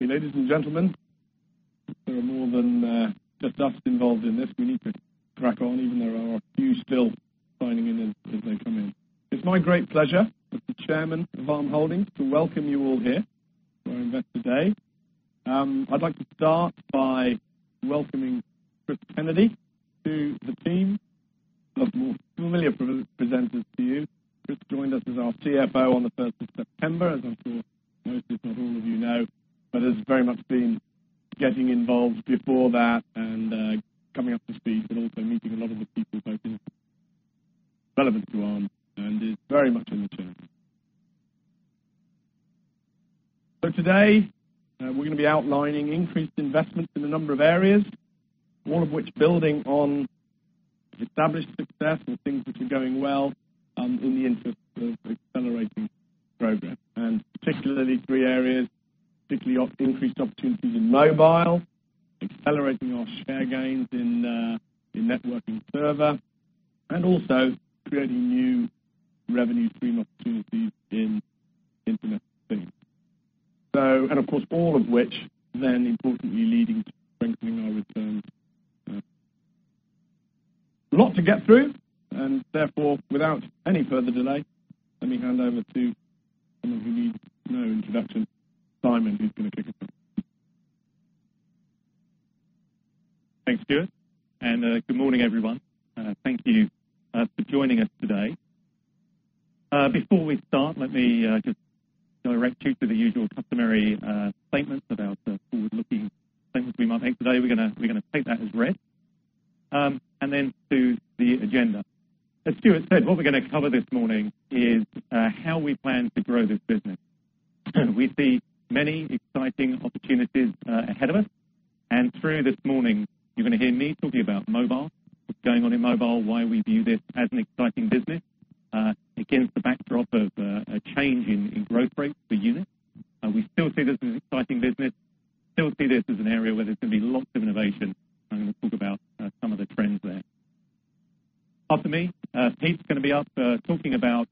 Ladies and gentlemen, there are more than just us involved in this. We need to crack on, even though there are a few still signing in as they come in. It's my great pleasure as the Chairman of Arm Holdings to welcome you all here to our Investor Day. I'd like to start by welcoming Chris Kennedy to the team of more familiar presenters to you. Chris joined us as our CFO on the 1st of September, as I'm sure most, if not all of you know, but has very much been getting involved before that and coming up to speed, but also meeting a lot of the people both relevant to Arm, and is very much in the chair. Today, we're going to be outlining increased investments in a number of areas, one of which building on established success and things which are going well in the interest of accelerating progress, and particularly three areas, particularly increased opportunities in mobile, accelerating our share gains in network and server, and also creating new revenue stream opportunities in Internet of Things. Of course, all of which then importantly leading to strengthening our returns. A lot to get through, therefore, without any further delay, let me hand over to someone who needs no introduction, Simon, who's going to kick us off. Thanks, Stuart, good morning, everyone. Thank you for joining us today. Before we start, let me just direct you to the usual customary statements about the forward-looking statements we might make today. We're going to take that as read. Then to the agenda. As Stuart said, what we're going to cover this morning is how we plan to grow this business. We see many exciting opportunities ahead of us, and through this morning, you're going to hear me talking about mobile, what's going on in mobile, why we view this as an exciting business. Again, it's the backdrop of a change in growth rates per unit. We still see this as an exciting business, still see this as an area where there's going to be lots of innovation. I'm going to talk about some of the trends there. After me, Pete's going to be up talking about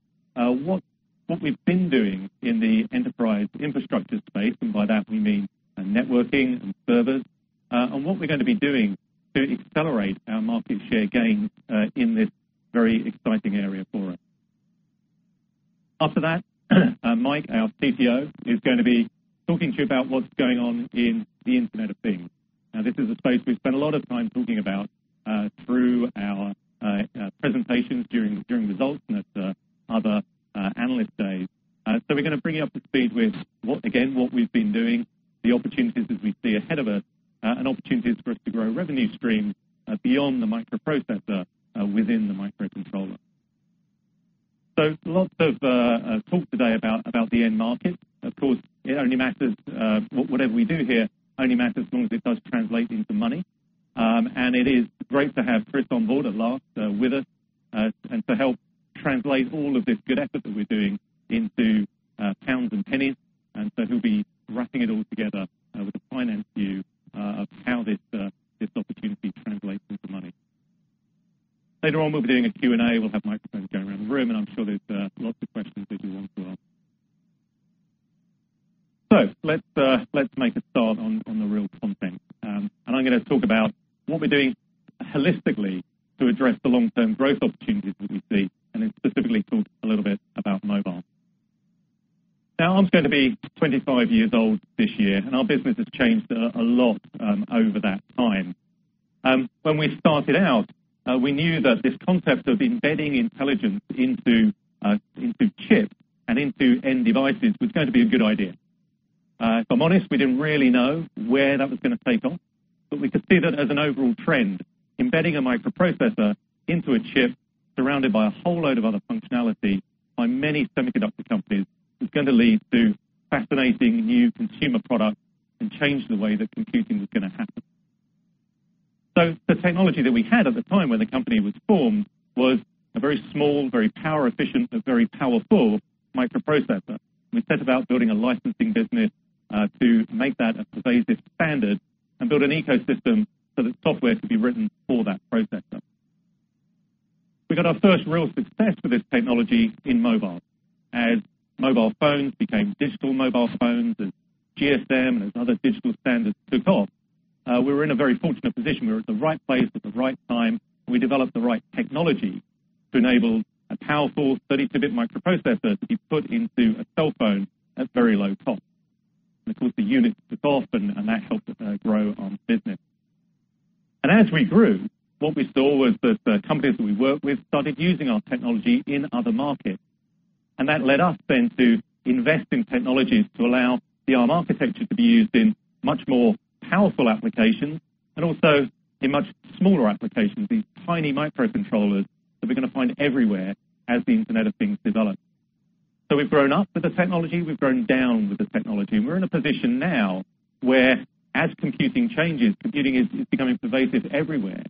what we've been doing in the enterprise infrastructure space, and by that, we mean networking and servers, and what we're going to be doing to accelerate our market share gains in this very exciting area for us. After that, Mike, our CTO, is going to be talking to you about what's going on in the Internet of Things. This is a space we've spent a lot of time talking about through our presentations during results and at other Analyst Days. We're going to bring you up to speed with, again, what we've been doing, the opportunities as we see ahead of us, and opportunities for us to grow revenue streams beyond the microprocessor within the microcontroller. Lots of talk today about the end market. Of course, whatever we do here only matters as long as it does translate into money. It is great to have Chris on board at last with us and to help translate all of this good effort that we're doing into pounds and pennies. He'll be wrapping it all together with a finance view of how this opportunity translates into money. Later on, we'll be doing a Q&A. We'll have microphones going around the room, and I'm sure there's lots of questions that you want to ask. Let's make a start on the real content. I'm going to talk about what we're doing holistically to address the long-term growth opportunities that we see, and then specifically talk a little bit about mobile. Arm's going to be 25 years old this year, and our business has changed a lot over that time. When we started out, we knew that this concept of embedding intelligence into chips and into end devices was going to be a good idea. If I'm honest, we didn't really know where that was going to take off, but we could see that as an overall trend, embedding a microprocessor into a chip surrounded by a whole load of other functionality by many semiconductor companies was going to lead to fascinating new consumer products and change the way that computing was going to happen. The technology that we had at the time when the company was formed was a very small, very power efficient, but very powerful microprocessor. We set about building a licensing business to make that a pervasive standard and build an ecosystem so that software could be written for that processor. We got our first real success with this technology in mobile. As mobile phones became digital mobile phones, as GSM and as other digital standards took off, we were in a very fortunate position. We were at the right place at the right time, and we developed the right technology to enable a powerful 32-bit microprocessor to be put into a cell phone at very low cost. Of course, the units took off, and that helped grow Arm's business. As we grew, what we saw was that the companies that we worked with started using our technology in other markets. That led us then to invest in technologies to allow the Arm architecture to be used in much more powerful applications and also in much smaller applications, these tiny microcontrollers that we're going to find everywhere as the Internet of Things develops. We've grown up with the technology, we've grown down with the technology, and we're in a position now where as computing changes, computing is becoming pervasive everywhere.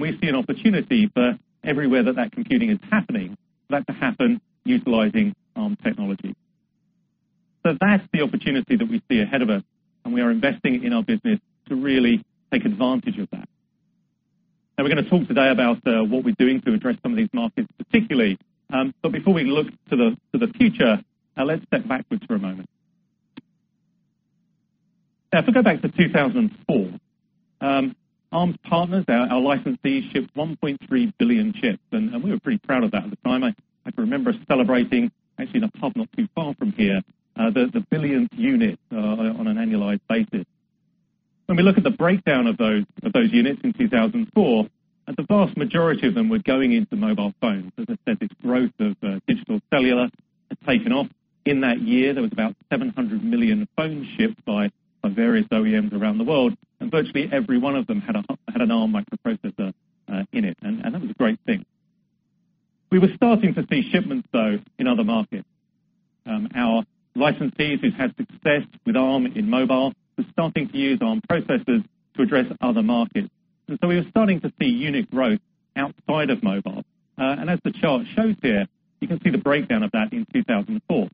We see an opportunity for everywhere that that computing is happening, for that to happen utilizing Arm technology. That's the opportunity that we see ahead of us, and we are investing in our business to really take advantage of that. We're going to talk today about what we're doing to address some of these markets particularly. Before we look to the future, let's step backwards for a moment. If we go back to 2004, Arm's partners, our licensees, shipped 1.3 billion chips, and we were pretty proud of that at the time. I can remember us celebrating, actually in a pub not too far from here, the billionth unit on an annualized basis. When we look at the breakdown of those units in 2004, the vast majority of them were going into mobile phones. As I said, this growth of digital cellular had taken off. In that year, there was about 700 million phones shipped by various OEMs around the world, and virtually every one of them had an Arm microprocessor in it. That was a great thing. We were starting to see shipments, though, in other markets. Our licensees who had success with Arm in mobile were starting to use Arm processors to address other markets. We were starting to see unit growth outside of mobile. As the chart shows here, you can see the breakdown of that in 2004.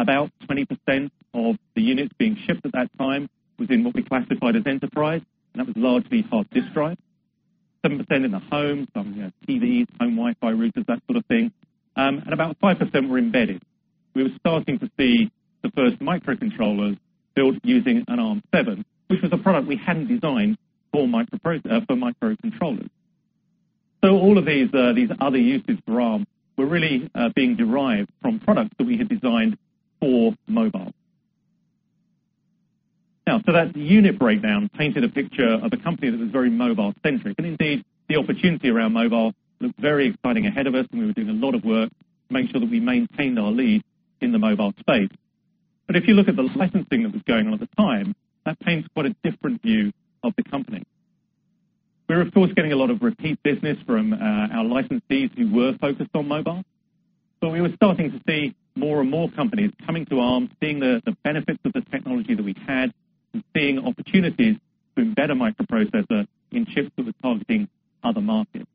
About 20% of the units being shipped at that time was in what we classified as enterprise, and that was largely hard disk drive, 7% in the home, some TVs, home Wi-Fi routers, that sort of thing. About 5% were embedded. We were starting to see the first microcontrollers built using an Arm7, which was a product we hadn't designed for microcontrollers. All of these other uses for Arm were really being derived from products that we had designed for mobile. That unit breakdown painted a picture of a company that was very mobile-centric. Indeed, the opportunity around mobile looked very exciting ahead of us, and we were doing a lot of work to make sure that we maintained our lead in the mobile space. If you look at the licensing that was going on at the time, that paints quite a different view of the company. We were, of course, getting a lot of repeat business from our licensees who were focused on mobile. We were starting to see more and more companies coming to Arm, seeing the benefits of the technology that we had, and seeing opportunities to embed a microprocessor in chips that were targeting other markets.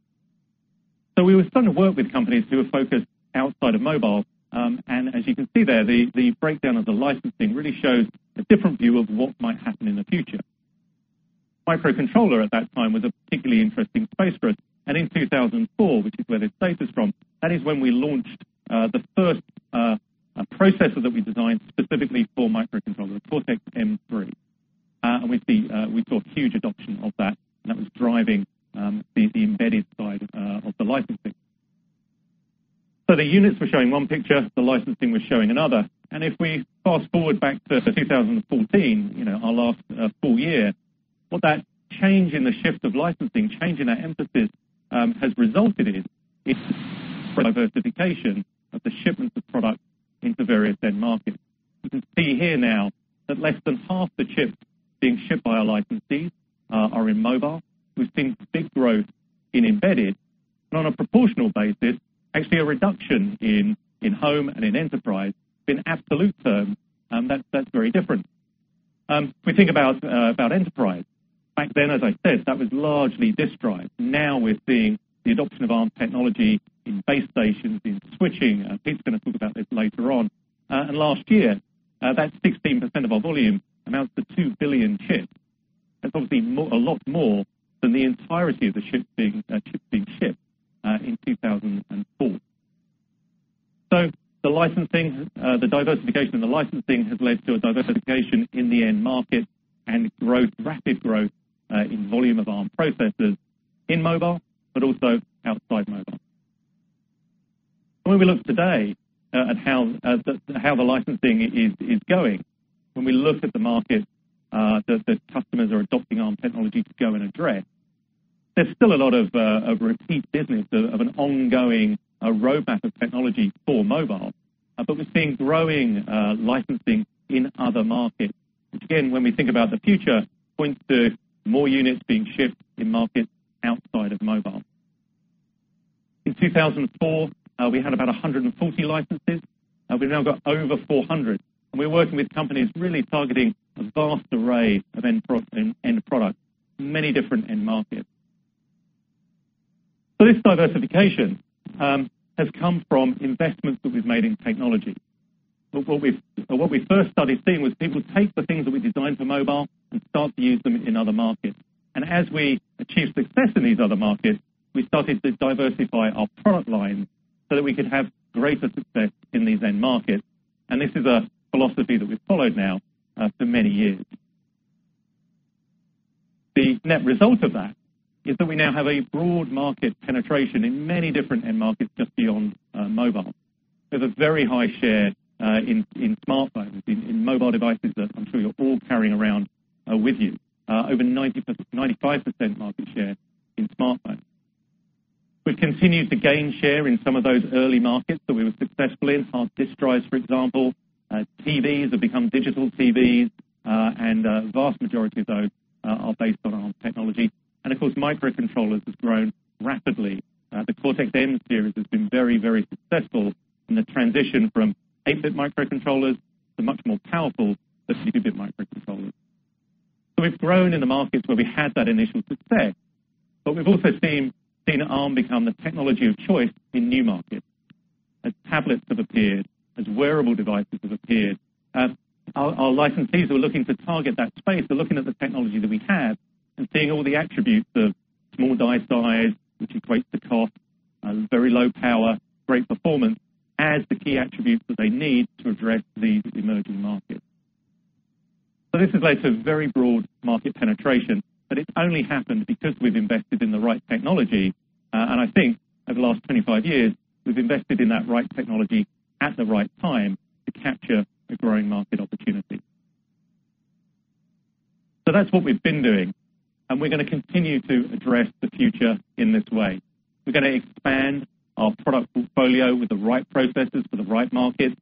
We were starting to work with companies who were focused outside of mobile. As you can see there, the breakdown of the licensing really shows a different view of what might happen in the future. Microcontroller at that time was a particularly interesting space for us. In 2004, which is where this data's from, that is when we launched the first processor that we designed specifically for microcontroller, Cortex-M3. We saw huge adoption of that, and that was driving the embedded side of the licensing. The units were showing one picture, the licensing was showing another. If we fast-forward back to 2014, our last full year, what that change in the shift of licensing, change in our emphasis has resulted in is diversification of the shipments of product into various end markets. You can see here now that less than half the chips being shipped by our licensees are in mobile. We've seen big growth in embedded. On a proportional basis, actually a reduction in home and in enterprise. In absolute terms, that's very different. If we think about enterprise, back then, as I said, that was largely disk drive. Now we're seeing the adoption of Arm technology in base stations, in switching. Pete's going to talk about this later on. Last year, that 16% of our volume amounts to 2 billion chips. That's obviously a lot more than the entirety of the chips being shipped in 2004. The diversification in the licensing has led to a diversification in the end market and rapid growth in volume of Arm processors in mobile, but also outside mobile. We look today at how the licensing is going, we look at the market that customers are adopting Arm technology to go and address, there's still a lot of repeat business of an ongoing roadmap of technology for mobile. We're seeing growing licensing in other markets, which again, when we think about the future, points to more units being shipped in markets outside of mobile. In 2004, we had about 140 licenses. We've now got over 400. We're working with companies really targeting a vast array of end products in many different end markets. This diversification has come from investments that we've made in technology. What we first started seeing was people take the things that we designed for mobile and start to use them in other markets. As we achieved success in these other markets, we started to diversify our product line so that we could have greater success in these end markets. This is a philosophy that we've followed now for many years. The net result of that is that we now have a broad market penetration in many different end markets just beyond mobile. We have a very high share in smartphones, in mobile devices that I'm sure you're all carrying around with you. Over 95% market share in smartphones. We've continued to gain share in some of those early markets that we were successful in. Hard disk drives, for example. TVs have become digital TVs, and a vast majority of those are based on Arm technology. Of course, microcontrollers have grown rapidly. The Cortex-M series has been very successful in the transition from 8-bit microcontrollers to much more powerful 32-bit microcontrollers. We've grown in the markets where we had that initial success, but we've also seen Arm become the technology of choice in new markets. Tablets have appeared, wearable devices have appeared, our licensees who are looking to target that space are looking at the technology that we have and seeing all the attributes of small die size, which equates to cost, very low power, great performance, as the key attributes that they need to address these emerging markets. This relates to very broad market penetration, but it's only happened because we've invested in the right technology. I think over the last 25 years, we've invested in that right technology at the right time to capture a growing market opportunity. That's what we've been doing, we're going to continue to address the future in this way. We're going to expand our product portfolio with the right processes for the right markets,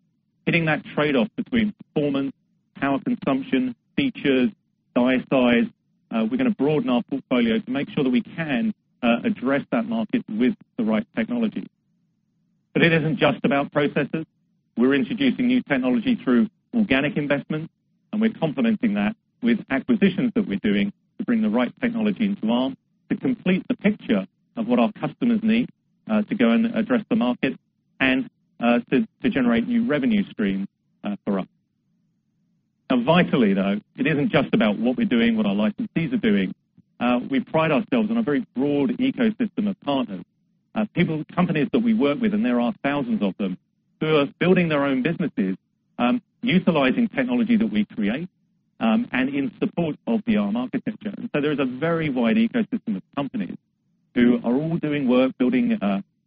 hitting that trade-off between performance, power consumption, features, die size. We're going to broaden our portfolio to make sure that we can address that market with the right technology. It isn't just about processes. We're introducing new technology through organic investment, and we're complementing that with acquisitions that we're doing to bring the right technology into Arm, to complete the picture of what our customers need to go and address the market and to generate new revenue streams for us. Vitally, though, it isn't just about what we're doing, what our licensees are doing. We pride ourselves on a very broad ecosystem of partners. People with companies that we work with, and there are thousands of them, who are building their own businesses, utilizing technology that we create, and in support of the Arm architecture. There is a very wide ecosystem of companies who are all doing work, building,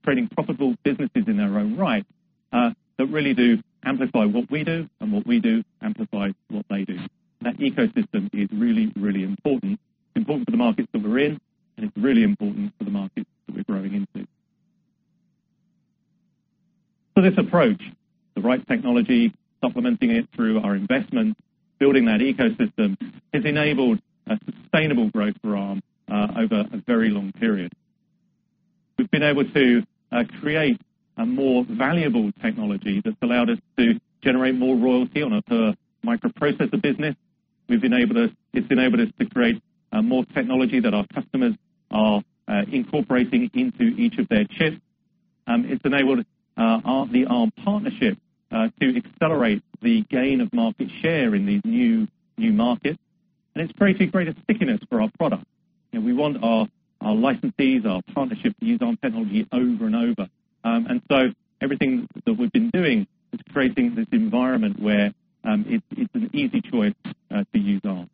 creating profitable businesses in their own right, that really do amplify what we do and what we do amplifies what they do. That ecosystem is really, really important. It's important for the markets that we're in, and it's really important for the markets that we're growing into. This approach, the right technology, supplementing it through our investment, building that ecosystem, has enabled a sustainable growth for Arm over a very long period. We've been able to create a more valuable technology that's allowed us to generate more royalty on a per microprocessor business. It's enabled us to create more technology that our customers are incorporating into each of their chips. It's enabled the Arm partnership to accelerate the gain of market share in these new markets. It's created greater stickiness for our product. We want our licensees, our partnerships, to use Arm technology over and over. Everything that we've been doing is creating this environment where it's an easy choice to use Arm.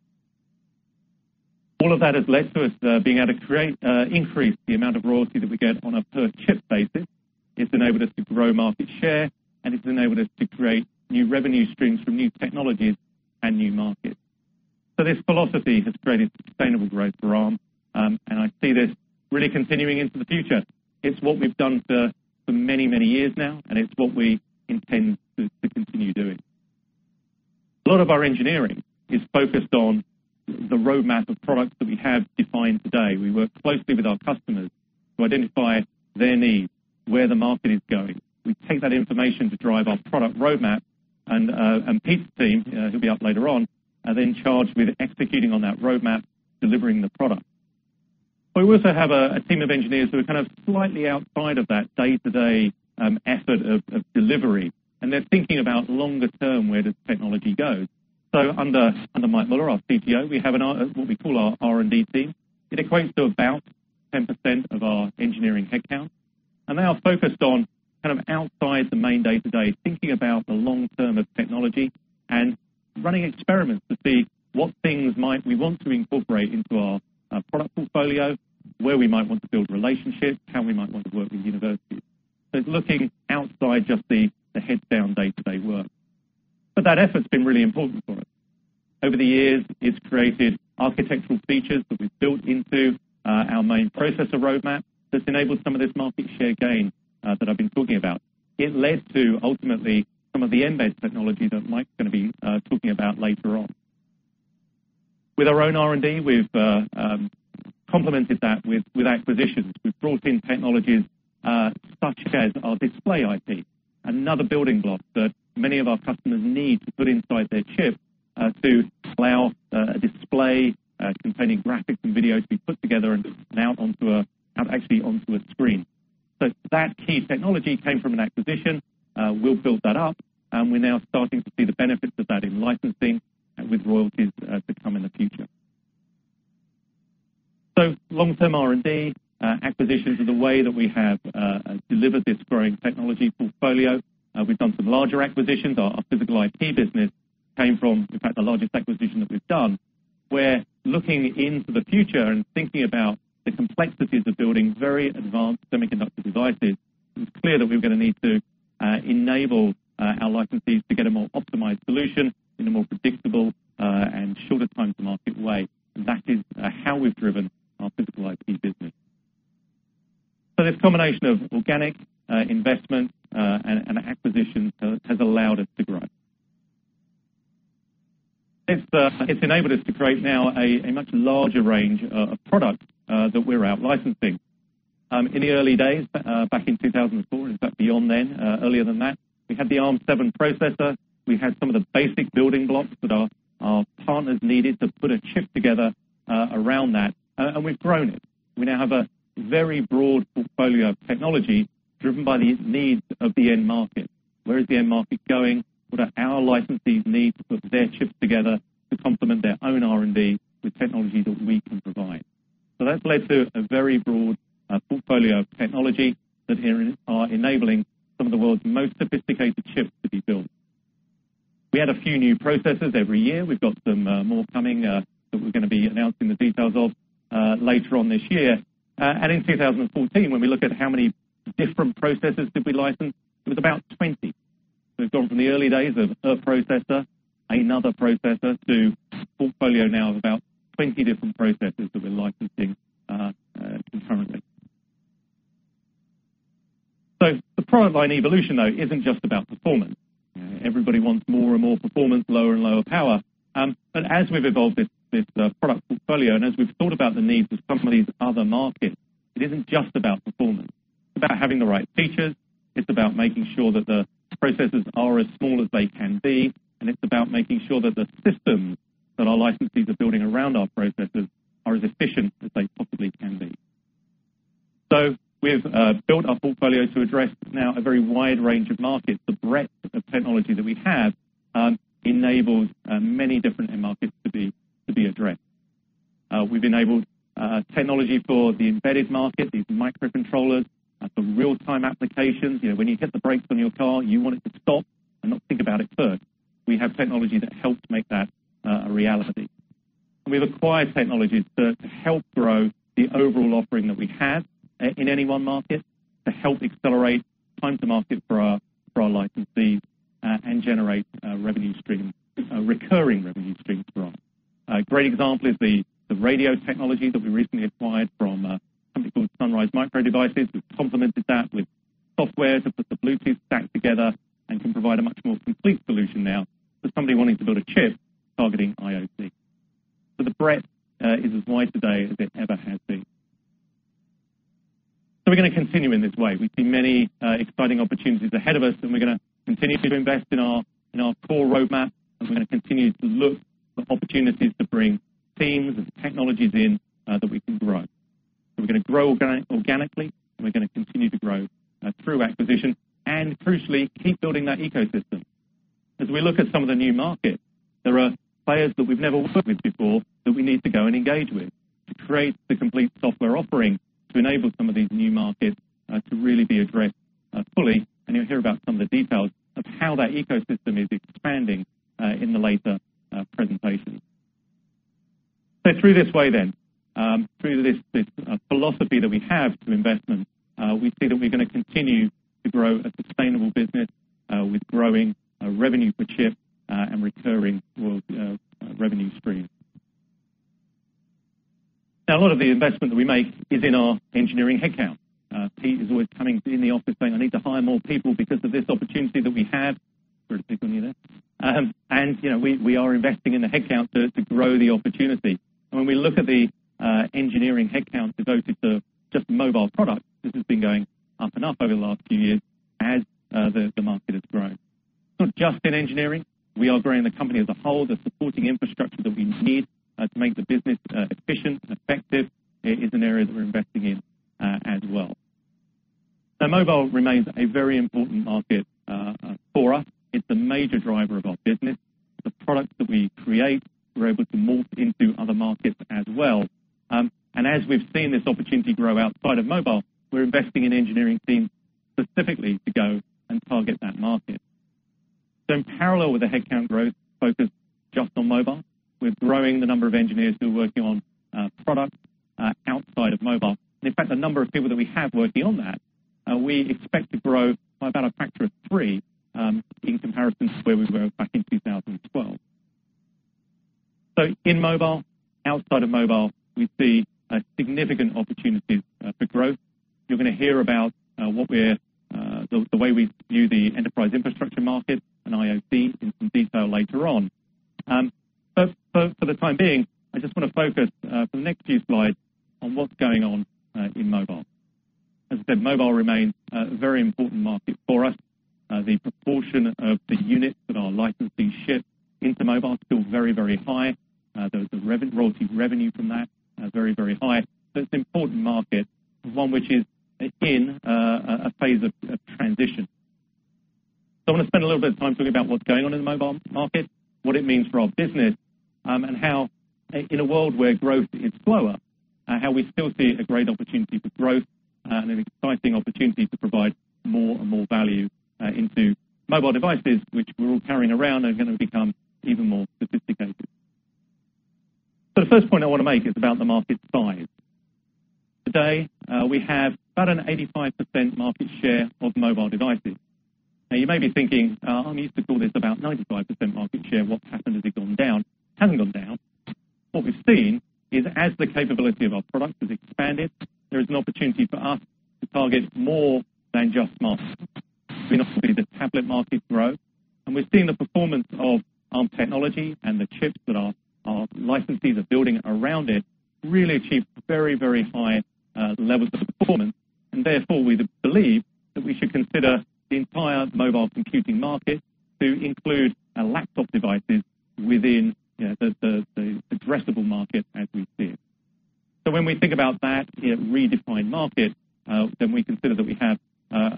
All of that has led to us being able to increase the amount of royalty that we get on a per-chip basis. It's enabled us to grow market share, and it's enabled us to create new revenue streams from new technologies and new markets. This philosophy has created sustainable growth for Arm. I see this really continuing into the future. It's what we've done for many, many years now, and it's what we intend to continue doing. A lot of our engineering is focused on the roadmap of products that we have defined today. We work closely with our customers to identify their needs, where the market is going. We take that information to drive our product roadmap, and Pete's team, he'll be up later on, are then charged with executing on that roadmap, delivering the product. We also have a team of engineers who are kind of slightly outside of that day-to-day effort of delivery. They're thinking about longer term, where does technology go? Under Mike Muller, our CTO, we have what we call our R&D team. It equates to about 10% of our engineering headcount. They are focused on kind of outside the main day-to-day, thinking about the long term of technology and running experiments to see what things we want to incorporate into our product portfolio, where we might want to build relationships, how we might want to work with universities. It's looking outside just the heads-down day-to-day work. That effort's been really important for us. Over the years, it's created architectural features that we've built into our main processor roadmap that's enabled some of this market share gain that I've been talking about. It led to, ultimately, some of the embedded technology that Mike's going to be talking about later on. With our own R&D, we've complemented that with acquisitions. We've brought in technologies such as our display IP, another building block that many of our customers need to put inside their chip to allow a display containing graphics and video to be put together and out actually onto a screen. That key technology came from an acquisition. We'll build that up, and we're now starting to see the benefits of that in licensing with royalties to come in the future. Long-term R&D, acquisitions are the way that we have delivered this growing technology portfolio. We've done some larger acquisitions. Our physical IP business came from, in fact, the largest acquisition that we've done. We're looking into the future and thinking about the complexities of building very advanced semiconductor devices. It was clear that we were going to need to enable our licensees to get a more optimized solution in a more predictable and shorter time to market way. That is how we've driven our physical IP business. This combination of organic investment and acquisitions has allowed us to grow. It's enabled us to create now a much larger range of products that we're out licensing. In the early days, back in 2004, in fact, beyond then, earlier than that we had the ARM7 processor. We had some of the basic building blocks that our partners needed to put a chip together around that, and we've grown it. We now have a very broad portfolio of technology driven by the needs of the end market. Where is the end market going? What do our licensees need to put their chips together to complement their own R&D with technology that we can provide? That's led to a very broad portfolio of technology that are enabling some of the world's most sophisticated chips to be built. We add a few new processors every year. We've got some more coming that we're going to be announcing the details of later on this year. In 2014, when we look at how many different processors did we license, it was about 20. We've gone from the early days of a processor, another processor, to a portfolio now of about 20 different processors that we're licensing concurrently. The product line evolution, though, isn't just about performance. Everybody wants more and more performance, lower and lower power. As we've evolved this product portfolio and as we've thought about the needs of some of these other markets, it isn't just about performance. It's about having the right features. It's about making sure that the processors are as small as they can be, and it's about making sure that the systems that our licensees are building around our processors are as efficient as they possibly can be. We've built our portfolio to address now a very wide range of markets. The breadth of technology that we have enables many different end markets to be addressed. We've enabled technology for the embedded market, these microcontrollers for real-time applications. When you hit the brakes on your car, you want it to stop and not think about it first. We have technology that helps make that a reality. We've acquired technologies to help grow the overall offering that we have in any one market to help accelerate time to market for our licensees and generate recurring revenue streams for us. A great example is the radio technology that we recently acquired from a company called Sunrise Micro Devices. We've complemented that with software to put the Bluetooth stack together and can provide a much more complete solution now for somebody wanting to build a chip targeting IoT. The breadth is as wide today as it ever has been. We're going to continue in this way. We see many exciting opportunities ahead of us, and we're going to continue to invest in our core roadmap, and we're going to continue to look for opportunities to bring teams and technologies in that we can grow. We're going to grow organically, and we're going to continue to grow through acquisition and, crucially, keep building that ecosystem. As we look at some of the new markets, there are players that we've never worked with before that we need to go and engage with to create the complete software offering to enable some of these new markets to really be addressed fully. You'll hear about some of the details of how that ecosystem is expanding in the later presentations. Through this way then, through this philosophy that we have to investment, we see that we're going to continue to grow a sustainable business with growing revenue per chip and recurring revenue streams. Now, a lot of the investment that we make is in our engineering headcount. Pete is always coming in the office saying, "I need to hire more people because of this opportunity that we have." Sorry to single you there. We are investing in the headcount to grow the opportunity. When we look at the engineering headcount devoted to just mobile product, this has been going up and up over the last few years as the market has grown. It's not just in engineering. We are growing the company as a whole. The supporting infrastructure that we need to make the business efficient and effective is an area that we're investing in as well. Mobile remains a very important market for us. It's the major driver of our business. The products that we create, we're able to morph into other markets as well. As we've seen this opportunity grow outside of mobile, we're investing in engineering teams specifically to go and target that market. In parallel with the headcount growth focused just on mobile, we're growing the number of engineers who are working on products outside of mobile. And in fact, the number of people that we have working on that, we expect to grow by about a factor of three in comparison to where we were back in 2012. In mobile, outside of mobile, we see significant opportunities for growth. You're going to hear about the way we view the enterprise infrastructure market and IoT in some detail later on. For the time being, I just want to focus for the next few slides on what's going on in mobile. As I said, mobile remains a very important market for us. The proportion of the units that our licensees ship into mobile is still very, very high. The royalty revenue from that, very, very high. It's an important market, and one which is in a phase of transition. I want to spend a little bit of time talking about what's going on in the mobile market, what it means for our business, and how in a world where growth is slower, how we still see a great opportunity for growth and an exciting opportunity to provide more and more value into mobile devices, which we're all carrying around, are going to become even more sophisticated. The first point I want to make is about the market size. Today, we have about an 85% market share of mobile devices. You may be thinking, "Arm used to call this about 95% market share. What's happened? Has it gone down?" It hasn't gone down. What we've seen is as the capability of our product has expanded, there is an opportunity for us to target more than just smartphones. We've seen obviously the tablet market grow. We're seeing the performance of Arm technology and the chips that our licensees are building around it really achieve very, very high levels of performance. Therefore, we believe that we should consider the entire mobile computing market to include laptop devices within the addressable market as we see it. When we think about that redefined market, then we consider that we have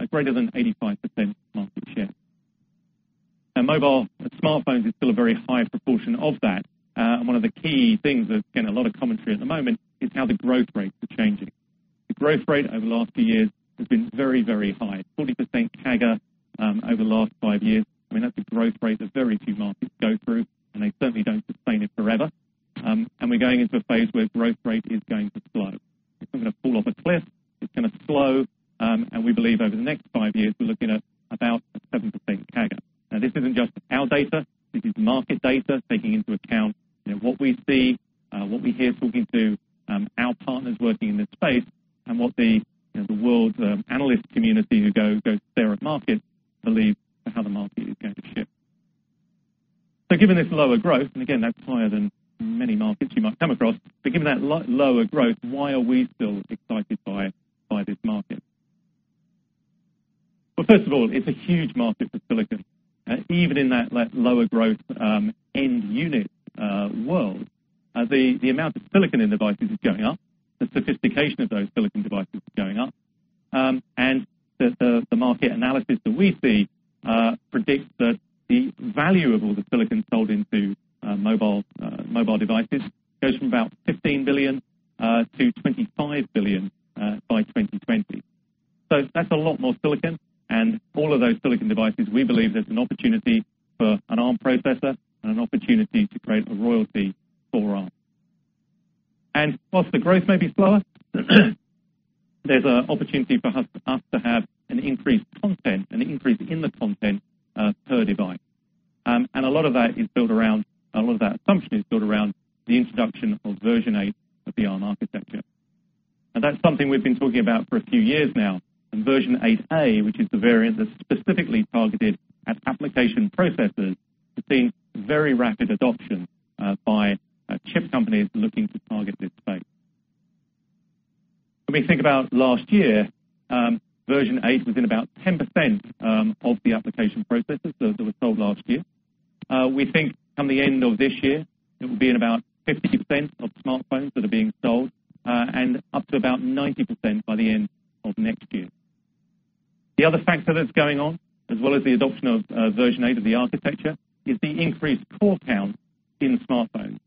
a greater than 85% market share. Mobile smartphones is still a very high proportion of that. One of the key things that's getting a lot of commentary at the moment is how the growth rates are changing. The growth rate over the last few years has been very, very high, 40% CAGR over the last five years. I mean, that's a growth rate that very few markets go through, and they certainly don't sustain it forever. We're going into a phase where growth rate is going to slow. It's not going to fall off a cliff. It's going to slow. We believe over the next five years, we're looking at about a 7% CAGR. This isn't just our data. This is market data taking into account what we see, what we hear talking to our partners working in this space, and what the world analyst community who go to stare at markets believe how the market is going to shift. Given this lower growth, and again, that's higher than many markets you might come across, but given that lower growth, why are we still excited by this market? Well, first of all, it's a huge market for silicon. Even in that lower growth end unit world, the amount of silicon in devices is going up. The sophistication of those silicon devices is going up. The market analysis that we see predicts that the value of all the silicon sold into mobile devices goes from about $15 billion-$25 billion by 2020. That's a lot more silicon. All of those silicon devices, we believe there's an opportunity for an Arm processor and an opportunity to create a royalty for Arm. Whilst the growth may be slower, there's an opportunity for us to have an increased content, an increase in the content per device. A lot of that assumption is built around the introduction of version 8 of the Arm architecture. That is something we have been talking about for a few years now. Version 8A, which is the variant that is specifically targeted at application processors, is seeing very rapid adoption by chip companies looking to target this space. When we think about last year, version 8 was in about 10% of the application processors that were sold last year. We think come the end of this year, it will be in about 50% of smartphones that are being sold and up to about 90% by the end of next year. The other factor that is going on, as well as the adoption of version 8 of the architecture, is the increased core count in smartphones.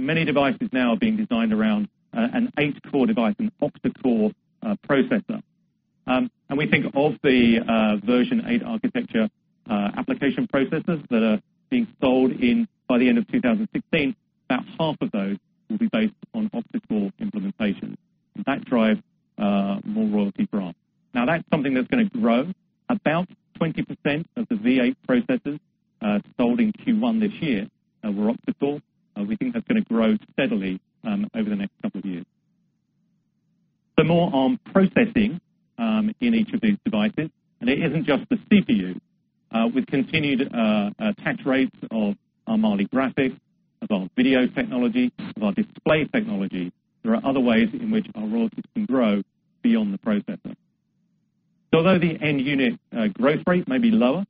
Many devices now are being designed around an 8-core device, an octa-core processor. We think of the version 8 architecture application processors that are being sold by the end of 2016, about half of those will be based on octa-core implementation. That drives more royalty for Arm. That is something that is going to grow. About 20% of the v8 processors sold in Q1 this year were octa-core. We think that is going to grow steadily over the next couple of years. More Arm processing in each of these devices. It is not just the CPU. With continued attach rates of our Mali graphics, of our video technology, of our display technology, there are other ways in which our royalties can grow beyond the processor. Although the end unit growth rate may be lower,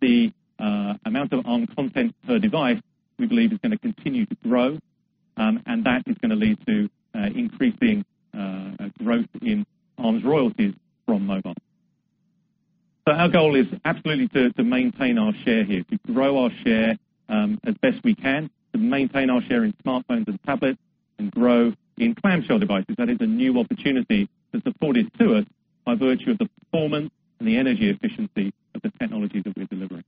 the amount of Arm content per device, we believe is going to continue to grow, and that is going to lead to increasing growth in Arm's royalties from mobile. Our goal is absolutely to maintain our share here, to grow our share as best we can, to maintain our share in smartphones and tablets, and grow in clamshell devices. That is a new opportunity that is afforded to us by virtue of the performance and the energy efficiency of the technologies that we are delivering.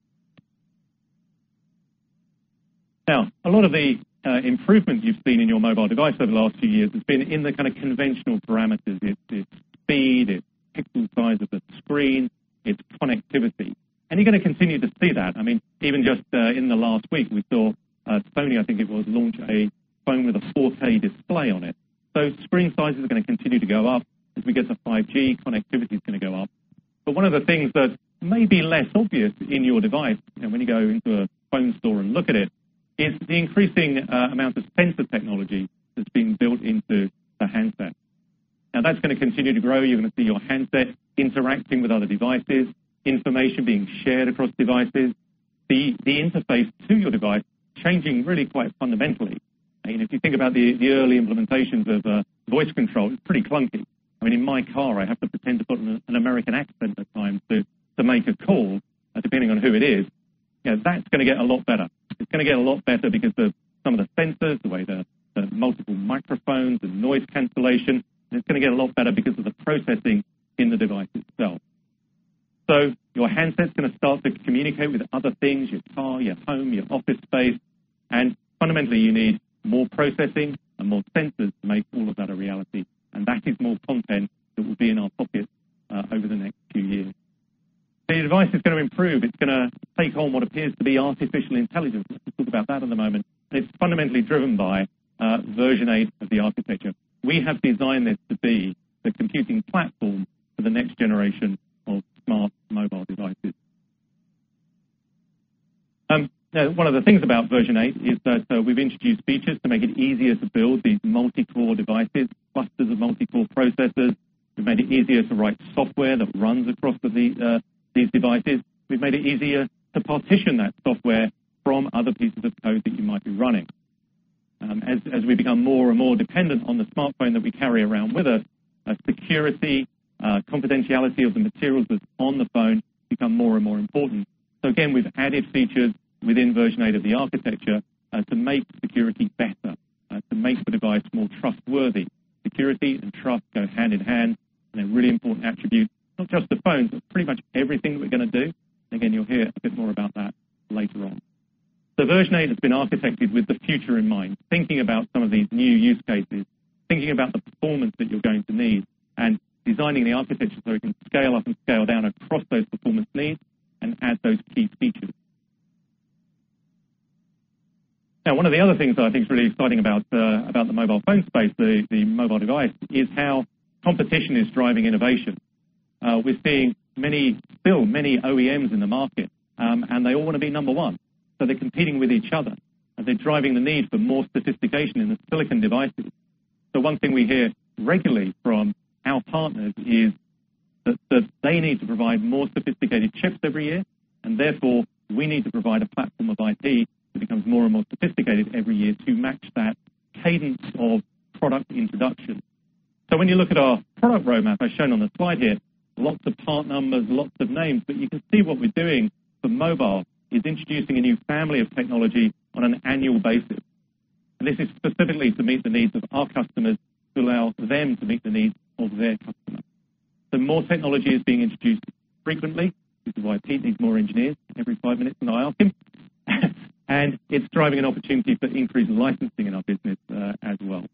A lot of the improvements you have seen in your mobile device over the last few years has been in the kind of conventional parameters. It is speed, it is pixel size of the screen, it is connectivity. You are going to continue to see that. I mean, even just in the last week, we saw Sony, I think it was, launch a phone with a 4K display on it. Screen size is going to continue to go up. As we get to 5G, connectivity is going to go up. One of the things that may be less obvious in your device, when you go into a phone store and look at it, is the increasing amount of sensor technology that is being built into the handset. That is going to continue to grow. You are going to see your handset interacting with other devices, information being shared across devices. The interface to your device changing really quite fundamentally. I mean, if you think about the early implementations of voice control, it is pretty clunky. I mean, in my car, I have to pretend to put on an American accent at times to make a call, depending on who it is. That's going to get a lot better. It's going to get a lot better because of some of the sensors, the way the multiple microphones and noise cancellation, and it's going to get a lot better because of the processing in the device itself. Your handset is going to start to communicate with other things, your car, your home, your office space. Fundamentally, you need more processing and more sensors to make all of that a reality. That is more content that will be in our pockets over the next few years. The device is going to improve. It's going to take on what appears to be artificial intelligence. We'll talk about that in a moment. It's fundamentally driven by version 8 of the architecture. We have designed this to be the computing platform for the next generation of smart mobile devices. One of the things about version 8 is that we've introduced features to make it easier to build these multi-core devices, clusters of multi-core processors. We've made it easier to write software that runs across these devices. We've made it easier to partition that software from other pieces of code that you might be running. As we become more and more dependent on the smartphone that we carry around with us, security, confidentiality of the materials that's on the phone become more and more important. Again, we've added features within version 8 of the architecture to make security better, to make the device more trustworthy. Security and trust go hand in hand in a really important attribute, not just the phone, but pretty much everything that we're going to do. Again, you'll hear a bit more about that later on. Version 8 has been architected with the future in mind, thinking about some of these new use cases, thinking about the performance that you're going to need, and designing the architecture so we can scale up and scale down across those performance needs and add those key features. One of the other things that I think is really exciting about the mobile phone space, the mobile device, is how competition is driving innovation. We're seeing still many OEMs in the market, and they all want to be number 1. They're competing with each other, and they're driving the need for more sophistication in the silicon devices. One thing we hear regularly from our partners is that they need to provide more sophisticated chips every year, and therefore, we need to provide a platform of IP that becomes more and more sophisticated every year to match that cadence of product introduction. When you look at our product roadmap, as shown on the slide here, lots of part numbers, lots of names, but you can see what we're doing for mobile is introducing a new family of technology on an annual basis. This is specifically to meet the needs of our customers to allow them to meet the needs of their customers. More technology is being introduced frequently, which is why Pete needs more engineers every five minutes than I ask him. It's driving an opportunity for increased licensing in our business as well.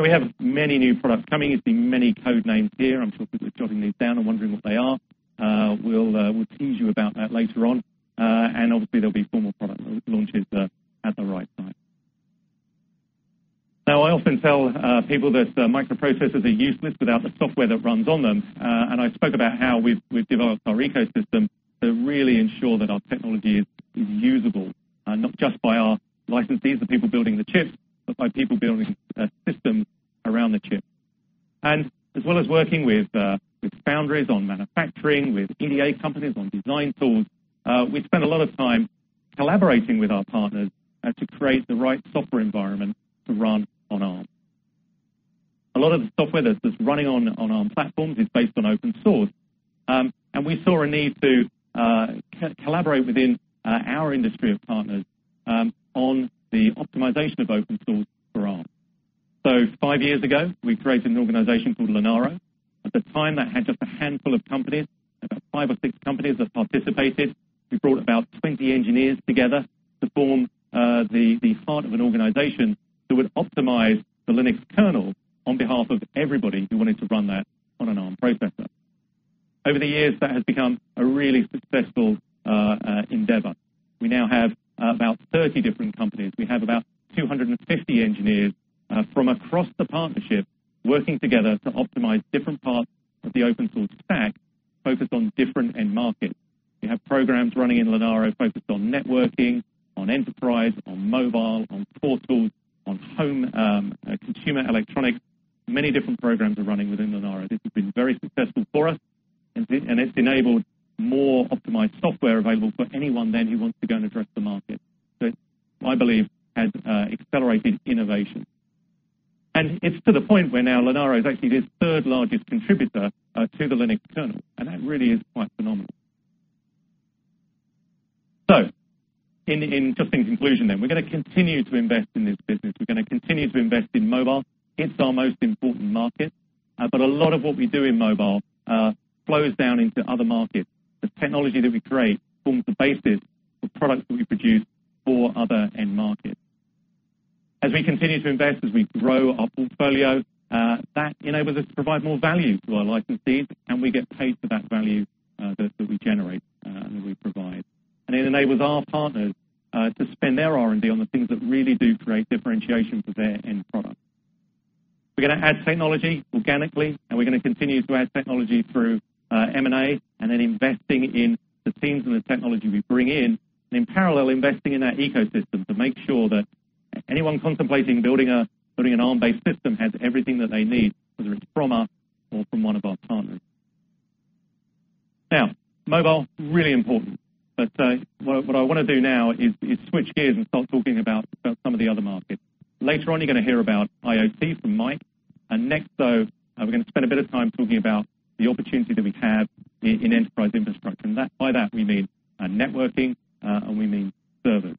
We have many new products coming. You're seeing many code names here. I'm sure people are jotting these down and wondering what they are. We'll tease you about that later on. Obviously, there'll be formal product launches at the right time. I often tell people that microprocessors are useless without the software that runs on them. I spoke about how we've developed our ecosystem to really ensure that our technology is usable, not just by our licensees, the people building the chips, but by people building systems around the chips. As well as working with foundries on manufacturing, with EDA companies on design tools, we spend a lot of time collaborating with our partners to create the right software environment to run on Arm. A lot of the software that's running on Arm platforms is based on open source. We saw a need to collaborate within our industry of partners on the optimization of open source for Arm. Five years ago, we created an organization called Linaro. At the time, that had just a handful of companies, about five or six companies that participated. We brought about 20 engineers together to form the heart of an organization that would optimize the Linux kernel on behalf of everybody who wanted to run that on an Arm processor. Over the years, that has become a really successful endeavor. We now have about 30 different companies. We have about 250 engineers from across the partnership working together to optimize different parts of the open-source stack focused on different end markets. We have programs running in Linaro focused on networking, on enterprise, on mobile, on portals, on home consumer electronics. Many different programs are running within Linaro. This has been very successful for us, and it's enabled more optimized software available for anyone then who wants to go and address the market. I believe has accelerated innovation. It's to the point where now Linaro is actually the third largest contributor to the Linux kernel, and that really is quite phenomenal. Just in conclusion then, we're going to continue to invest in this business. We're going to continue to invest in mobile. It's our most important market. A lot of what we do in mobile flows down into other markets. The technology that we create forms the basis for products that we produce for other end markets. As we continue to invest, as we grow our portfolio, that enables us to provide more value to our licensees, and we get paid for that value that we generate and that we provide. It enables our partners to spend their R&D on the things that really do create differentiation for their end product. We're going to add technology organically, and we're going to continue to add technology through M&A, and then investing in the teams and the technology we bring in, and in parallel, investing in that ecosystem to make sure that anyone contemplating building an Arm-based system has everything that they need, whether it's from us or from one of our partners. Mobile, really important. What I want to do now is switch gears and start talking about some of the other markets. Later on, you're going to hear about IoT from Mike. Next, we're going to spend a bit of time talking about the opportunity that we have in enterprise infrastructure. By that, we mean networking, and we mean servers.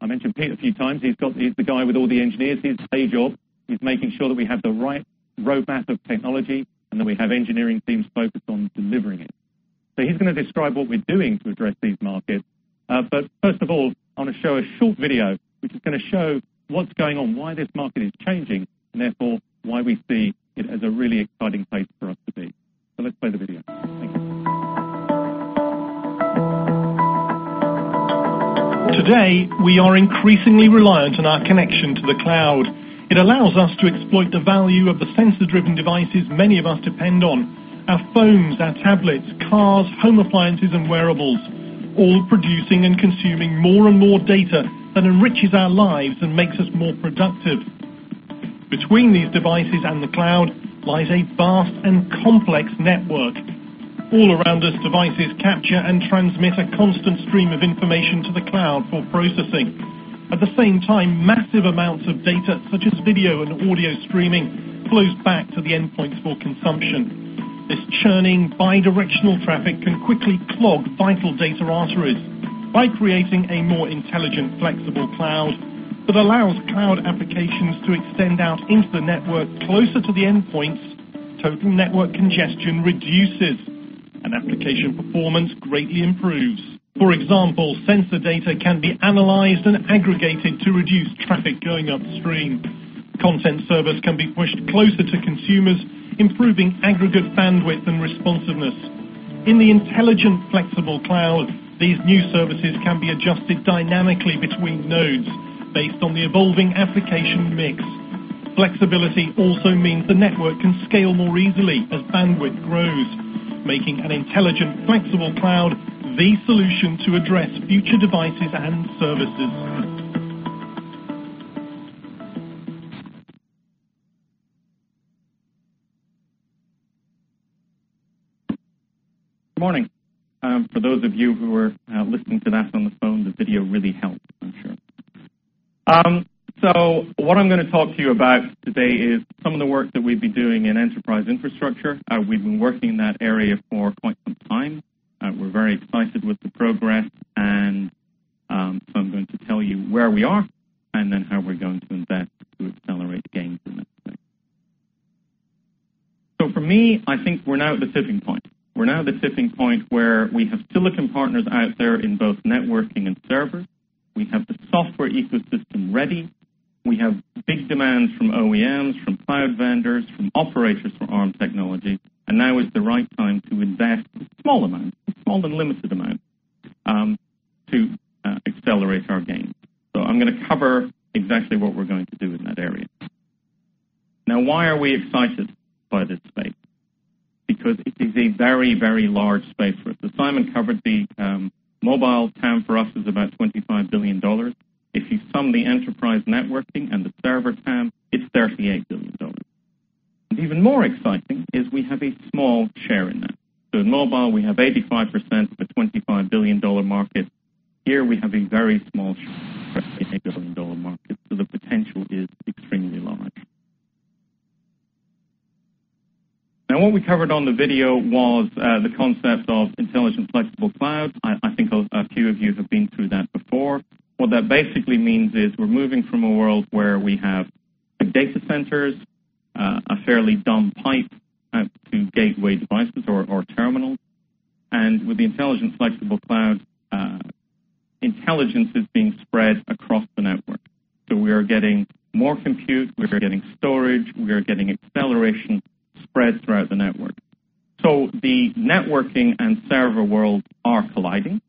I mentioned Pete a few times. He's the guy with all the engineers. His day job is making sure that we have the right roadmap of technology and that we have engineering teams focused on delivering it. He's going to describe what we're doing to address these markets. First of all, I want to show a short video, which is going to show what's going on, why this market is changing, and therefore, why we see it as a really exciting place for us to be. Let's play the video. Thank you. Today, we are increasingly reliant on our connection to the cloud. It allows us to exploit the value of the sensor-driven devices many of us depend on. Our phones, our tablets, cars, home appliances, and wearables, all producing and consuming more and more data that enriches our lives and makes us more productive. Between these devices and the cloud lies a vast and complex network. All around us, devices capture and transmit a constant stream of information to the cloud for processing. At the same time, massive amounts of data, such as video and audio streaming, flows back to the endpoints for consumption. This churning bi-directional traffic can quickly clog vital data arteries. By creating a more intelligent, flexible cloud that allows cloud applications to extend out into the network closer to the endpoints, total network congestion reduces and application performance greatly improves. For example, sensor data can be analyzed and aggregated to reduce traffic going upstream. Content servers can be pushed closer to consumers, improving aggregate bandwidth and responsiveness. In the intelligent, flexible cloud, these new services can be adjusted dynamically between nodes based on the evolving application mix. Flexibility also means the network can scale more easily as bandwidth grows, making an intelligent, flexible cloud the solution to address future devices and services. Good morning. For those of you who are listening to that on the phone, the video really helped, I'm sure. What I'm going to talk to you about today is some of the work that we've been doing in enterprise infrastructure. We've been working in that area for quite some time. We're very excited with the progress, I'm going to tell you where we are and then how we're going to invest to accelerate gains in that space. For me, I think we're now at the tipping point. We're now at the tipping point where we have silicon partners out there in both networking and servers. We have the software ecosystem ready. We have big demands from OEMs, from cloud vendors, from operators for Arm technologies, and now is the right time to invest a small amount, a small and limited amount, to accelerate our gains. I am going to cover exactly what we are going to do in that area. Why are we excited by this space? It is a very, very large space for us. As Simon covered, the mobile TAM for us is about $25 billion. If you sum the enterprise networking and the server TAM, it is $38 billion. Even more exciting is we have a small share in that. In mobile, we have 85% of a $25 billion market. Here we have a very small share in a $38 billion market, the potential is extremely large. What we covered on the video was the concept of intelligent, flexible cloud. I think a few of you have been through that before. What that basically means is we are moving from a world where we have big data centers, a fairly dumb pipe out to gateway devices or terminals. With the intelligent, flexible cloud, intelligence is being spread across the network. We are getting more compute, we are getting storage, we are getting acceleration spread throughout the network. The networking and server worlds are colliding,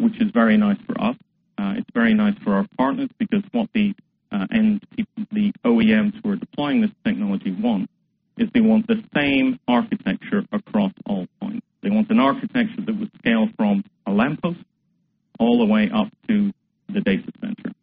which is very nice for us. It is very nice for our partners because what the OEMs who are deploying this technology want is they want the same architecture across all points. They want an architecture that would scale from a lamppost all the way up to the DataCenter.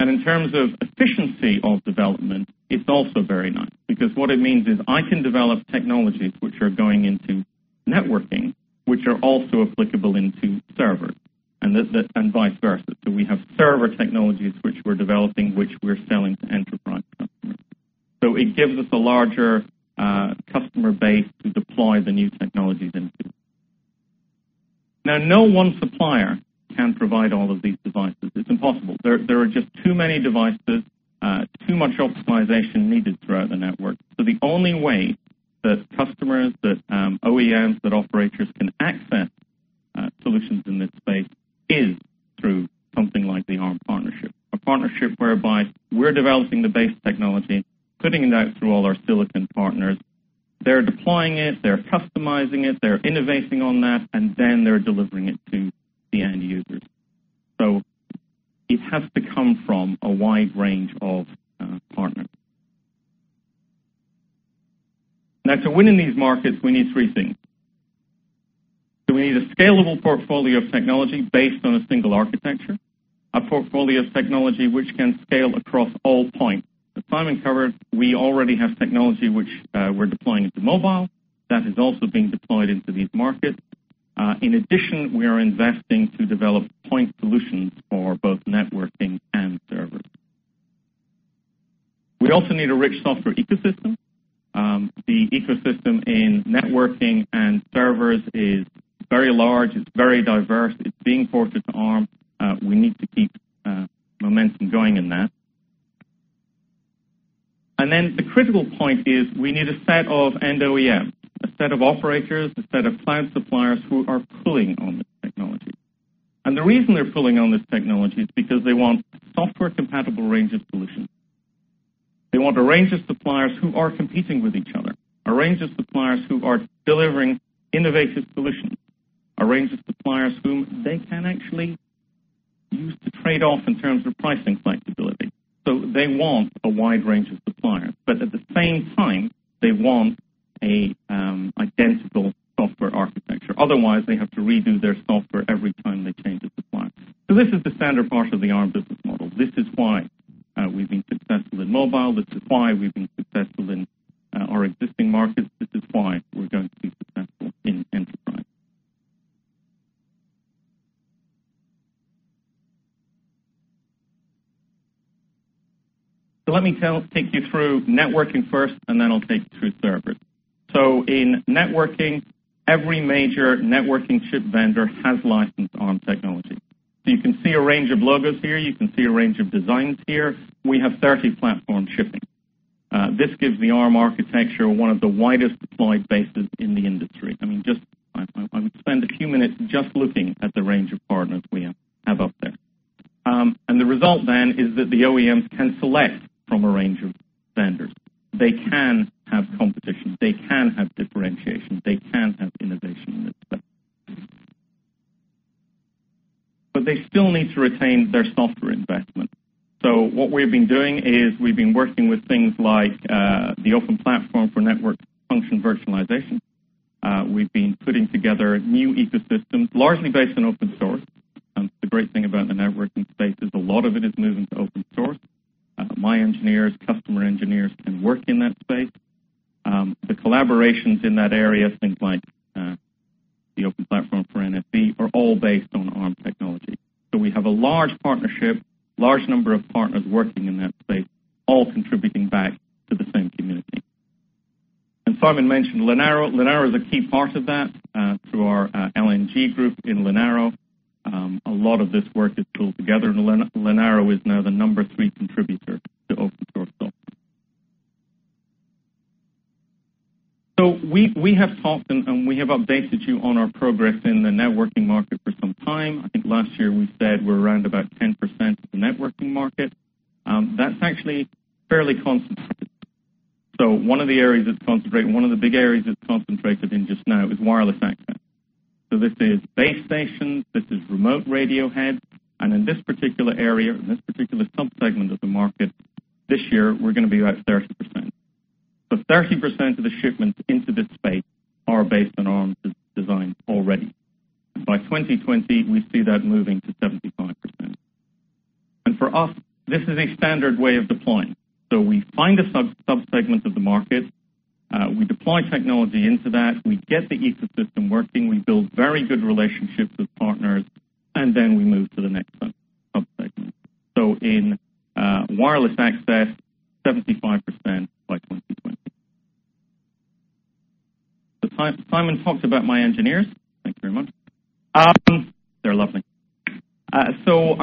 In terms of efficiency of development, it is also very nice because what it means is I can develop technologies which are going into networking, which are also applicable into servers and vice versa. We have server technologies which we are developing, which we are selling to enterprise customers. It gives us a larger customer base to deploy the new technologies into. No one supplier can provide all of these devices. It is impossible. There are just too many devices, too much optimization needed throughout the network. The only way that customers, that OEMs, that operators can access solutions in this space is through something like the Arm partnership. A partnership whereby we are developing the base technology, putting it out through all our silicon partners. They are deploying it, they are customizing it, they are innovating on that, and then they are delivering it to the end users. It has to come from a wide range of partners. To win in these markets, we need three things. We need a scalable portfolio of technology based on a single architecture, a portfolio of technology which can scale across all points. As Simon covered, we already have technology which we are deploying into mobile. That is also being deployed into these markets. In addition, we are investing to develop point solutions for both networking and servers. We also need a rich software ecosystem. The ecosystem in networking and servers is very large. It is very diverse. It is being ported to Arm. We need to keep momentum going in that. The critical point is we need a set of end OEM, a set of operators, a set of cloud suppliers who are pulling on this technology. The reason they are pulling on this technology is because they want software-compatible range of solutions. They want a range of suppliers who are competing with each other, a range of suppliers who are delivering innovative solutions, a range of suppliers whom they can actually use to trade off in terms of pricing flexibility. They want a wide range of suppliers, but at the same time, they want an identical software architecture. Otherwise, they have to redo their software every time they change a supplier. This is the standard part of the Arm business model. This is why we've been successful in mobile. This is why we've been successful in our existing markets. This is why we're going to be successful in enterprise. Let me take you through networking first, and then I'll take you through servers. In networking, every major networking chip vendor has licensed Arm technology. You can see a range of logos here, you can see a range of designs here. We have 30 platforms shipping. This gives the Arm architecture one of the widest deployed bases in the industry. I would spend a few minutes just looking at the range of partners we have up there. The result then is that the OEMs can select from a range of vendors. They can have competition, they can have differentiation, they can have innovation in this space. They still need to retain their software investment. What we've been doing is we've been working with things like, the Open Platform for Network Function Virtualization. We've been putting together new ecosystems, largely based on open source. The great thing about the networking space is a lot of it is moving to open source. My engineers, customer engineers, can work in that space. The collaborations in that area, things like the Open Platform for NFV are all based on Arm technology. We have a large partnership, large number of partners working in that space, all contributing back to the same community. Simon mentioned Linaro. Linaro is a key part of that, through our LNG group in Linaro. A lot of this work is pulled together, Linaro is now the number 3 contributor to open source software. We have talked and we have updated you on our progress in the networking market for some time. I think last year we said we're around about 10% of the networking market. That's actually fairly concentrated. One of the big areas it's concentrated in just now is wireless access. This is base stations, this is remote radio heads, and in this particular area, in this particular subsegment of the market, this year, we're going to be about 30%. 30% of the shipments into this space are based on Arm designs already. By 2020, we see that moving to 75%. For us, this is a standard way of deploying. We find a subsegment of the market, we deploy technology into that, we get the ecosystem working, we build very good relationships with partners, and then we move to the next subsegment. In wireless access, 75% by 2020. Simon talked about my engineers. Thanks very much. They're lovely. I'm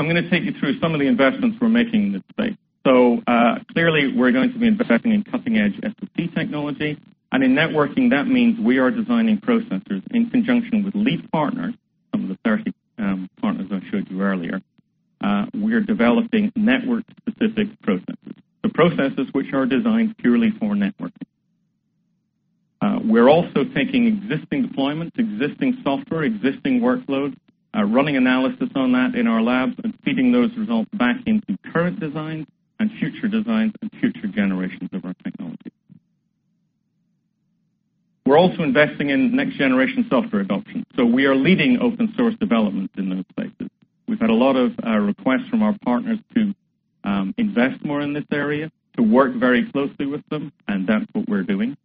going to take you through some of the investments we're making in this space. Clearly, we're going to be investing in cutting-edge SoC technology. In networking, that means we are designing processors in conjunction with lead partners, some of the 30 partners I showed you earlier. We are developing network-specific processors. Processors which are designed purely for networking. We're also taking existing deployments, existing software, existing workloads, running analysis on that in our labs, and feeding those results back into current designs and future designs and future generations of our technology. We're also investing in next generation software adoption. We are leading open source developments in those places. We've had a lot of requests from our partners to invest more in this area, to work very closely with them, and that's what we're doing.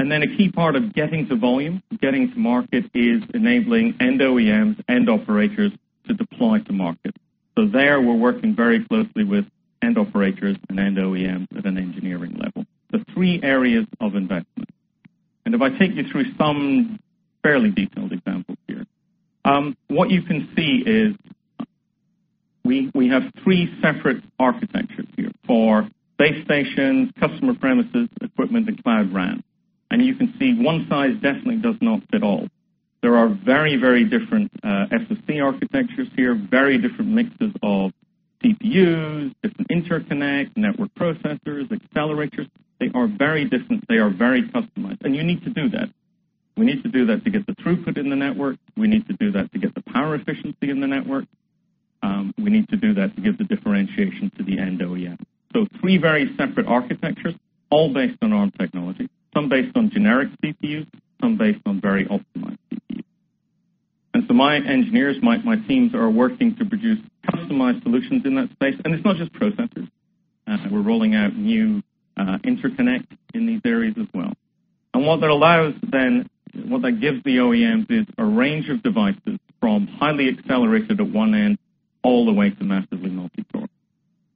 A key part of getting to volume, getting to market is enabling end OEMs, end operators to deploy to market. There, we're working very closely with end operators and end OEMs at an engineering level. The three areas of investment. If I take you through some fairly detailed examples here. What you can see is we have three separate architectures here for base stations, customer premises, equipment, and Cloud RAN. You can see one size definitely does not fit all. There are very different SoC architectures here, very different mixes of CPUs, different interconnect, network processors, accelerators. They are very different. They are very customized. You need to do that. We need to do that to get the throughput in the network. We need to do that to get the power efficiency in the network. We need to do that to give the differentiation to the end OEM. Three very separate architectures, all based on Arm technology, some based on generic CPUs, some based on very optimized CPUs. My engineers, my teams are working to produce customized solutions in that space. It's not just processors. We're rolling out new interconnect in these areas as well. What that gives the OEMs is a range of devices from highly accelerated at one end all the way to massively multicore.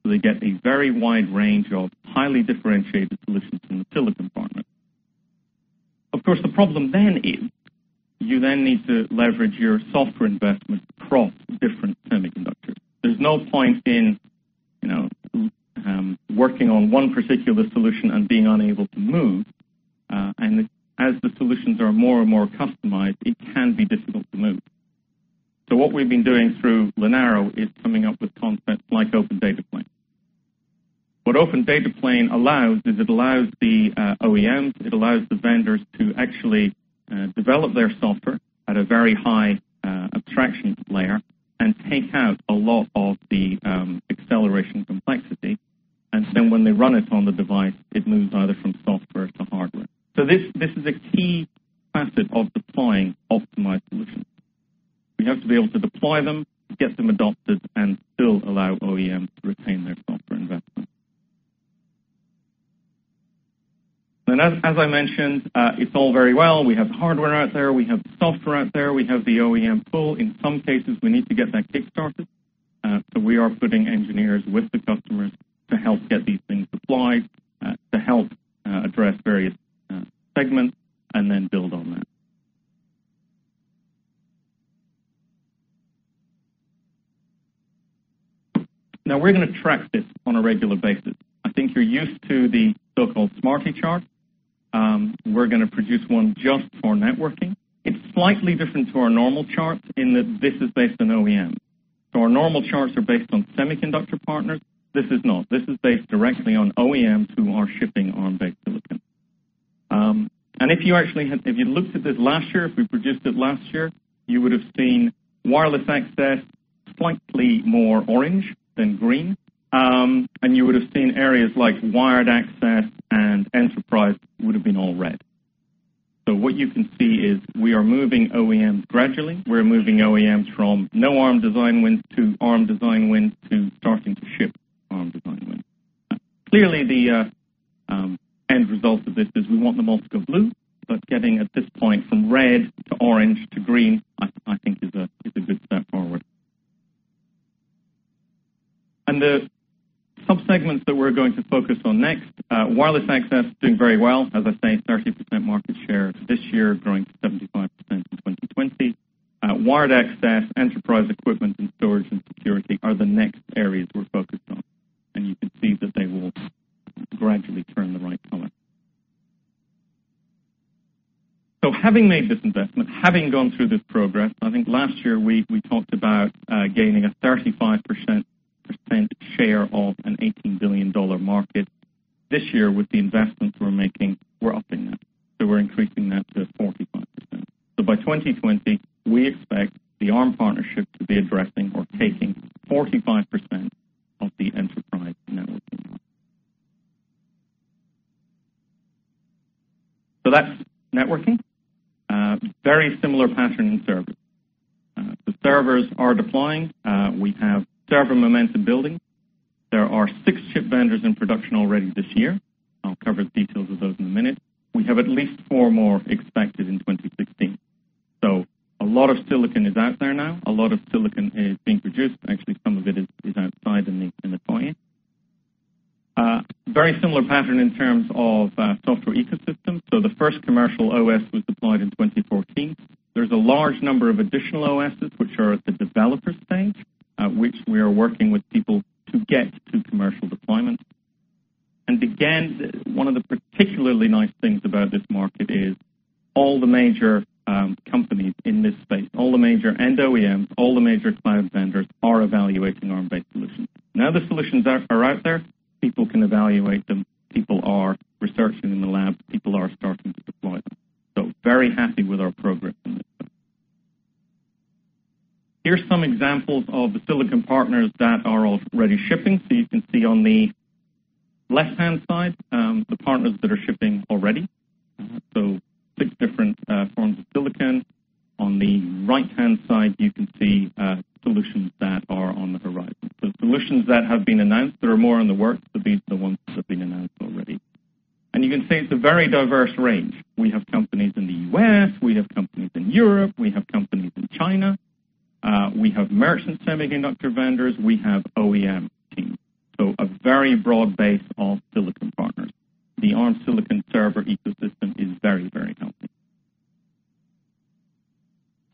They get a very wide range of highly differentiated solutions from the silicon partner. Of course, the problem then is you then need to leverage your software investment across different semiconductors. There's no point in working on one particular solution and being unable to move. As the solutions are more and more customized, it can be difficult to move. What we've been doing through Linaro is coming up with concepts like OpenDataPlane. What OpenDataPlane allows is it allows the OEMs, it allows the vendors to actually develop their software at a very high abstraction layer and take out a lot of the acceleration complexity. When they run it on the device, it moves either from software to hardware. This is a key facet of deploying optimized solutions. We have to be able to deploy them, get them adopted, and still allow OEMs to retain their software investment. As I mentioned, it's all very well. We have the hardware out there, we have the software out there, we have the OEM pool. In some cases, we need to get that kick-started. We are putting engineers with the customers to help get these things deployed, to help address various segments and then build on that. We're going to track this on a regular basis. I think you're used to the so-called SMARTIE chart. We're going to produce one just for networking. It's slightly different to our normal charts in that this is based on OEMs. Our normal charts are based on semiconductor partners. This is not. This is based directly on OEMs who are shipping on-based silicon. If you looked at this last year, if we produced it last year, you would have seen wireless access slightly more orange than green. You would have seen areas like wired access and enterprise would have been all red. What you can see is we are moving OEMs gradually. We're moving OEMs from no Arm design wins to Arm design wins to starting to ship Arm design wins. Clearly, the end result of this is we want them all to go blue, but getting at this point from red to orange to green, I think is a good step forward. The sub-segments that we're going to focus on next, wireless access is doing very well. As I say, 30% market share this year, growing to 75% in 2020. Wired access, enterprise equipment, and storage and security are the next areas we're focused on. You can see that they will gradually turn the right color. Having made this investment, having gone through this progress, I think last year we talked about gaining a 35% share of a GBP 18 billion market. This year, with the investments we're making, we're upping that. We're increasing that to 45%. By 2020, we expect the Arm partnership to be addressing or taking 45% of the enterprise networking market. That's networking. Very similar pattern in servers. The servers are deploying. We have server momentum building. There are six chip vendors in production already this year. I'll cover the details of those in a minute. We have at least four more expected in 2016. A lot of silicon is out there now. A lot of silicon is being produced. Actually, some of it is outside in the toy. Very similar pattern in terms of software ecosystem. The first commercial OS was deployed in 2014. There's a large number of additional OSes which are at the developer stage, which we are working with people to get to commercial deployment. Again, one of the particularly nice things about this market is all the major companies in this space, and OEMs, all the major cloud vendors are evaluating Arm-based solutions. Now the solutions are out there. People can evaluate them. People are researching in the lab. People are starting to deploy them. Very happy with our progress in this space. Here's some examples of the silicon partners that are already shipping. You can see on the left-hand side, the partners that are shipping already. Six different forms of silicon. On the right-hand side, you can see solutions that are on the horizon. Solutions that have been announced, there are more in the works, but these are the ones that have been announced already. You can see it's a very diverse range. We have companies in the U.S., we have companies in Europe, we have companies in China. We have merchant semiconductor vendors, we have OEM teams. A very broad base of silicon partners. The Arm silicon server ecosystem is very, very healthy.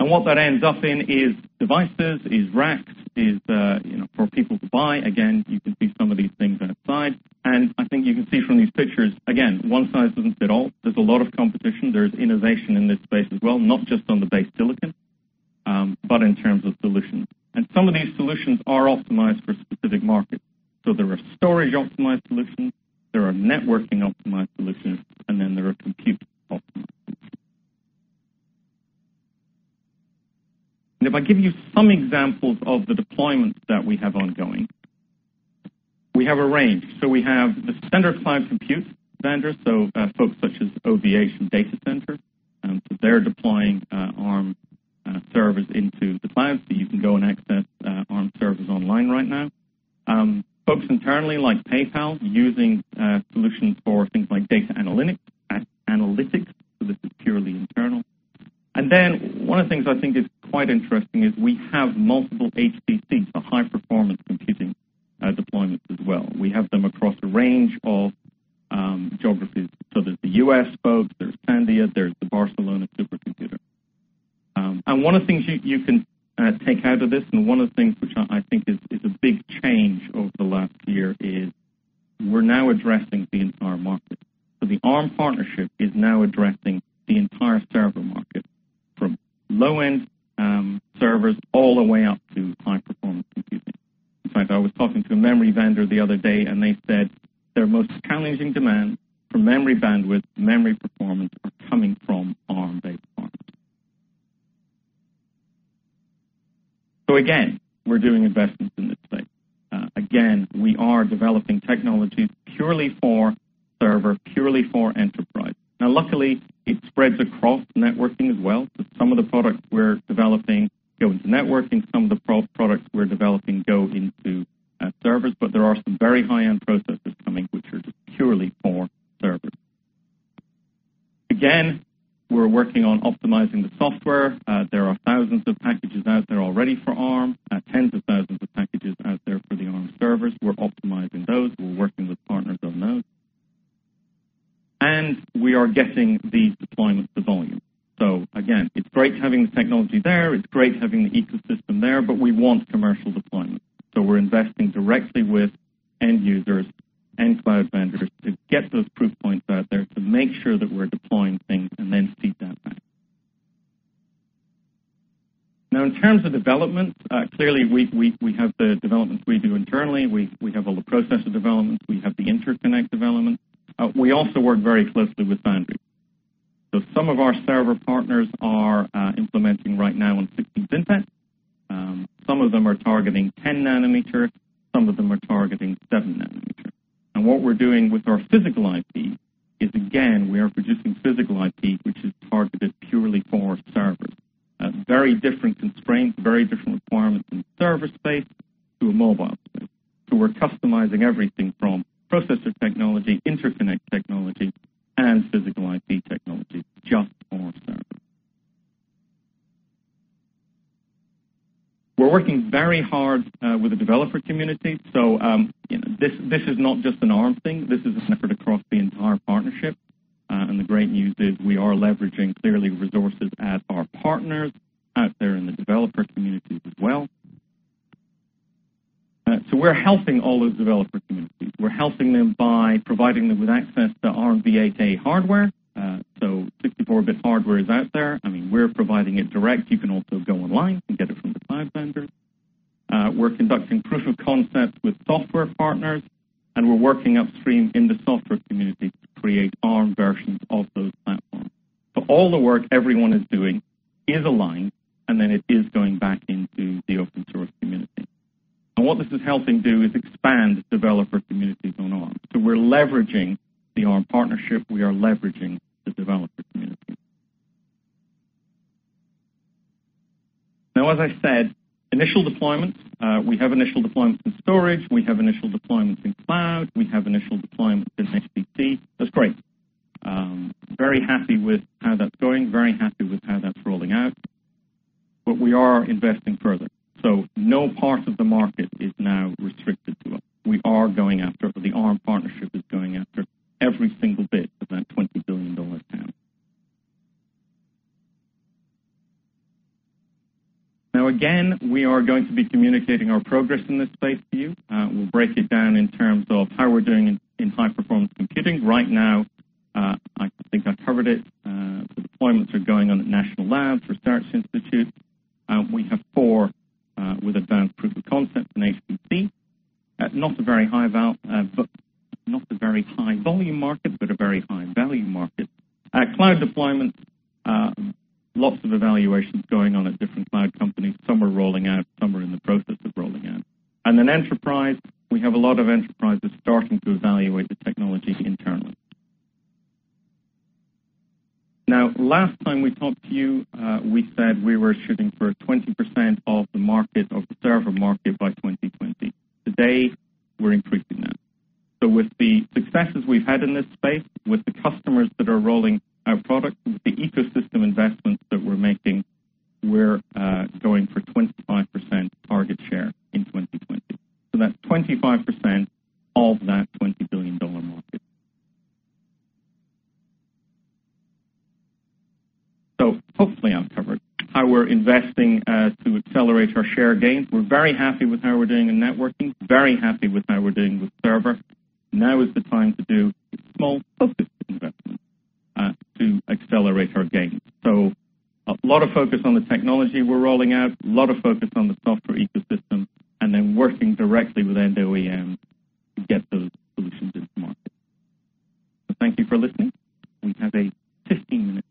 What that ends up in is devices, is racks for people to buy. Again, you can see some of these things outside. I think you can see from these pictures, again, one size doesn't fit all. There's a lot of competition. There's innovation in this space as well, not just on the base silicon, but in terms of solutions. Some of these solutions are optimized for specific markets. There are storage-optimized solutions, there are networking-optimized solutions, there are compute-optimized solutions. If I give you some examples of the deployments that we have ongoing, we have a range. We have the standard cloud compute vendors, such as OVH and Data Center. They're deploying Arm servers into the cloud, you can go and access Arm servers online right now. Folks internally like PayPal using solutions for things like data analytics. This is purely internal. One of the things I think is quite interesting is we have multiple HPCs, so high performance computing deployments as well. We have them across a range of geographies. There's the U.S. folks, there's Sandia, there's the Barcelona Supercomputing Center. One of the things you can take out of this, one of the things which I think is a big change over the last year is we're now addressing the entire market. The Arm partnership is now addressing the entire server market, from low-end servers all the way up to high-performance computing. In fact, I was talking to a memory vendor the other day, they said their most challenging demand for memory bandwidth, memory performance, are coming from Arm-based products. Again, we're doing investments in this space. Again, we are developing technology purely for server, purely for enterprise. Luckily, it spreads across networking as well. Some of the products we're developing go into networking, some of the products we're developing go into servers, but there are some very high-end processors coming which are just purely for servers. Again, we're working on optimizing the software. There are thousands of packages out there already for Arm, tens of thousands of packages out there for the Arm servers. We're optimizing those. We're working with partners on those. We are getting the deployments to volume. Again, it's great having the technology there, it's great having the ecosystem there, but we want commercial deployment. We're investing directly with end users and cloud vendors to get those proof points out there to make sure that we're deploying things and then feed that back. In terms of development, clearly we have the developments we do internally. We have all the processor developments. We have the interconnect development. We also work very closely with foundry. Some of our server partners are implementing right now on 16 FinFET. Some of them are targeting 10 nanometer, some of them are targeting seven nanometer. What we're doing with our physical IP is, again, we are producing physical IP, which is targeted purely for servers. Very different constraints, very different requirements in the server space to a mobile space. We're customizing everything from processor technology, interconnect technology, and physical IP technology, just for servers. We're working very hard with the developer community. This is not just an Arm thing. This is an effort across the entire partnership. The great news is we are leveraging, clearly, resources at our partners out there in the developer communities as well. We're helping all those developer communities. We're helping them by providing them with access to ARMv8-A hardware. 64-bit hardware is out there. We're providing it direct. You can also go online and get it from the cloud vendors. We're conducting proof of concept with software partners, we're working upstream in the software community to create Arm versions of those platforms. All the work everyone is doing is aligned, it is going back into the open source community. What this is helping do is expand developer communities on Arm. We're leveraging the Arm partnership. We are leveraging the developer community. Now, as I said, initial deployments. We have initial deployments in storage, we have initial deployments in cloud, we have initial deployments in HPC. That's great. Very happy with how that's going, very happy with how that's rolling out. We are investing further. No part of the market is now restricted to us. We are going after, the Arm partnership is going after every single bit of that GBP 20 billion TAM. Now again, we are going to be communicating our progress in this space to you. We'll break it down in terms of how we're doing in high-performance computing. Right now, I think I covered it. The deployments are going on at national labs, research institutes. We have four with advanced proof of concept in HPC. Not a very high volume market, but a very high value market. Cloud deployments, lots of evaluations going on at different cloud companies. Some are rolling out, some are in the process of rolling out. Enterprise, we have a lot of enterprises starting to evaluate the technology internally. Now, last time we talked to you, we said we were shooting for 20% of the server market by 2020. Today, we're increasing that. With the successes we've had in this space, with the customers that are rolling our product, with the ecosystem investments that we're making, we're going for 25% target share in 2020. That's 25% of that GBP 20 billion market. Hopefully I've covered how we're investing to accelerate our share gains. We're very happy with how we're doing in networking, very happy with how we're doing with server. Now is the time to do small, focused investments to accelerate our gains. A lot of focus on the technology we're rolling out, a lot of focus on the software ecosystem, working directly with end OEM to get those solutions into market. Thank you for listening. We have a 15-minute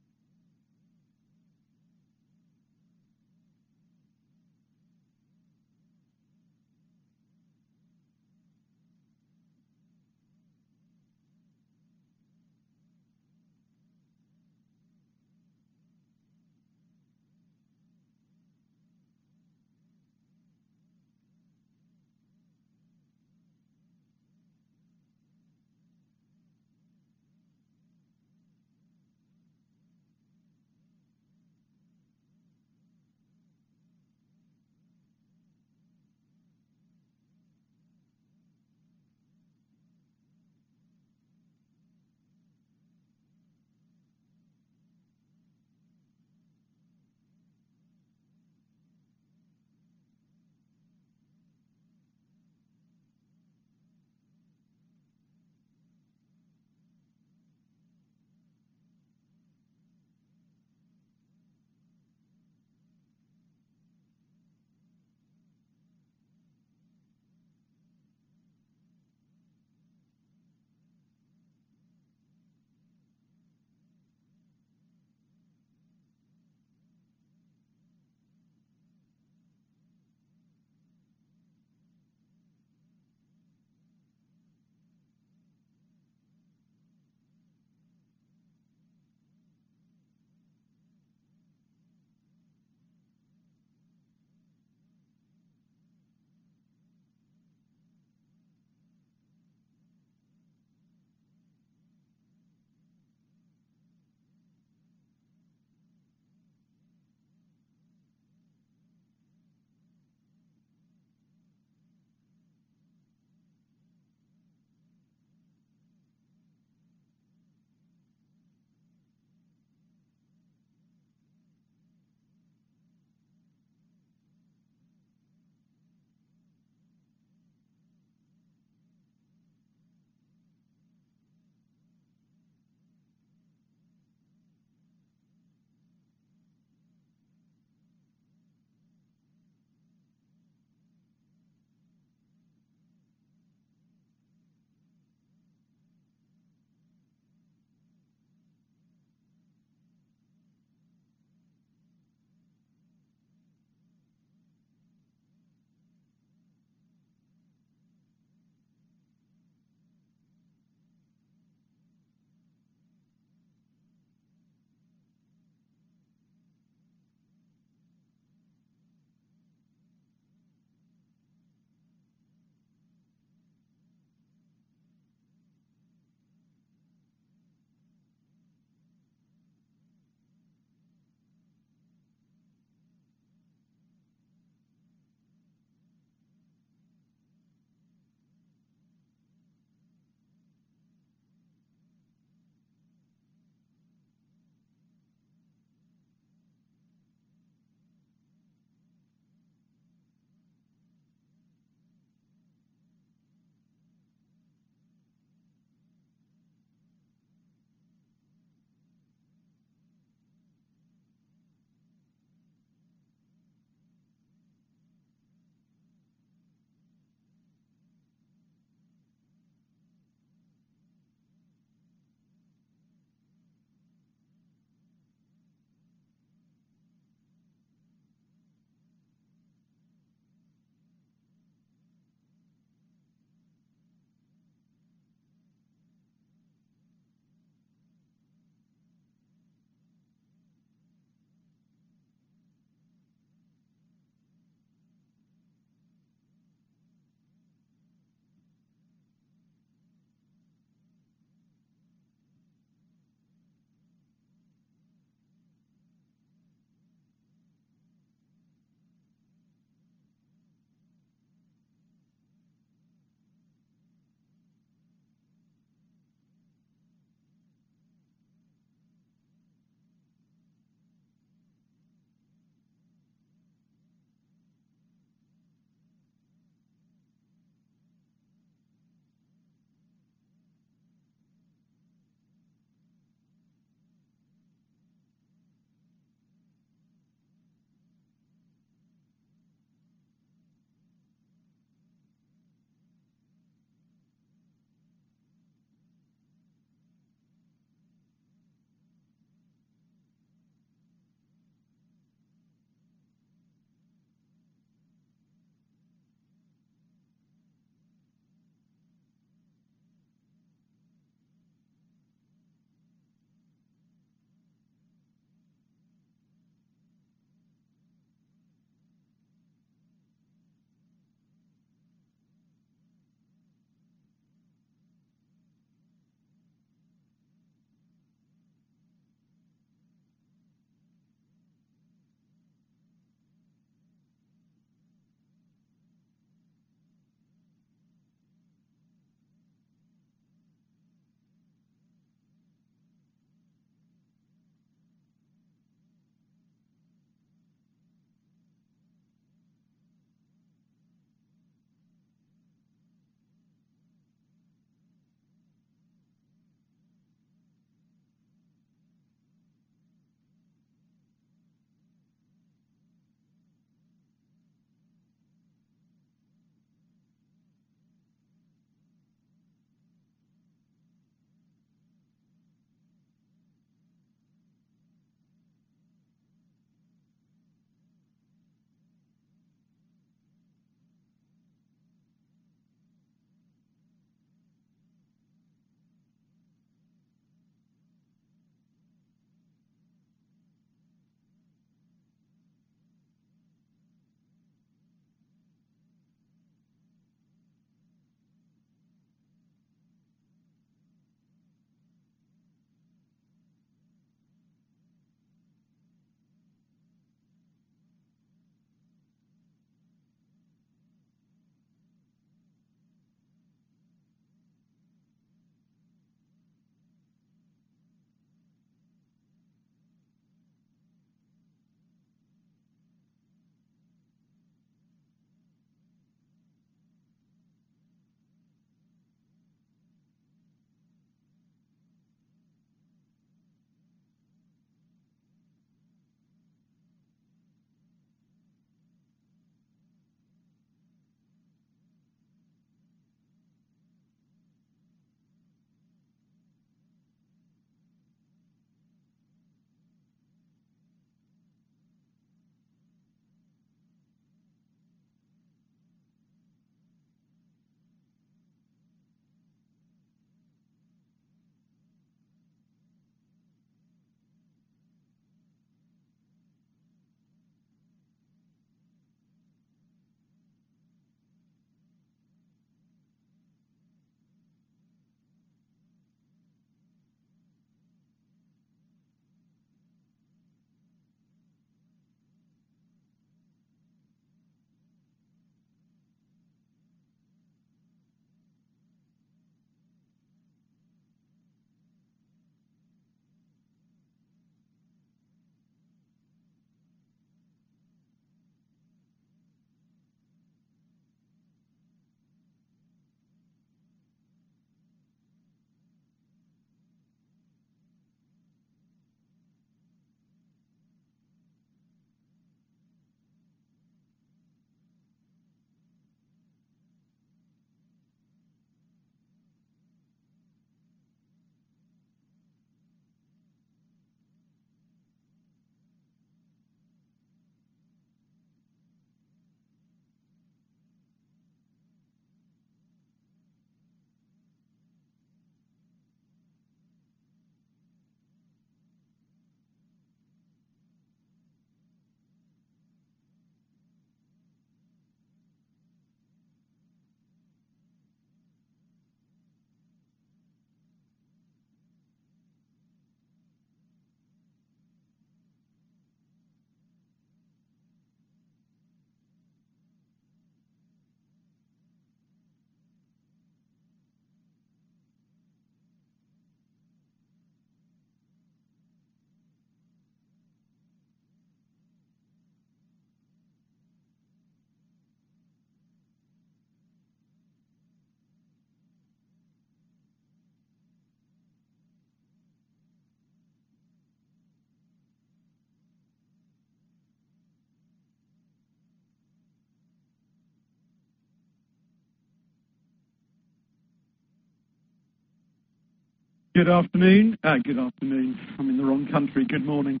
Good afternoon. Good afternoon. I'm in the wrong country. Good morning.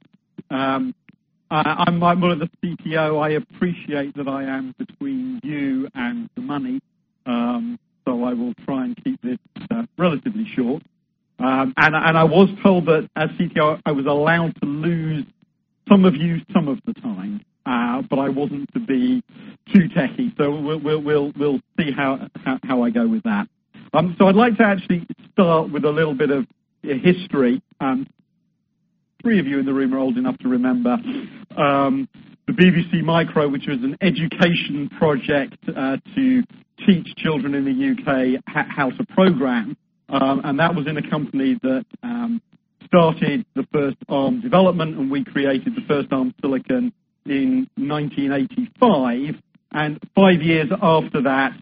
I'm Mike Muller, the CTO. I appreciate that I am between you and the money, I will try and keep this relatively short. I was told that as CTO, I was allowed to lose some of you some of the time, but I wasn't to be too techy. We'll see how I go with that. I'd like to actually start with a little bit of history. Three of you in the room are old enough to remember the BBC Micro, which was an education project to teach children in the U.K. how to program. That was in a company that started the first Arm development, we created the first Arm silicon in 1985. Five years after that,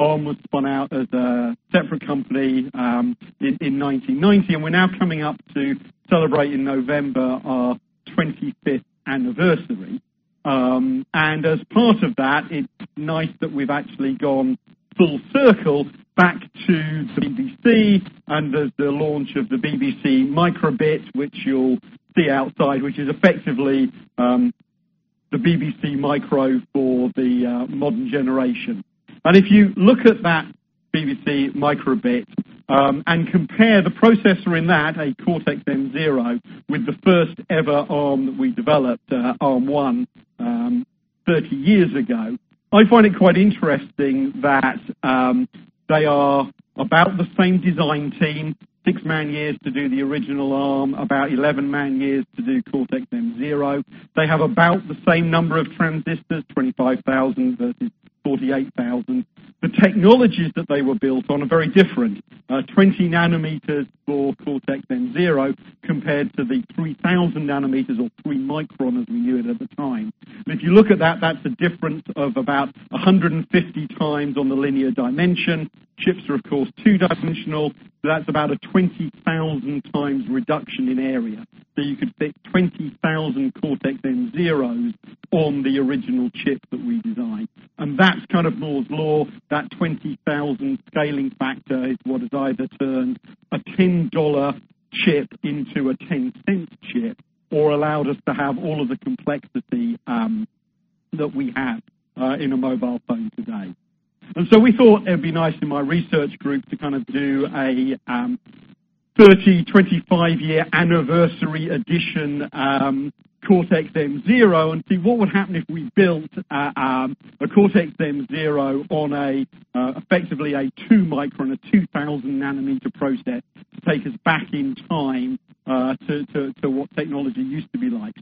Arm was spun out as a separate company in 1990. We're now coming up to celebrate in November our 25th anniversary. As part of that, it's nice that we've actually gone full circle back to the BBC and the launch of the BBC micro:bit, which you'll see outside, which is effectively the BBC Micro for the modern generation. If you look at that BBC micro:bit, and compare the processor in that, a Cortex-M0, with the first ever Arm that we developed, ARM1, 30 years ago. I find it quite interesting that they are about the same design team, six man-years to do the original Arm, about 11 man-years to do Cortex-M0. They have about the same number of transistors, 25,000 versus 48,000. The technologies that they were built on are very different. 20 nanometers for Cortex-M0 compared to the 3,000 nanometers or 3 micron as we knew it at the time. If you look at that's a difference of about 150 times on the linear dimension. Chips are, of course, two-dimensional, so that's about a 20,000 times reduction in area. You could fit 20,000 Cortex-M0s on the original chip that we designed. That's kind of Moore's Law. That 20,000 scaling factor is what has either turned a GBP 10 chip into a GBP 0.10 chip or allowed us to have all of the complexity that we have in a mobile phone today. We thought it'd be nice in my research group to do a 30, 25-year anniversary edition Cortex-M0 and see what would happen if we built a Cortex-M0 on effectively a 2 micron or 2,000 nanometer process to take us back in time to what technology used to be like.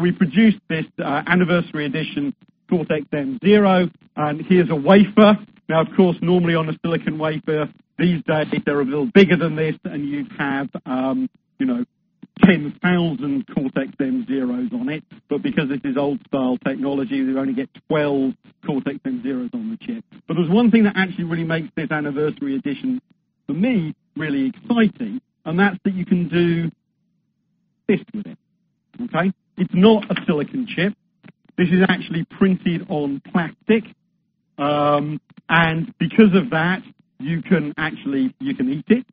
We produced this anniversary edition, Cortex-M0, and here's a wafer. Now, of course, normally on a silicon wafer these days, they're a little bigger than this and you'd have 10,000 Cortex-M0s on it. Because this is old style technology, we only get 12 Cortex-M0s on the chip. There's one thing that actually really makes this anniversary edition for me really exciting, and that's that you can do this with it. Okay. It's not a silicon chip. This is actually printed on plastic. Because of that, you can eat it,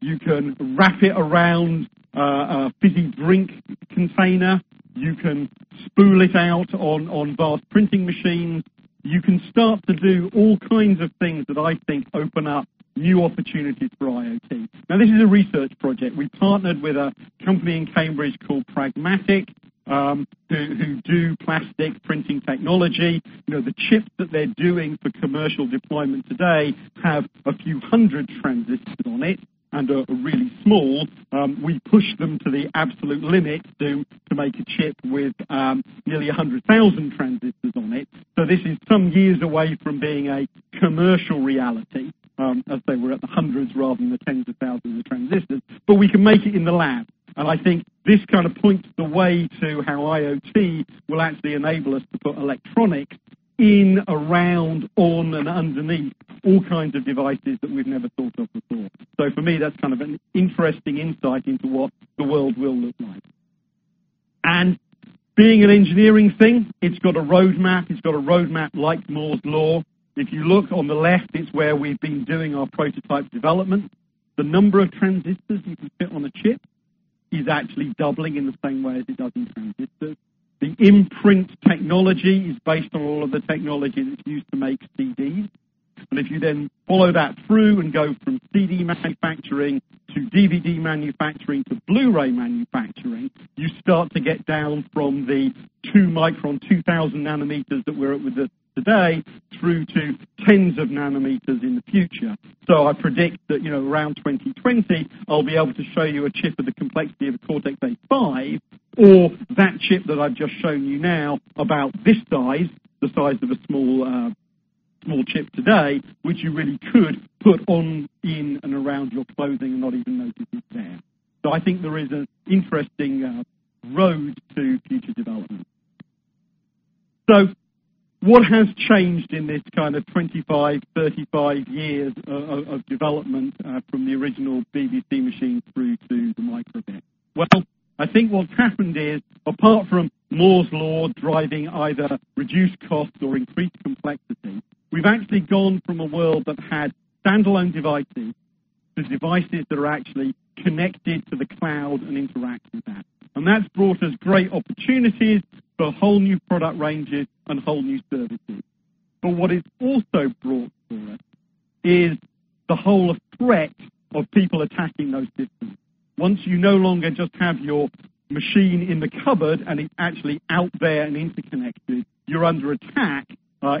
you can wrap it around a fizzy drink container, you can spool it out on vast printing machines. You can start to do all kinds of things that I think open up new opportunities for IoT. Now, this is a research project. We partnered with a company in Cambridge called PragmatIC, who do plastic printing technology. The chips that they're doing for commercial deployment today have a few hundred transistors on it and are really small. We pushed them to the absolute limit to make a chip with nearly 100,000 transistors on it. This is some years away from being a commercial reality. As I say, we're at the hundreds rather than the tens of thousands of transistors, but we can make it in the lab. I think this points the way to how IoT will actually enable us to put electronics in, around, on, and underneath all kinds of devices that we've never thought of before. For me, that's an interesting insight into what the world will look like. Being an engineering thing, it's got a roadmap. It's got a roadmap like Moore's Law. If you look on the left, it's where we've been doing our prototype development. The number of transistors you can fit on a chip is actually doubling in the same way as it does in transistors. The imprint technology is based on all of the technology that's used to make CDs. If you then follow that through and go from CD manufacturing to DVD manufacturing to Blu-ray manufacturing, you start to get down from the 2 micron, 2,000 nanometers that we're at with this today, through to tens of nanometers in the future. I predict that around 2020, I'll be able to show you a chip of the complexity of a Cortex-A5 or that chip that I've just shown you now about this size, the size of a small chip today, which you really could put on, in, and around your clothing and not even notice it's there. I think there is an interesting road to future development. What has changed in this kind of 25, 35 years of development from the original BBC machine through to the micro:bit? Well, I think what's happened is, apart from Moore's Law driving either reduced costs or increased complexity, we've actually gone from a world that had standalone devices to devices that are actually connected to the cloud and interact with that. That's brought us great opportunities for whole new product ranges and whole new services. What it's also brought for us is the whole threat of people attacking those systems. Once you no longer just have your machine in the cupboard and it's actually out there and interconnected, you're under attack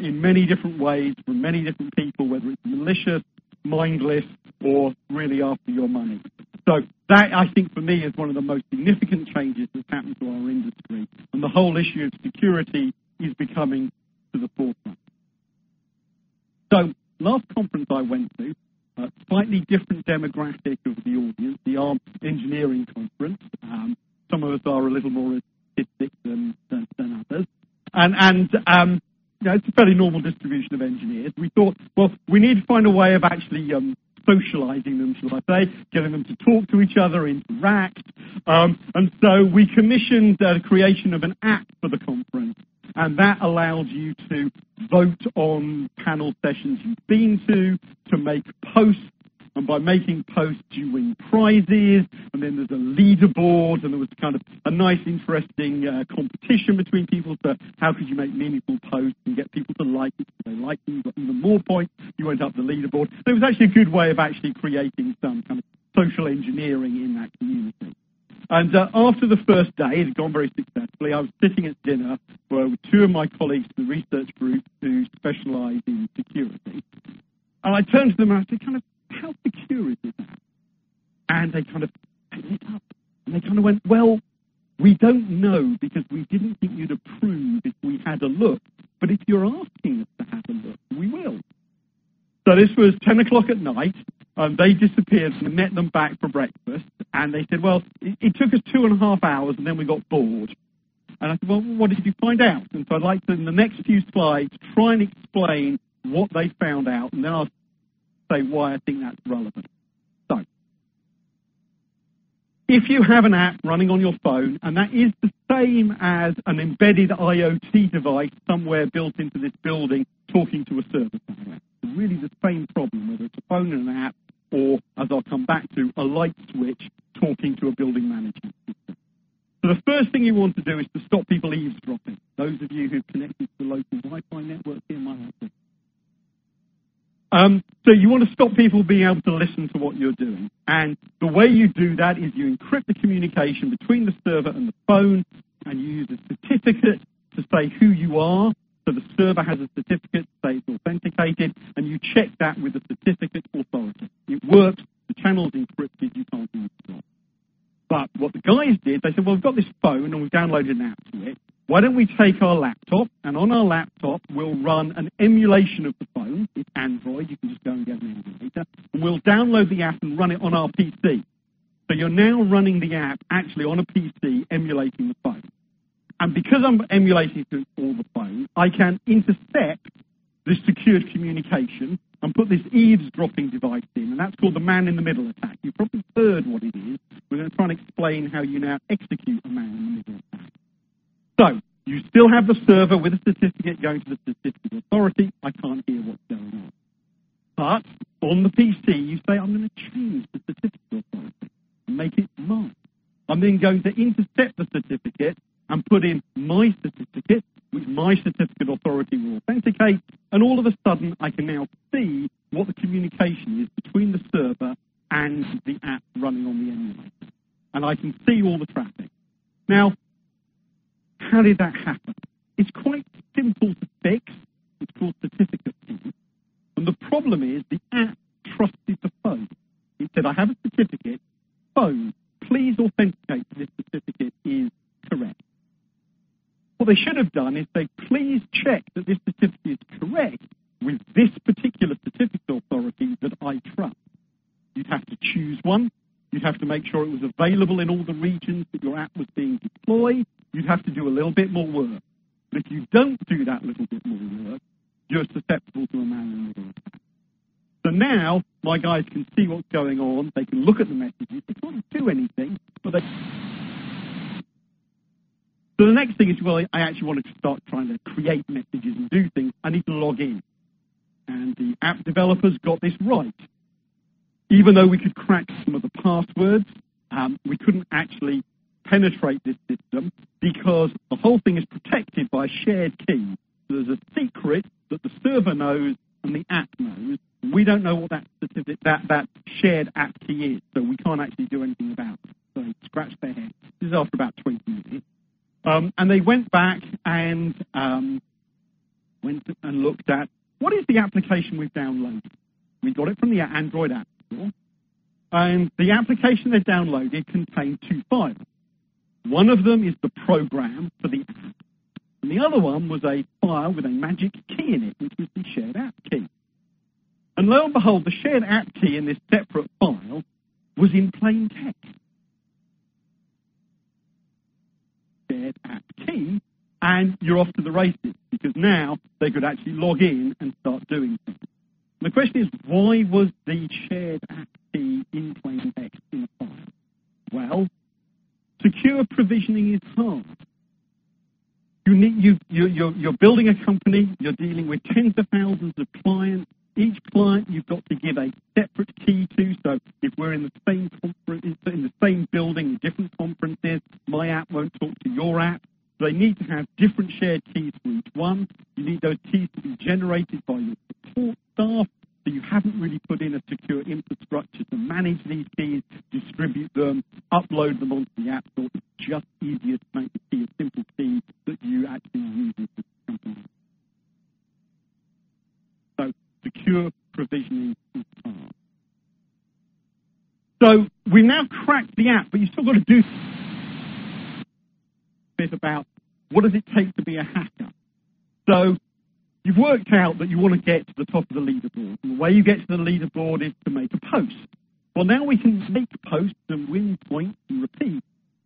in many different ways from many different people, whether it's malicious, mindless, or really after your money. That, I think for me, is one of the most significant changes that's happened to our industry. The whole issue of security is becoming to the forefront. Last conference I went to, a slightly different demographic of the audience, the Arm Engineering Conference. Some of us are a little more statistic than others. It's a fairly normal distribution of engineers. We thought, well, we need to find a way of actually socializing them, shall I say, getting them to talk to each other, interact. We commissioned the creation of an app for the conference. That allowed you to vote on panel sessions you've been to make posts. By making posts, you win prizes. Then there's a leaderboard, and there was a nice interesting competition between people to how could you make meaningful posts and get people to like it. If they like you got even more points, you went up the leaderboard. It was actually a good way of actually creating some social engineering in that community. After the first day, it had gone very successfully. I was sitting at dinner with two of my colleagues from the research group who specialize in security. I turned to them and I said, "How secure is this app?" They kind of perked up and they went, "Well, we don't know because we didn't think you'd approve if we had a look. If you're asking us to have a look, we will." This was 10:00 P.M., and they disappeared. I met them back for breakfast, and they said, "Well, it took us two and a half hours, and then we got bored." I said, "Well, what did you find out?" I'd like to, in the next few slides, try and explain what they found out, and then I'll say why I think that's relevant. If you have an app running on your phone, and that is the same as an embedded IoT device somewhere built into this building talking to a service somewhere. It's really the same problem, whether it's a phone and an app or, as I'll come back to, a light switch talking to a building management system. The first thing you want to do is to stop people eavesdropping. Those of you who've connected to the local Wi-Fi network here might have done that. You want to stop people being able to listen to what you're doing. The way you do that is you encrypt the communication between the server and the phone, and you use a certificate to say who you are. The server has a certificate to say it's authenticated, and you check that with a certificate authority. It works. The channel is encrypted. You can't do anything. What the guys did, they said, "Well, we've got this phone and we've downloaded an app to it. Why don't we take our laptop, and on our laptop, we'll run an emulation of the phone." It's Android. You can just go and get an emulator. "We'll download the app and run it on our PC." You're now running the app actually on a PC emulating the phone. Because I'm emulating all the phone, I can intercept the secured communication and put this eavesdropping device in, and that's called the man-in-the-middle attack. You've probably heard what it is. We're going to try and explain how you now execute a man-in-the-middle attack. You still have the server with a certificate going to the certificate authority. I can't hear what's going on. On the PC, you say, "I'm going to change the certificate authority, make it mine. I'm then going to intercept the certificate and put in my certificate, which my certificate authority will authenticate." All of a sudden, I can now see what the communication is between the server and the app running on the emulator. I can see all the traffic. How did that happen? It's quite simple to fix. It's called certificate pinning. The problem is the app trusted the phone. It said, "I have a certificate. Phone, please authenticate that this certificate is correct." What they should have done is say, "Please check that this certificate is correct with this particular certificate authority that I trust." You'd have to choose one. You'd have to make sure it was available in all the regions that your app was being deployed. You'd have to do a little bit more work. If you don't do that little bit more work, you're susceptible to a man-in-the-middle attack. Now my guys can see what's going on. They can look at the messages. They can't do anything. The next thing is, well, I actually want to start trying to create messages and do things. I need to log in. The app developers got this right. Even though we could crack some of the passwords, we couldn't actually penetrate this system because the whole thing is protected by a shared key. There's a secret that the server knows and the app knows, and we don't know what that shared app key is. We can't actually do anything about it. Scratch their heads. This is after about 20 minutes. They went back and looked at, what is the application we've downloaded? We got it from the Android App Store. The application they downloaded contained two files. One of them is the program for the app, and the other one was a file with a magic key in it, which was the shared app key. Lo and behold, the shared app key in this separate file was in plain text. Shared app key, you're off to the races because now they could actually log in and start doing things. The question is, why was the shared app key in plain text in the file? Well, secure provisioning is hard. You're building a company. You're dealing with 10s of thousands of clients. Each client you've got to give a separate key to. If we're in the same building, in different conferences, my app won't talk to your app. They need to have different shared keys for each one. You need those keys to be generated by your support staff. You haven't really put in a secure infrastructure to manage these keys, distribute them, upload them onto the App Store. It's just easier to make the key a simple thing that you actually use in the company. Secure provisioning is hard. We now cracked the app, but you still got to do bit about what does it take to be a hacker. You've worked out that you want to get to the top of the leaderboard, the way you get to the leaderboard is to make a post. Well, now we can make posts and win points and repeat,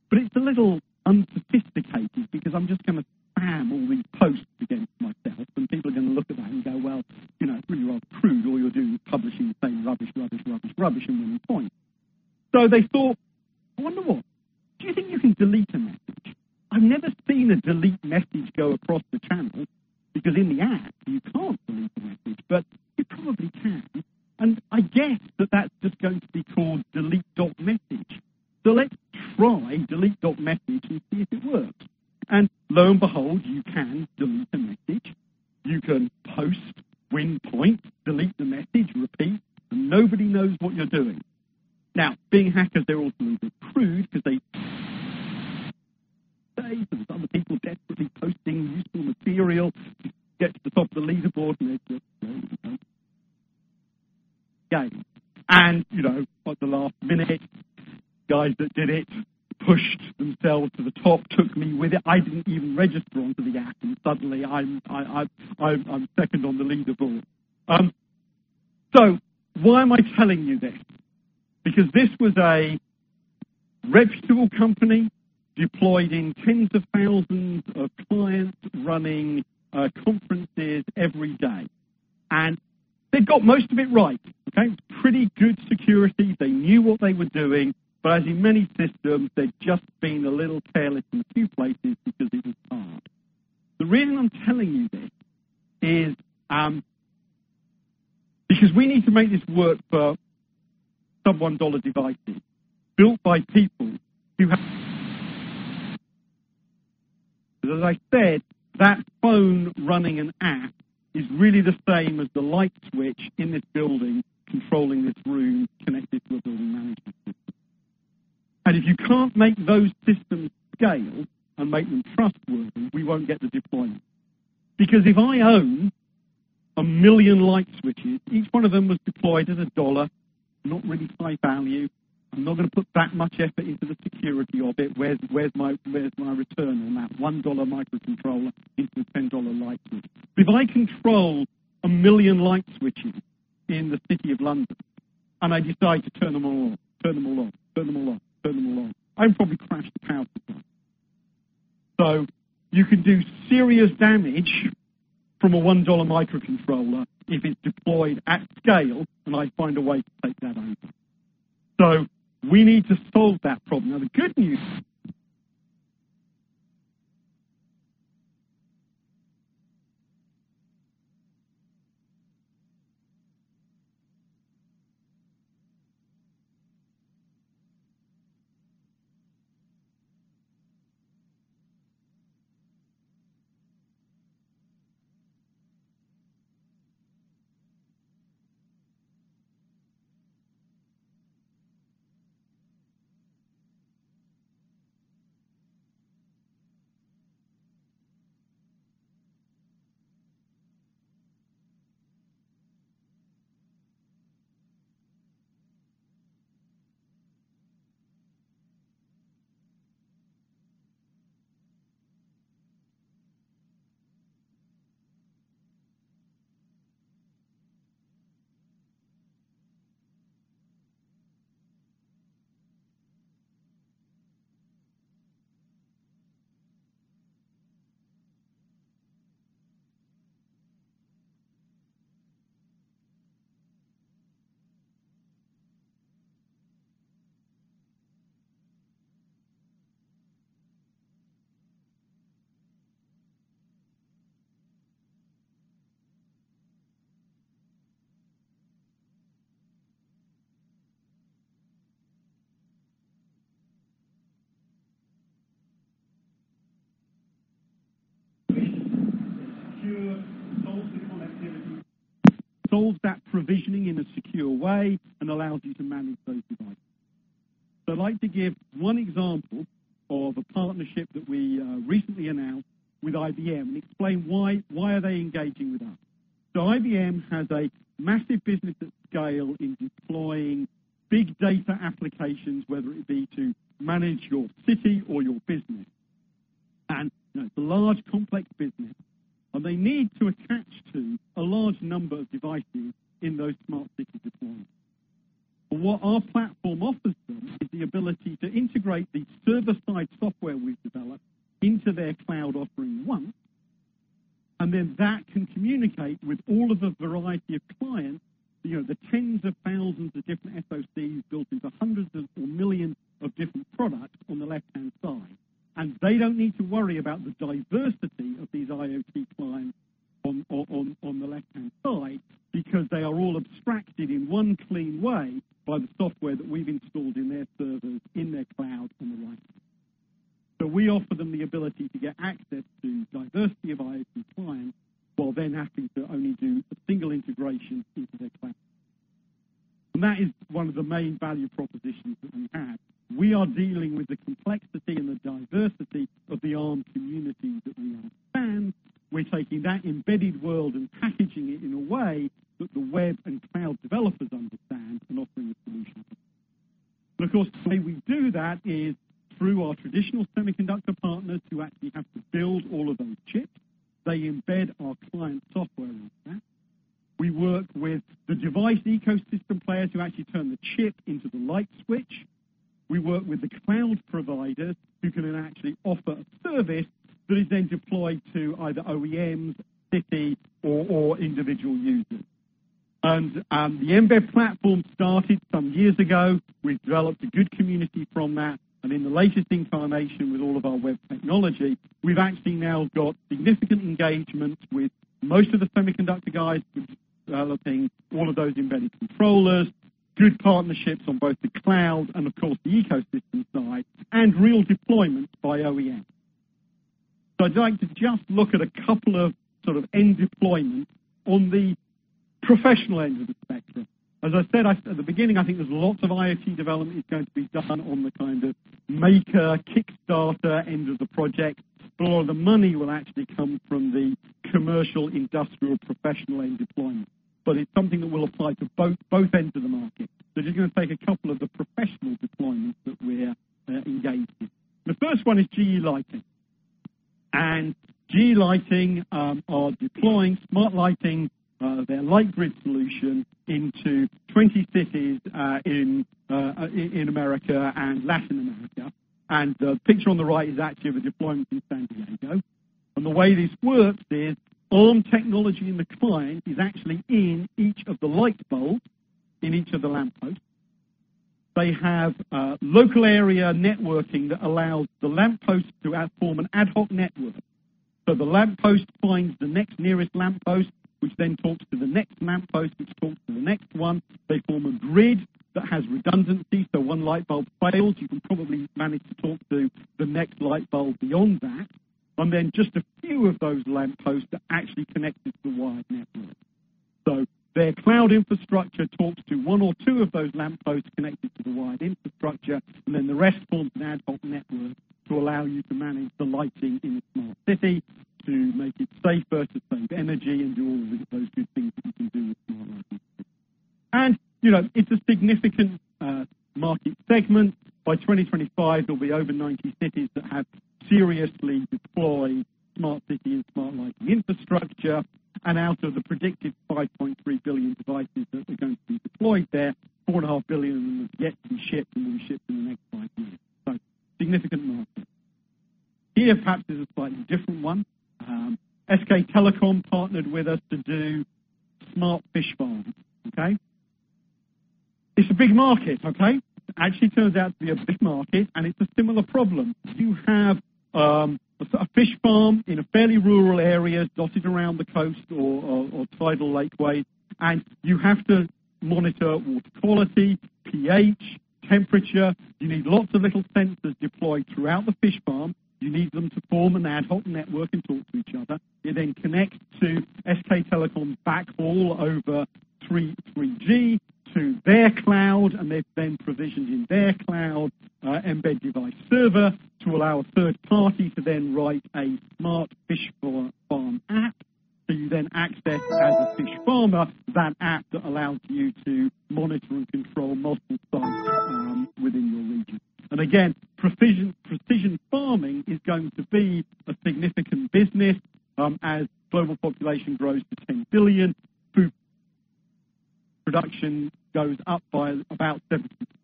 but it's a little unsophisticated because I'm just going to spam all these posts against myself, and people are going to look at that and go, "Well, it's really rather crude. All you're doing is publishing the same rubbish, rubbish and winning points." They thought, "I wonder what? Do you think you can delete a message? I've never seen a delete message go across the channel because in the app you can't delete a message, but you probably can. I guess that that's just going to be called delete.message. Let's try delete.message and see if it works." Lo and behold, you can delete a message. You can post, win points, delete the message, repeat, and nobody knows what you're doing. Now, being hackers, they're also a little crude because they and some are people desperately posting useful material to get to the top of the leaderboard, and they just, you know, game. At the last minute, guys that did it pushed themselves to the top, took me with it. I didn't even register onto the app, and suddenly I'm second on the leaderboard. Why am I telling you this? Because this was a reputable company deployed in 10s of thousands of clients running conferences every day. They got most of it right. Okay? Pretty good security. They knew what they were doing. As in many systems, they had just been a little careless in a few places because it was hard. The reason I am telling you this is because we need to make this work for sub-GBP 1 devices built by people who have. As I said, that phone running an app is really the same as the light switch in this building controlling this room connected to a building management system. If you cannot make those systems scale and make them trustworthy, we will not get the deployment. If I own 1 million light switches, each one of them was deployed at GBP 1, not really high value, I am not going to put that much effort into the security of it. Where is my return on that GBP 1 microcontroller into the GBP 10 light switch? If I control 1 million light switches in the City of London, I decide to turn them all on, I would probably crash the power supply. You can do serious damage from a GBP 1 microcontroller if it is deployed at scale, I find a way to take that over. We need to solve that problem. The good news is that solves the connectivity, solves that provisioning in a secure way and allows you to manage those devices. I would like to give one example of a partnership that we recently announced with IBM and explain why are they engaging with us. IBM has a massive business at scale in deploying big data applications, whether it be to manage your city or your business. It is a large, complex business, they need to attach to a large number of devices in those smart city deployments. What our platform offers them is the ability to integrate the server-side software we have developed into their cloud offering, one, then that can communicate with all of the variety of clients, the 10s of thousands of different SoCs built into hundreds of, or millions of different products on the left-hand side. They do not need to worry about the diversity of these IoT clients on the left-hand side, because they are all abstracted in one clean way by the software that we have installed in their servers, in their cloud, on the right-hand side. We offer them the ability to get access to diversity of IoT clients, while then having to only do a single integration into their cloud. That is one of the main value propositions that we have. We are dealing with the complexity and the diversity of the Arm community that we understand. We are taking that embedded world and packaging it in a way that the web and cloud developers understand and offering a solution. Of course, the way we do that is through our traditional semiconductor partners who actually have to build all of those chips. They embed our client software like that. We work with the device ecosystem players who actually turn the chip into the light switch. We work with the cloud providers who can then actually offer a service that is then deployed to either OEMs, cities, or individual users. The mbed platform started some years ago. We've developed a good community from that. In the latest incarnation with all of our web technology, we've actually now got significant engagements with most of the semiconductor guys who are developing all of those embedded controllers, good partnerships on both the cloud and of course, the ecosystem side, and real deployments by OEM. I'd like to just look at a couple of end deployments on the professional end of the spectrum. As I said at the beginning, I think there's lots of IoT development is going to be done on the kind of maker, Kickstarter end of the project, but a lot of the money will actually come from the commercial, industrial, professional end deployments. It's something that will apply to both ends of the market. Just going to take a couple of the professional deployments that we're engaged with. The first one is GE Lighting. GE Lighting are deploying smart lighting, their LightGrid solution into 20 cities in America and Latin America. The picture on the right is actually of a deployment in San Diego. The way this works is Arm technology in the client is actually in each of the light bulbs in each of the lampposts. They have local area networking that allows the lampposts to form an ad hoc network. The lamppost finds the next nearest lamppost, which then talks to the next lamppost, which talks to the next one. They form a grid that has redundancy, so one light bulb fails, you can probably manage to talk to the next light bulb beyond that. Then just a few of those lampposts are actually connected to the wide network. Their cloud infrastructure talks to one or two of those lampposts connected to the wide infrastructure, and then the rest forms an ad hoc network to allow you to manage the lighting in the smart city, to make it safer, to save energy, and do all of those good things that you can do with smart lighting. It's a significant market segment. By 2025, there'll be over 90 cities that have seriously deployed smart city and smart lighting infrastructure. Out of the predicted 5.3 billion devices that are going to be deployed there, 4.5 billion of them have yet to be shipped and will be shipped in the next five years. Significant market. Here, perhaps, is a slightly different one. SK Telecom partnered with us to do smart fish farms. It's a big market, okay? It actually turns out to be a big market, and it's a similar problem. You have a fish farm in a fairly rural area dotted around the coast or tidal lake way, and you have to monitor water quality, pH, temperature. You need lots of little sensors deployed throughout the fish farm. You need them to form an ad hoc network and talk to each other. You then connect to SK Telecom's backhaul over 3G to their cloud, and they've then provisioned in their cloud, mbed Device Server, to allow a third party to then write a smart fish farm app. You then access, as a fish farmer, that app that allows you to monitor and control multiple farms within your region. Again, precision farming is going to be a significant business as global population grows to 10 billion. Food production goes up by about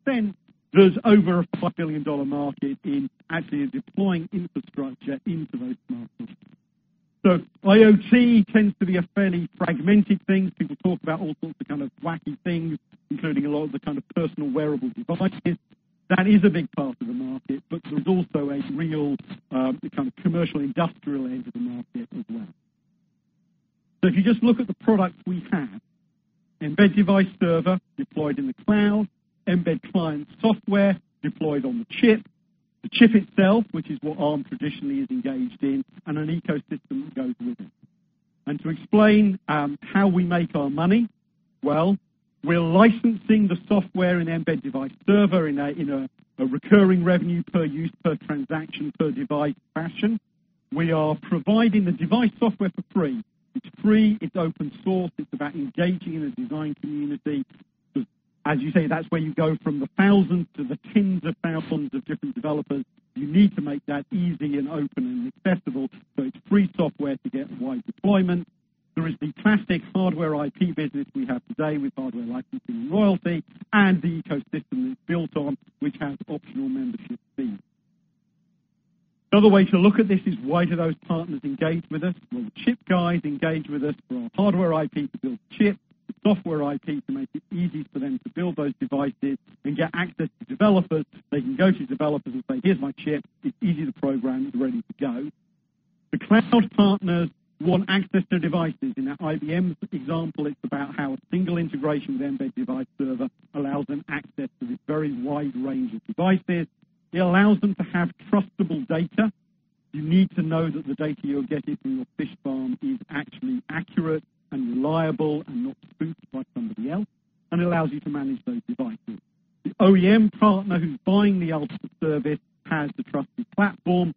70%, there's over a $5 billion market in actually deploying infrastructure into those markets. IoT tends to be a fairly fragmented thing. People talk about all sorts of kind of wacky things, including a lot of the kind of personal wearable devices. That is a big part of the market, but there's also a real kind of commercial industrial end of the market as well. If you just look at the products we have, mbed Device Server deployed in the cloud, mbed Client software deployed on the chip, the chip itself, which is what Arm traditionally is engaged in, an ecosystem that goes with it. To explain how we make our money, well, we are licensing the software in mbed Device Server in a recurring revenue per use, per transaction, per device fashion. We are providing the device software for free. It's free, it's open source, it's about engaging in a design community. As you say, that's where you go from the thousands to the tens of thousands of different developers. You need to make that easy and open and accessible. It's free software to get wide deployment. There is the classic hardware IP business we have today with hardware licensing and royalty, and the ecosystem it's built on, which has optional membership fees. Another way to look at this is why do those partners engage with us? Well, the chip guys engage with us for our hardware IP to build chips, the software IP to make it easy for them to build those devices and get access to developers. They can go to developers and say, "Here's my chip. It's easy to program. It's ready to go." The cloud partners want access to devices. In that IBM example, it's about how a single integration with mbed Device Server allows them access to this very wide range of devices. It allows them to have trustable data. You need to know that the data you're getting from your fish farm is actually accurate and reliable and not spoofed by somebody else. It allows you to manage those devices. The OEM partner who's buying the ultimate service has the trusted platform.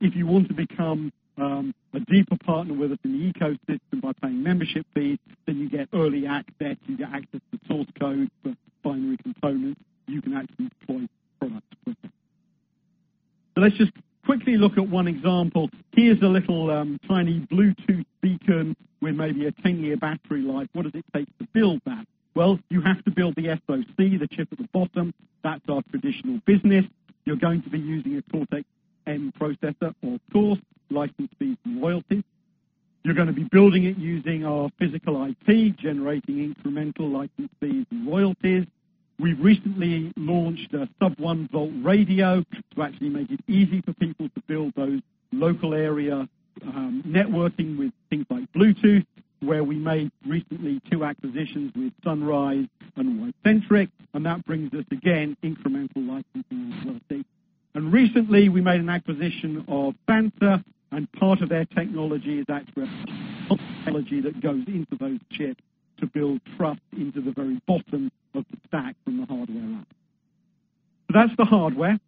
If you want to become a deeper partner with us in the ecosystem by paying membership fees, you get early access. You get access to source code for binary components. You can actually deploy products quickly. Let's just quickly look at one example. Here's a little tiny Bluetooth beacon with maybe a 10-year battery life. What does it take to build that? Well, you have to build the SoC, the chip at the bottom. That's our traditional business. You're going to be using a Cortex-M processor, of course, license fees and royalties. You're going to be building it using our physical IP, generating incremental license fees and royalties. We've recently launched a sub-one volt radio to actually make it easy for people to build those local area networking with things like Bluetooth, where we made recently two acquisitions with Sunrise and Wicentric. That brings us, again, incremental licensing and royalty. Recently, we made an acquisition of Sansa, and part of their technology is actually a technology that goes into those chips to build trust into the very bottom of the stack from the hardware up. That's the hardware.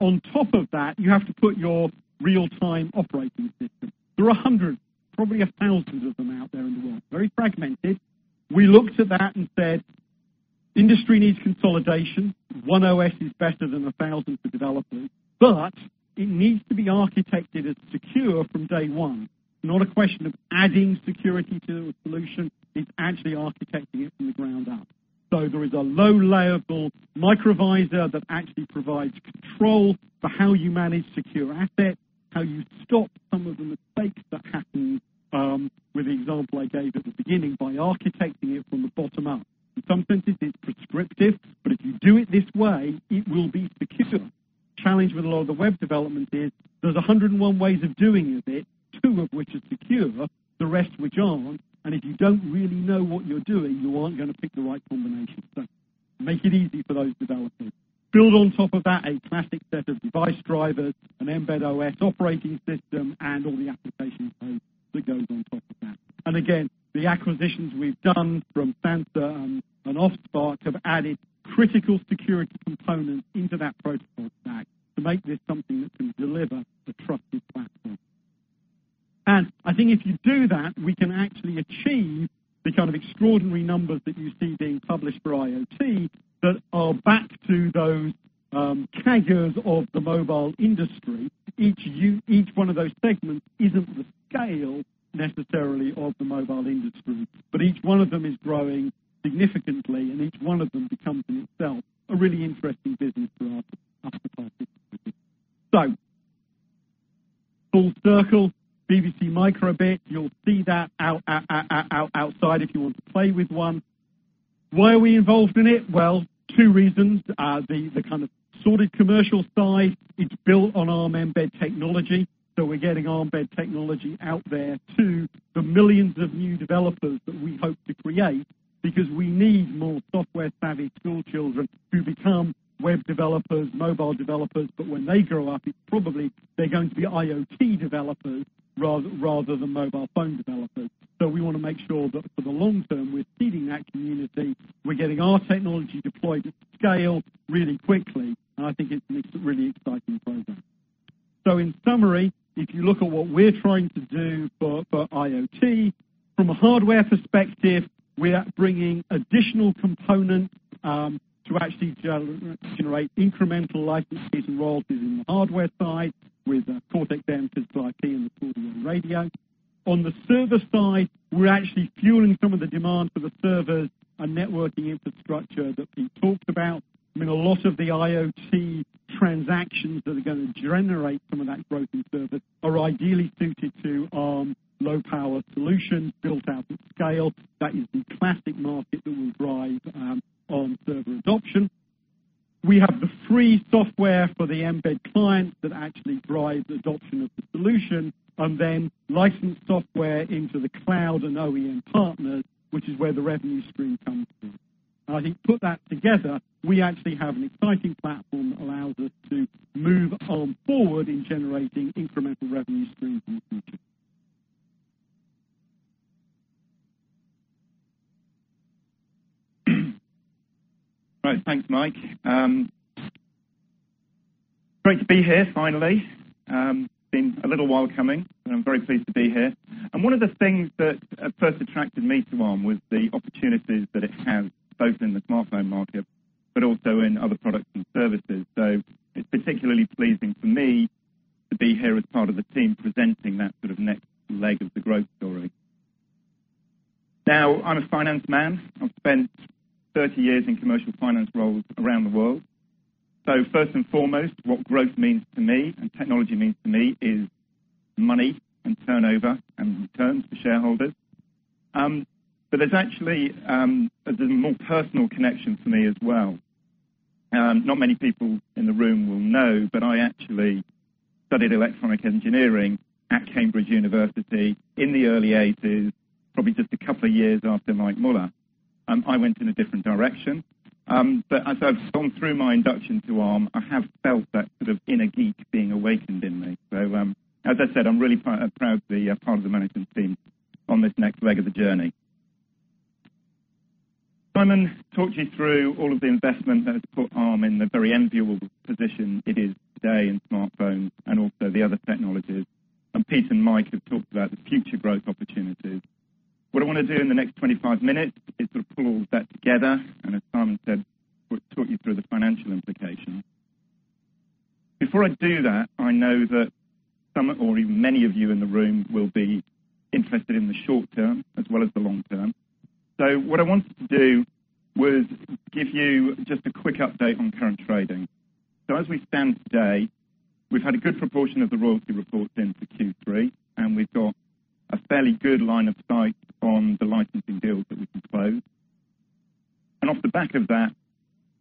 On top of that, you have to put your real-time operating system. There are hundreds, probably thousands of them out there in the world, very fragmented. We looked at that and said, industry needs consolidation. One OS is better than a thousand for developers. It needs to be architected as secure from day one. Not a question of adding security to the solution. It's actually architecting it from the ground up. There is a low layer called Microvisor that actually provides control for how you manage secure assets, how you stop some of the mistakes that happened with the example I gave at the beginning by architecting it from the bottom up. In some senses, it's prescriptive, but if you do it this way, it will be secure. Challenge with a lot of the web development is there's 101 ways of doing a bit, two of which are secure, the rest which aren't. If you don't really know what you're doing, you aren't going to pick the right combination. Make it easy for those developers. Build on top of that, a classic set of device drivers, an Mbed OS operating system, and all the application code that goes on top of that. Again, the acquisitions we've done from Sansa and Offspark have added critical security components into that protocol stack to make this something that can deliver a trusted platform. I think if you do that, we can actually achieve the kind of extraordinary numbers that you see being published for IoT that are back to those CAGRs of the mobile industry. Each one of those segments isn't the scale necessarily of the mobile industry. Each one of them is growing significantly, and each one of them becomes in itself a really interesting business for our customer participation. Full circle, BBC micro:bit. You'll see that outside if you want to play with one. Why are we involved in it? Two reasons. The kind of sordid commercial side, it's built on Arm Mbed technology. We're getting Arm Mbed technology out there to the millions of new developers that we hope to create because we need more software-savvy schoolchildren to become web developers, mobile developers. When they grow up, it's probably they're going to be IoT developers rather than mobile phone developers. We want to make sure that for the long term, we're seeding that community. We're getting our technology deployed at scale really quickly, and I think it's a really exciting program. In summary, if you look at what we're trying to do for IoT, from a hardware perspective, we are bringing additional components to actually generate incremental licenses and royalties in the hardware side with Cortex-M physical IP and the 4G radio. On the server side, we're actually fueling some of the demand for the servers and networking infrastructure that Pete talked about. I mean, a lot of the IoT transactions that are going to generate some of that growth in servers are ideally suited to Arm low power solutions built out at scale. That is the classic market that will drive Arm server adoption. We have the free software for the Mbed Client that actually drives adoption of the solution, and then licensed software into the cloud and OEM partners, which is where the revenue stream comes from. I think put that together, we actually have an exciting platform that allows us to move Arm forward in generating incremental revenue streams in the future. All right. Thanks, Mike. Great to be here finally. It's been a little while coming, and I'm very pleased to be here. One of the things that first attracted me to Arm was the opportunities that it has, both in the smartphone market, but also in other products and services. It's particularly pleasing for me to be here as part of the team presenting that sort of next leg of the growth story. Now, I'm a finance man. I've spent 30 years in commercial finance roles around the world. First and foremost, what growth means to me and technology means to me is money and turnover and returns for shareholders. There's actually a more personal connection for me as well. Not many people in the room will know, but I actually studied electronic engineering at Cambridge University in the early 80s, probably just a couple of years after Mike Muller. I went in a different direction. As I've gone through my induction to Arm, I have felt that sort of inner geek being awakened in me. As I said, I'm really proud to be a part of the management team on this next leg of the journey. Simon talked you through all of the investment that has put Arm in the very enviable position it is today in smartphones and also the other technologies. Pete and Mike have talked about the future growth opportunities. What I want to do in the next 25 minutes is sort of pull all that together and, as Simon said, talk you through the financial implications. Before I do that, I know that some or even many of you in the room will be interested in the short term as well as the long term. What I wanted to do was give you just a quick update on current trading. As we stand today, we've had a good proportion of the royalty reports in for Q3, and we've got a fairly good line of sight on the licensing deals that we can close. Off the back of that,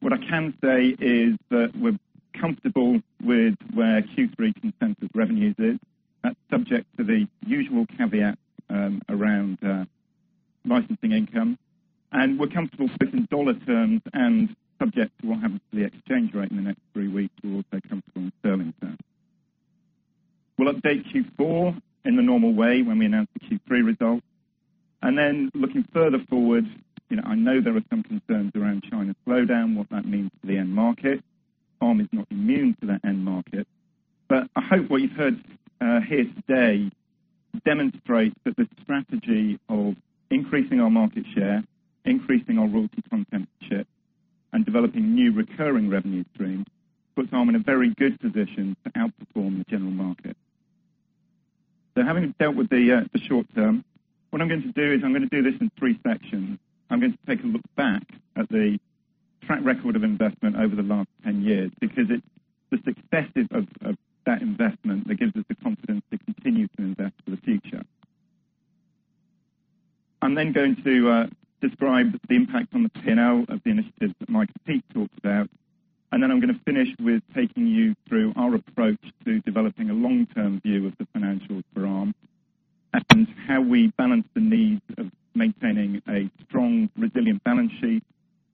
what I can say is that we're comfortable with where Q3 consensus revenues is. That's subject to the usual caveat around licensing income. We're comfortable both in USD terms and subject to what happens to the exchange rate in the next three weeks, we're also comfortable in GBP terms. We'll update Q4 in the normal way when we announce the Q3 results. Looking further forward, I know there are some concerns around China's slowdown, what that means for the end market. Arm is not immune to that end market. I hope what you've heard here today demonstrates that the strategy of increasing our market share, increasing our royalty content ship, and developing new recurring revenue streams puts Arm in a very good position to outperform the general market. Having dealt with the short term, what I'm going to do is I'm going to do this in three sections. I'm going to take a look back at the track record of investment over the last 10 years because it's the successes of that investment that gives us the confidence to continue to invest for the future. I'm then going to describe the impact on the P&L of the initiatives that Mike and Pete talked about. Then I'm going to finish with taking you through our approach to developing a long-term view of the financials for Arm and how we balance the needs of maintaining a strong, resilient balance sheet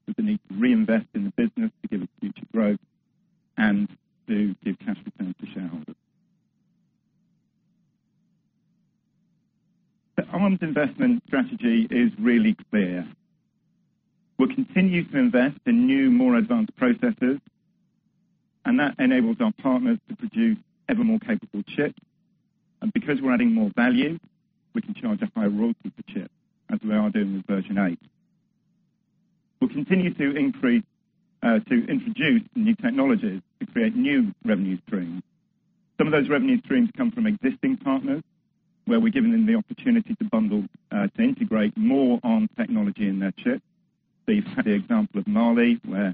with the need to reinvest in the business to give it future growth and to give cash returns to shareholders. Arm's investment strategy is really clear. We'll continue to invest in new, more advanced processes, that enables our partners to produce ever more capable chips. Because we're adding more value, we can charge a higher royalty per chip, as we are doing with version 8. We'll continue to introduce new technologies to create new revenue streams. Some of those revenue streams come from existing partners, where we're giving them the opportunity to integrate more Arm technology in their chips. You've had the example of Mali, where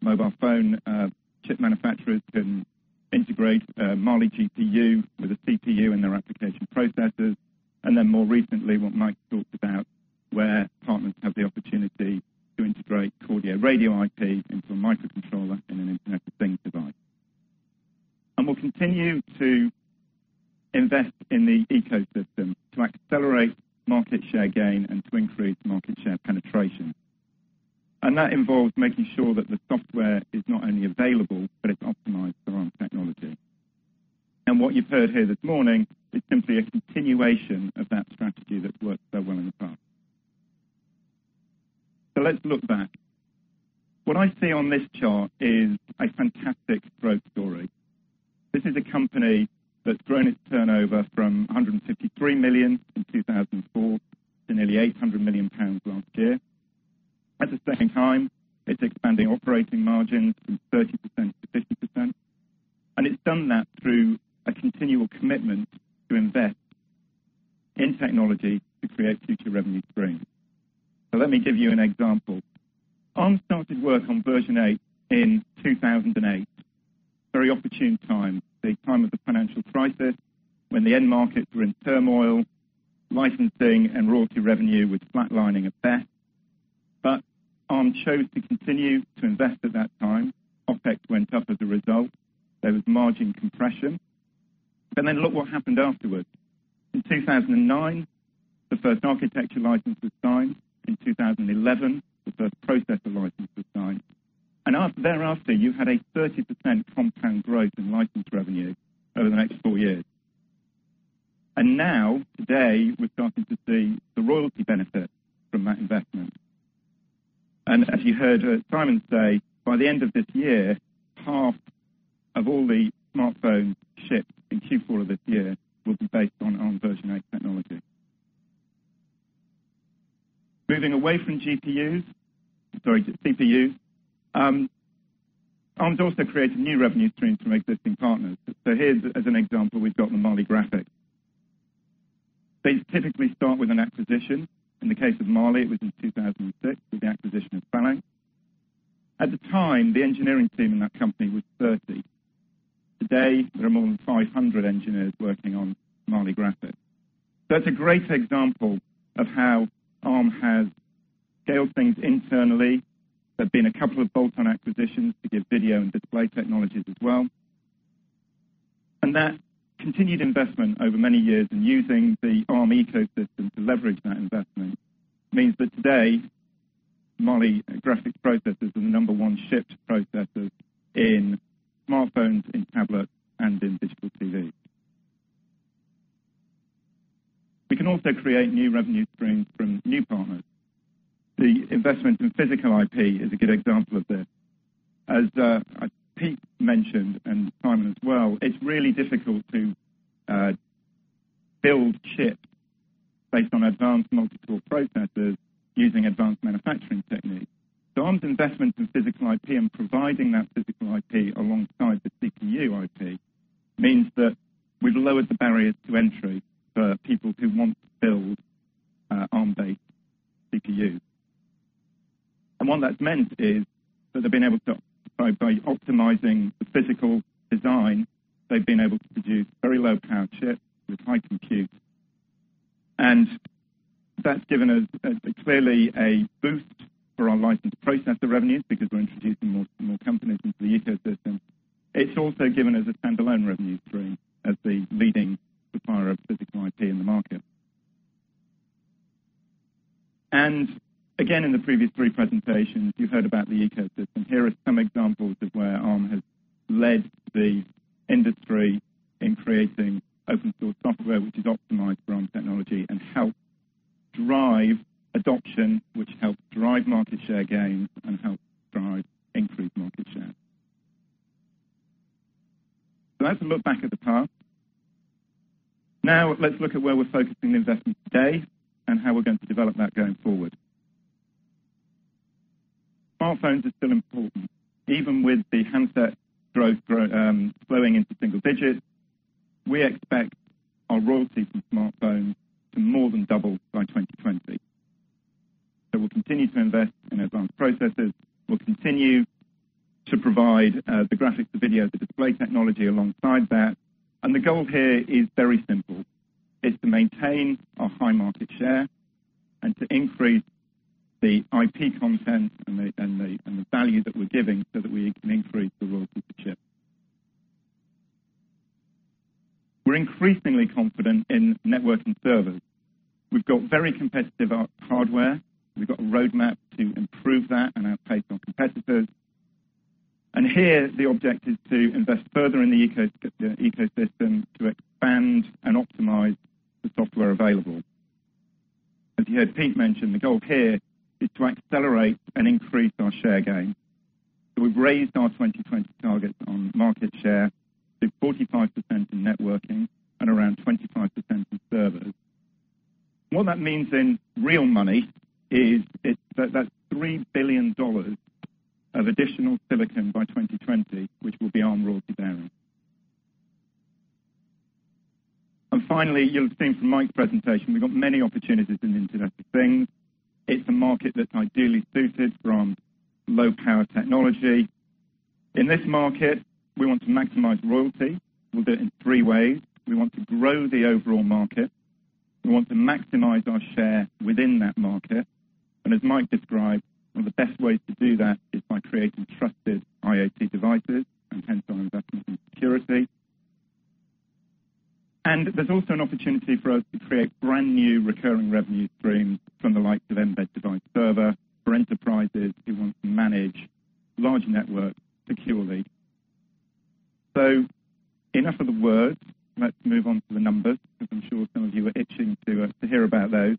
mobile phone chip manufacturers can integrate a Mali GPU with a CPU in their application processes, then more recently, what Mike talked about, where partners have the opportunity to integrate Cordio radio IP into a microcontroller in an Internet of Things device. We'll continue to invest in the ecosystem to accelerate market share gain and to increase market share penetration. That involves making sure that the software is not only available, but it's optimized for Arm technology. What you've heard here this morning is simply a continuation of that strategy that worked so well in the past. Let's look back. What I see on this chart is a fantastic growth story. This is a company that's grown its turnover from 153 million in 2004 to nearly 800 million pounds last year. At the same time, it's expanding operating margins from 30%-50%, it's done that through a continual commitment to invest in technology to create future revenue streams. Let me give you an example. Arm started work on version 8 in 2008. Very opportune time, the time of the financial crisis, when the end markets were in turmoil, licensing and royalty revenue was flatlining at best. Arm chose to continue to invest at that time. OpEx went up as a result. There was margin compression. Look what happened afterwards. In 2009, the first architecture license was signed. In 2011, the first processor license was signed. Thereafter, you had a 30% compound growth in license revenue over the next four years. Now, today, we're starting to see the royalty benefit from that investment. As you heard Simon say, by the end of this year, half of all the smartphones shipped in Q4 of this year will be based on Arm's Armv8 technology. Moving away from GPUs. Sorry, CPU. Arm's also created new revenue streams from existing partners. Here, as an example, we've got the Mali Graphics. They typically start with an acquisition. In the case of Mali, it was in 2006 with the acquisition of Falanx. At the time, the engineering team in that company was 30. Today, there are more than 500 engineers working on Mali Graphics. It's a great example of how Arm has scaled things internally. There's been a couple of bolt-on acquisitions to give video and display technologies as well. That continued investment over many years and using the Arm ecosystem to leverage that investment means that today, Mali graphics processors are the number one shipped processors in smartphones, in tablets, and in digital TVs. We can also create new revenue streams from new partners. The investment in physical IP is a good example of this. As Pete mentioned, and Simon as well, it's really difficult to build chips based on advanced multi-core processors using advanced manufacturing techniques. Arm's investment in physical IP and providing that physical IP alongside the CPU IP means that we've lowered the barriers to entry for people who want to build Arm-based CPUs. What that's meant is that they've been able to, by optimizing the physical design, they've been able to produce very low power chips with high compute. That's given us clearly a boost for our licensed processor revenues because we're introducing more companies into the ecosystem. It's also given us a standalone revenue stream as the leading supplier of physical IP in the market. Again, in the previous three presentations, you heard about the ecosystem. Here are some examples of where Arm has led the industry in creating open-source software, which is optimized for Arm technology and helps drive adoption, which helps drive market share gains and helps drive increased market share. That's a look back at the past. Now let's look at where we're focusing the investment today and how we're going to develop that going forward. Smartphones are still important. Even with the handset growth slowing into single digits, we expect our royalties from smartphones to more than double by 2020. We'll continue to invest in advanced processes. We'll continue to provide the graphics, the video, the display technology alongside that. The goal here is very simple. It's to maintain our high market share and to increase the IP content and the value that we're giving so that we can increase the royalty per chip. We're increasingly confident in network and servers. We've got very competitive hardware. We've got a roadmap to improve that and our pace on competitors. Here, the object is to invest further in the ecosystem to expand and optimize the software available. As you heard Pete mention, the goal here is to accelerate and increase our share gain. We've raised our 2020 targets on market share to 45% in networking and around 25% in servers. What that means in real money is that that's $3 billion of additional silicon by 2020, which will be Arm royalty bearing. Finally, you'll have seen from Mike's presentation, we've got many opportunities in Internet of Things. It's a market that's ideally suited for Arm low power technology. In this market, we want to maximize royalty. We'll do it in three ways. We want to grow the overall market. We want to maximize our share within that market. As Mike described, one of the best ways to do that is by creating trusted IoT devices and hence our investment in security. There's also an opportunity for us to create brand new recurring revenue streams from the likes of Mbed Device Server for enterprises who want to manage large networks securely. Enough of the words. Let's move on to the numbers, because I'm sure some of you are itching to hear about those.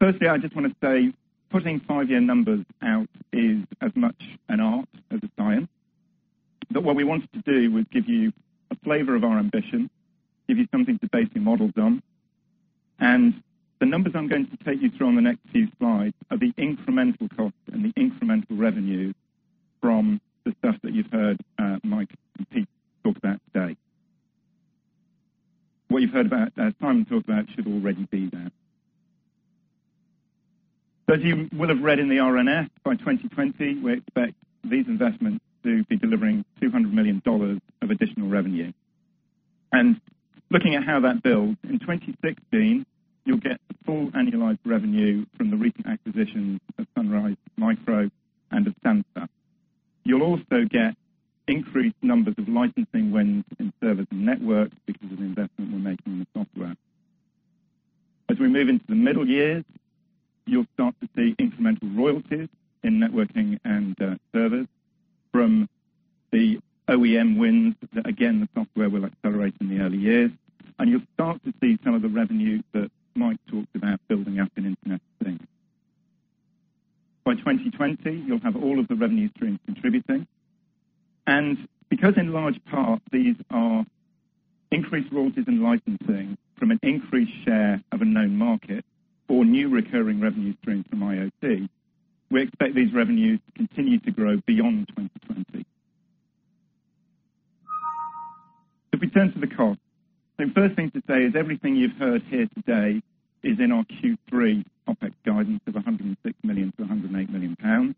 Firstly, I just want to say, putting 5-year numbers out is as much an art as a science. What we wanted to do was give you a flavor of our ambition, give you something to base your models on. The numbers I'm going to take you through on the next few slides are the incremental cost and the incremental revenue from the stuff that you've heard Mike and Pete talk about today. What you've heard about as Simon talked about should already be there. As you will have read in the RNS, by 2020, we expect these investments to be delivering GBP 200 million of additional revenue. Looking at how that builds, in 2016, you'll get the full annualized revenue from the recent acquisitions of Sunrise Micro and of Sansa. You'll also get increased numbers of licensing wins in servers and networks because of the investment we're making in the software. As we move into the middle years, you'll start to see incremental royalties in networking and servers from the OEM wins that, again, the software will accelerate in the early years, and you'll start to see some of the revenue that Mike talked about building up in Internet of Things. By 2020, you'll have all of the revenue streams contributing. Because in large part, these are increased royalties and licensing from an increased share of a known market or new recurring revenue stream from IoT, we expect these revenues to continue to grow beyond 2020. If we turn to the cost. First thing to say is everything you've heard here today is in our Q3 OPEX guidance of 106 million to 108 million pounds.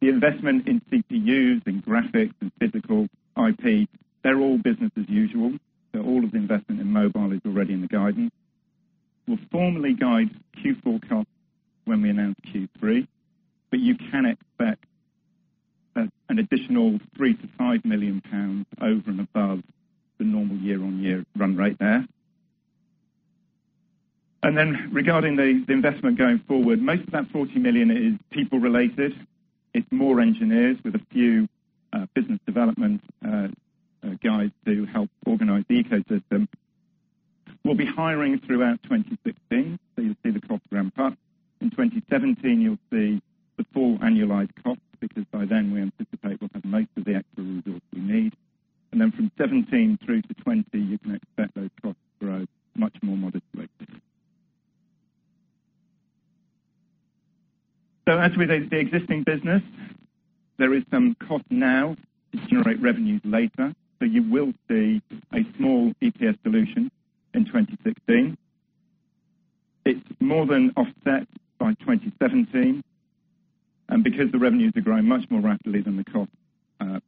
The investment in CPUs, in graphics, in physical IP, they're all business as usual. All of the investment in mobile is already in the guidance. We'll formally guide Q4 costs when we announce Q3, but you can expect an additional 3 million to 5 million pounds over and above the normal year-on-year run rate there. Regarding the investment going forward, most of that 40 million is people related. It's more engineers with a few business development guys to help organize the ecosystem. We'll be hiring throughout 2016, so you'll see the cost ramp up. In 2017, you'll see the full annualized cost because by then we anticipate we'll have most of the extra resource we need. From 2017 through to 2020, you can expect those costs to grow much more modestly. As with the existing business, there is some cost now to generate revenues later. You will see a small EPS dilution in 2016. It's more than offset by 2017. Because the revenues are growing much more rapidly than the cost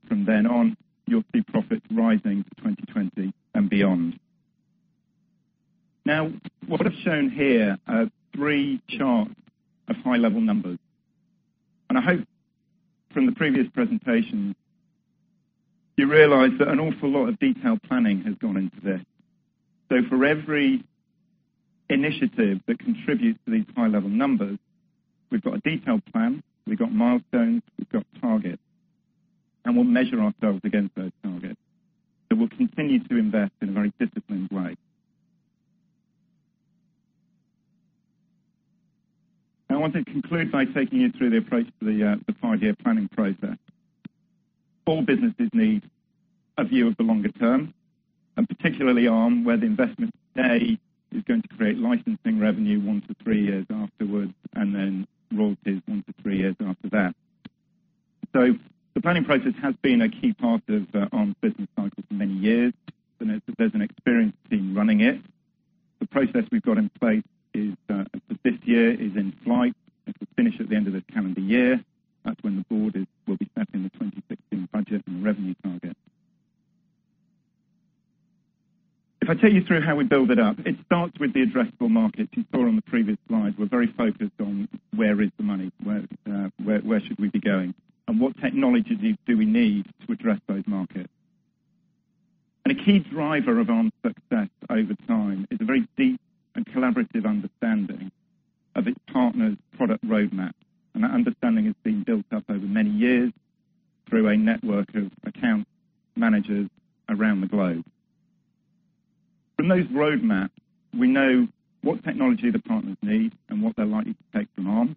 from then on, you'll see profits rising to 2020 and beyond. What I've shown here are three charts of high-level numbers. I hope from the previous presentations you realize that an awful lot of detailed planning has gone into this. For every initiative that contributes to these high-level numbers, we've got a detailed plan, we've got milestones, we've got targets, and we'll measure ourselves against those targets. We'll continue to invest in a very disciplined way. I want to conclude by taking you through the approach to the five-year planning process. All businesses need a view of the longer term, and particularly Arm, where the investment today is going to create licensing revenue one to three years afterwards, and then royalties one to three years after that. The planning process has been a key part of Arm's business cycle for many years, and there's an experienced team running it. The process we've got in place for this year is in flight. It will finish at the end of the calendar year. That's when the board will be setting the 2016 budget and the revenue target. If I take you through how we build it up, it starts with the addressable market. You saw on the previous slide, we're very focused on where is the money, where should we be going, and what technologies do we need to address those markets. A key driver of Arm's success over time is a very deep and collaborative understanding of its partners' product roadmap. That understanding has been built up over many years through a network of account managers around the globe. From those roadmaps, we know what technology the partners need and what they're likely to take from Arm.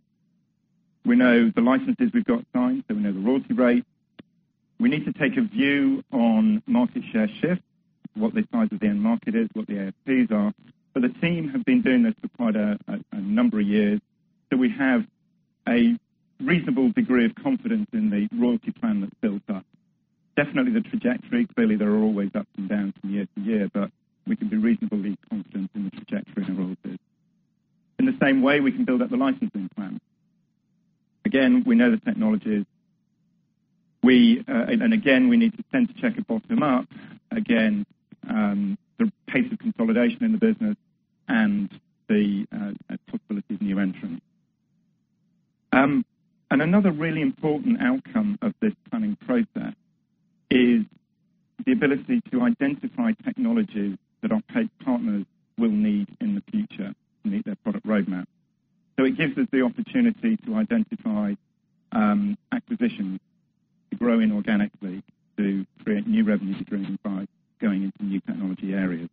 We know the licenses we've got signed, so we know the royalty rate. We need to take a view on market share shifts, what the size of the end market is, what the ASPs are. The team have been doing this for quite a number of years, so we have a reasonable degree of confidence in the royalty plan that's built up. Definitely the trajectory. Clearly, there are always ups and downs from year to year, but we can be reasonably confident in the trajectory and the royalties. In the same way we can build up the licensing plan. Again, we know the technologies. Again, we need to sense check and bottom up. Again, the pace of consolidation in the business and the possibility of new entrants. Another really important outcome of this planning process is the ability to identify technologies that our partners will need in the future to meet their product roadmap. It gives us the opportunity to identify acquisitions to grow inorganically, to create new revenue streams, and by going into new technology areas.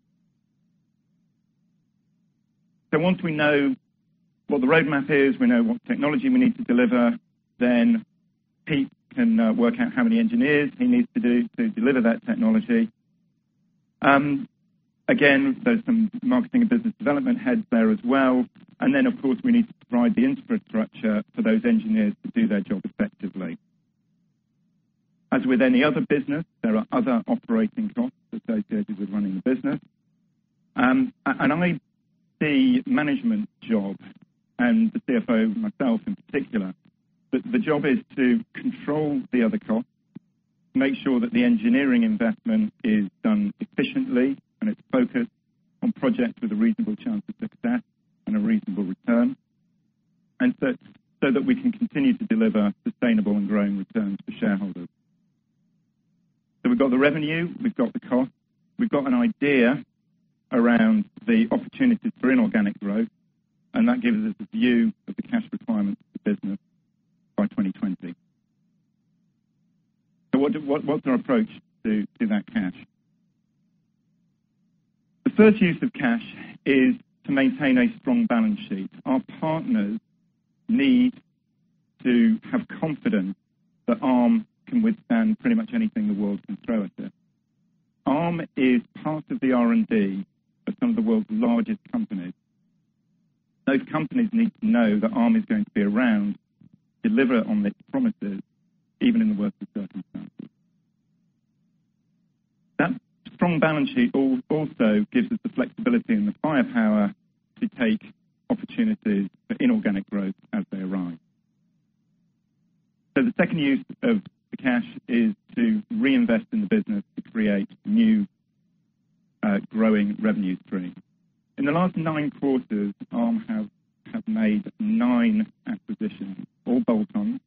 Once we know what the roadmap is, we know what technology we need to deliver, Pete can work out how many engineers he needs to deliver that technology. Again, there's some marketing and business development heads there as well. Of course, we need to provide the infrastructure for those engineers to do their job effectively. As with any other business, there are other operating costs associated with running the business. I see management's job, and the CFO, myself in particular, that the job is to control the other costs, make sure that the engineering investment is done efficiently, and it's focused on projects with a reasonable chance of success and a reasonable return. That we can continue to deliver sustainable and growing returns to shareholders. We've got the revenue, we've got the cost, we've got an idea around the opportunities for inorganic growth, and that gives us a view of the cash requirements of the business by 2020. What's our approach to that cash? The first use of cash is to maintain a strong balance sheet. Our partners need to have confidence that Arm can withstand pretty much anything the world can throw at it. Arm is part of the R&D of some of the world's largest companies. Those companies need to know that Arm is going to be around, deliver on their promises, even in the worst of circumstances. That strong balance sheet also gives us the flexibility and the firepower to take opportunities for inorganic growth as they arise. The second use of the cash is to reinvest in the business to create new growing revenue streams. In the last nine quarters, Arm have made nine acquisitions, all bolt-ons.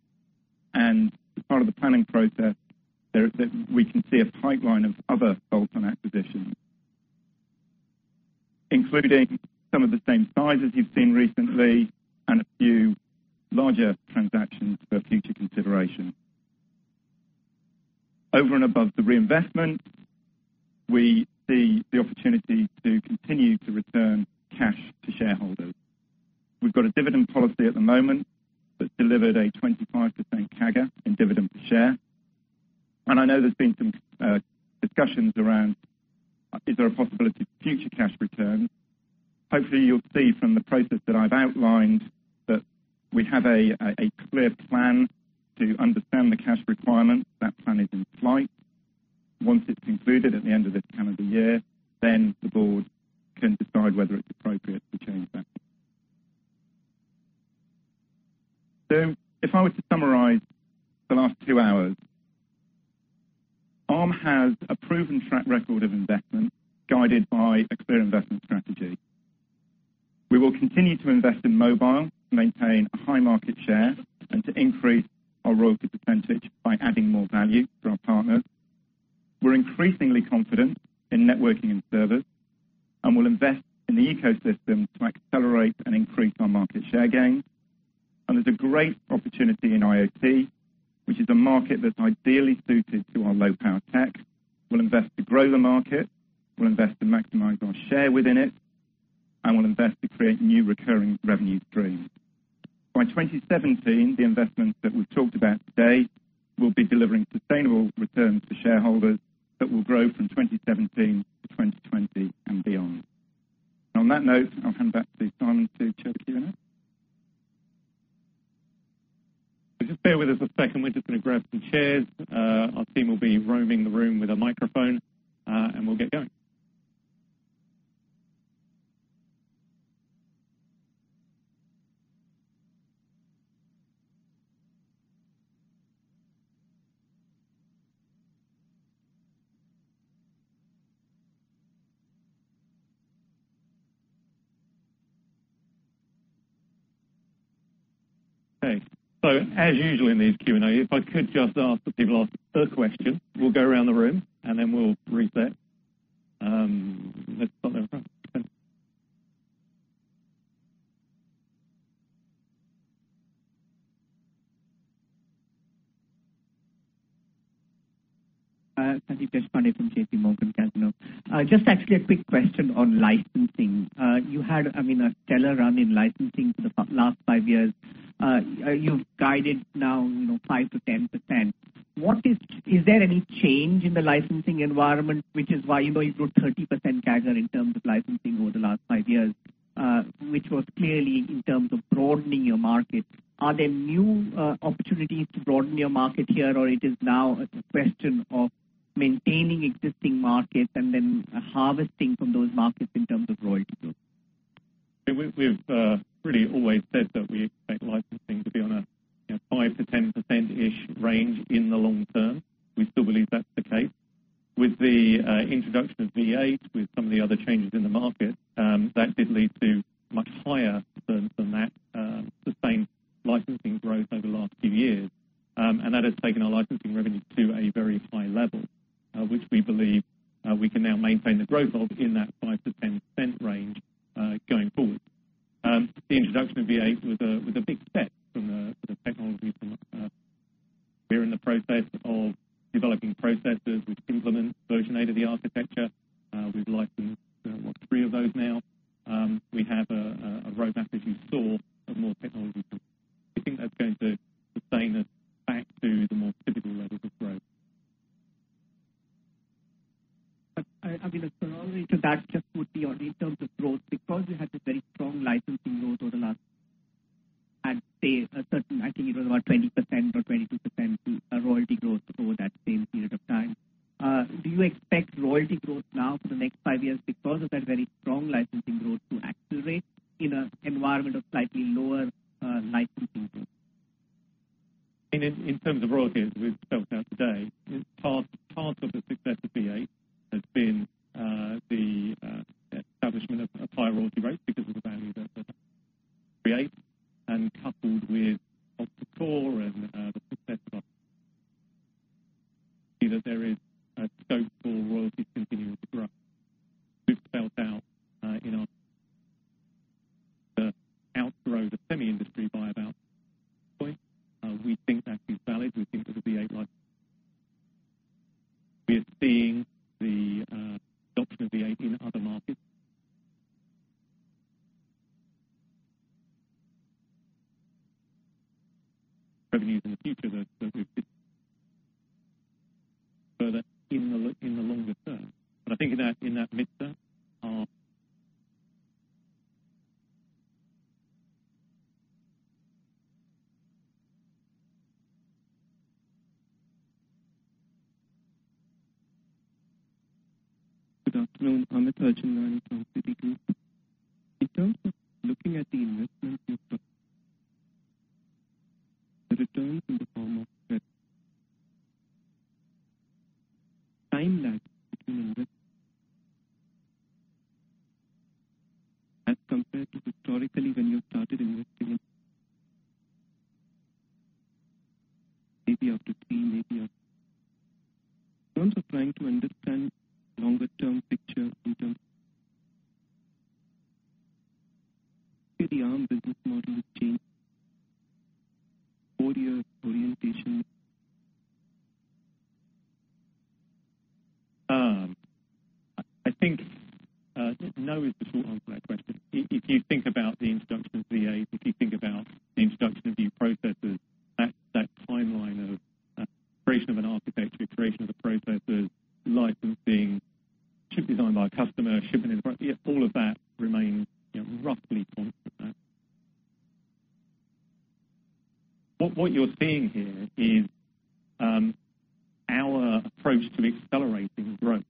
As part of the planning process, we can see a pipeline of other bolt-on acquisitions, including some of the same sizes you've seen recently and a few larger transactions for future consideration. Over and above the reinvestment, we see the opportunity to continue to return cash to shareholders. We've got a dividend policy at the moment that delivered a 25% CAGR in dividend per share. I know there's been some discussions around, is there a possibility of future cash returns. Hopefully, you'll see from the process that I've outlined that we have a clear plan to understand the cash requirements. That plan is in flight. Once it's concluded at the end of this calendar year, the board can decide whether it's appropriate to change that. If I were to summarize the last two hours, Arm has a proven track record of investment guided by a clear investment strategy. We will continue to invest in mobile to maintain a high market share and to increase our royalty percentage by adding more value to our partners. We're increasingly confident in networking and servers, we'll invest in the ecosystem to accelerate and increase our market share gains. There's a great opportunity in IoT, which is a market that's ideally suited to our low power tech. We'll invest to grow the market, we'll invest to maximize our share within it, and we'll invest to create new recurring revenue streams. By 2017, the investments that we've talked about today will be delivering sustainable returns to shareholders that will grow from 2017-2020 and beyond. On that note, I'll hand back to Simon to chair the Q&A. Just bear with us a second. We're just going to grab some chairs. Our team will be roaming the room with a microphone, and we'll get going. Okay. As usual in these Q&A, if I could just ask that people ask one question, we'll go around the room, and then we'll reset. Let's start at the front. Thanks. Sandeep Deshpande from JPMorgan, guys. Just actually a quick question on licensing. You had a stellar run in licensing for the last five years. You've guided now 5%-10%. Is there any change in the licensing environment, which is why you grew 30% CAGR in terms of licensing over the last five years, which was clearly in terms of broadening your market. Are there new opportunities to broaden your market here, or it is now a question of maintaining existing markets and then harvesting from those markets in terms of royalty growth? We've really always said that we expect licensing to be on a 5%-10% ish range in the long term. We still believe that's the case. With the introduction of ARMv8, with some of the other changes in the market, that did lead to much higher than that sustained licensing growth over the last few years. That has taken our licensing revenue to a very high level, which we believe we can now maintain the growth of in that 5%-10% range, going forward. The introduction of ARMv8 was a big step from a technology point. We're in the process of developing processors which implement version 8 of the architecture. We've licensed three of those now. We have a roadmap as you saw of more technology. We think that's going to sustain us back to the more typical levels of growth. I mean, a corollary to that just would be on in terms of growth, because you had this very strong licensing growth over the last, I'd say a certain, I think it was about 20% or 22% royalty growth over that same period of time. Do you expect royalty growth now for the next five years because of that very strong licensing growth to accelerate in an environment of slightly lower licensing growth? In terms of royalties we've spelt out today, part of the success of ARMv8 has been the establishment of a high royalty rate because of the value that ARMv8, and coupled with Cortex-A core and the success of our. See that there is a scope for royalties continuing to grow. We've spelt out in our outgrow the semi industry by about 10 points. We think that is valid. We think that the ARMv8 license. We are seeing the adoption of ARMv8 in other markets revenues in the future that we could further in the longer term. I think in that mid term. Good afternoon. Atif Malik from Citigroup. I think no is the short answer to that question. If you think about the introduction of v8, if you think about the introduction of new processors, that timeline of creation of an architecture, creation of the processors, licensing, chip design by a customer, shipping it, all of that remains roughly constant there. What you're seeing here is our approach to accelerating growth.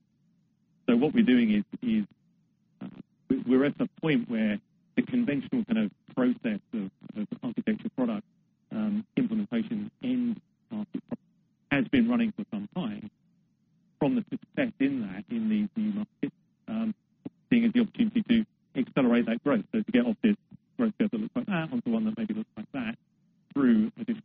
What we're doing is we're at a point where the conventional kind of process of architecture product implementation in our product has been running for some time. From the success in that in these new markets, we're seeing the opportunity to accelerate that growth. To get off this growth curve that looks like that, onto one that maybe looks like that through additional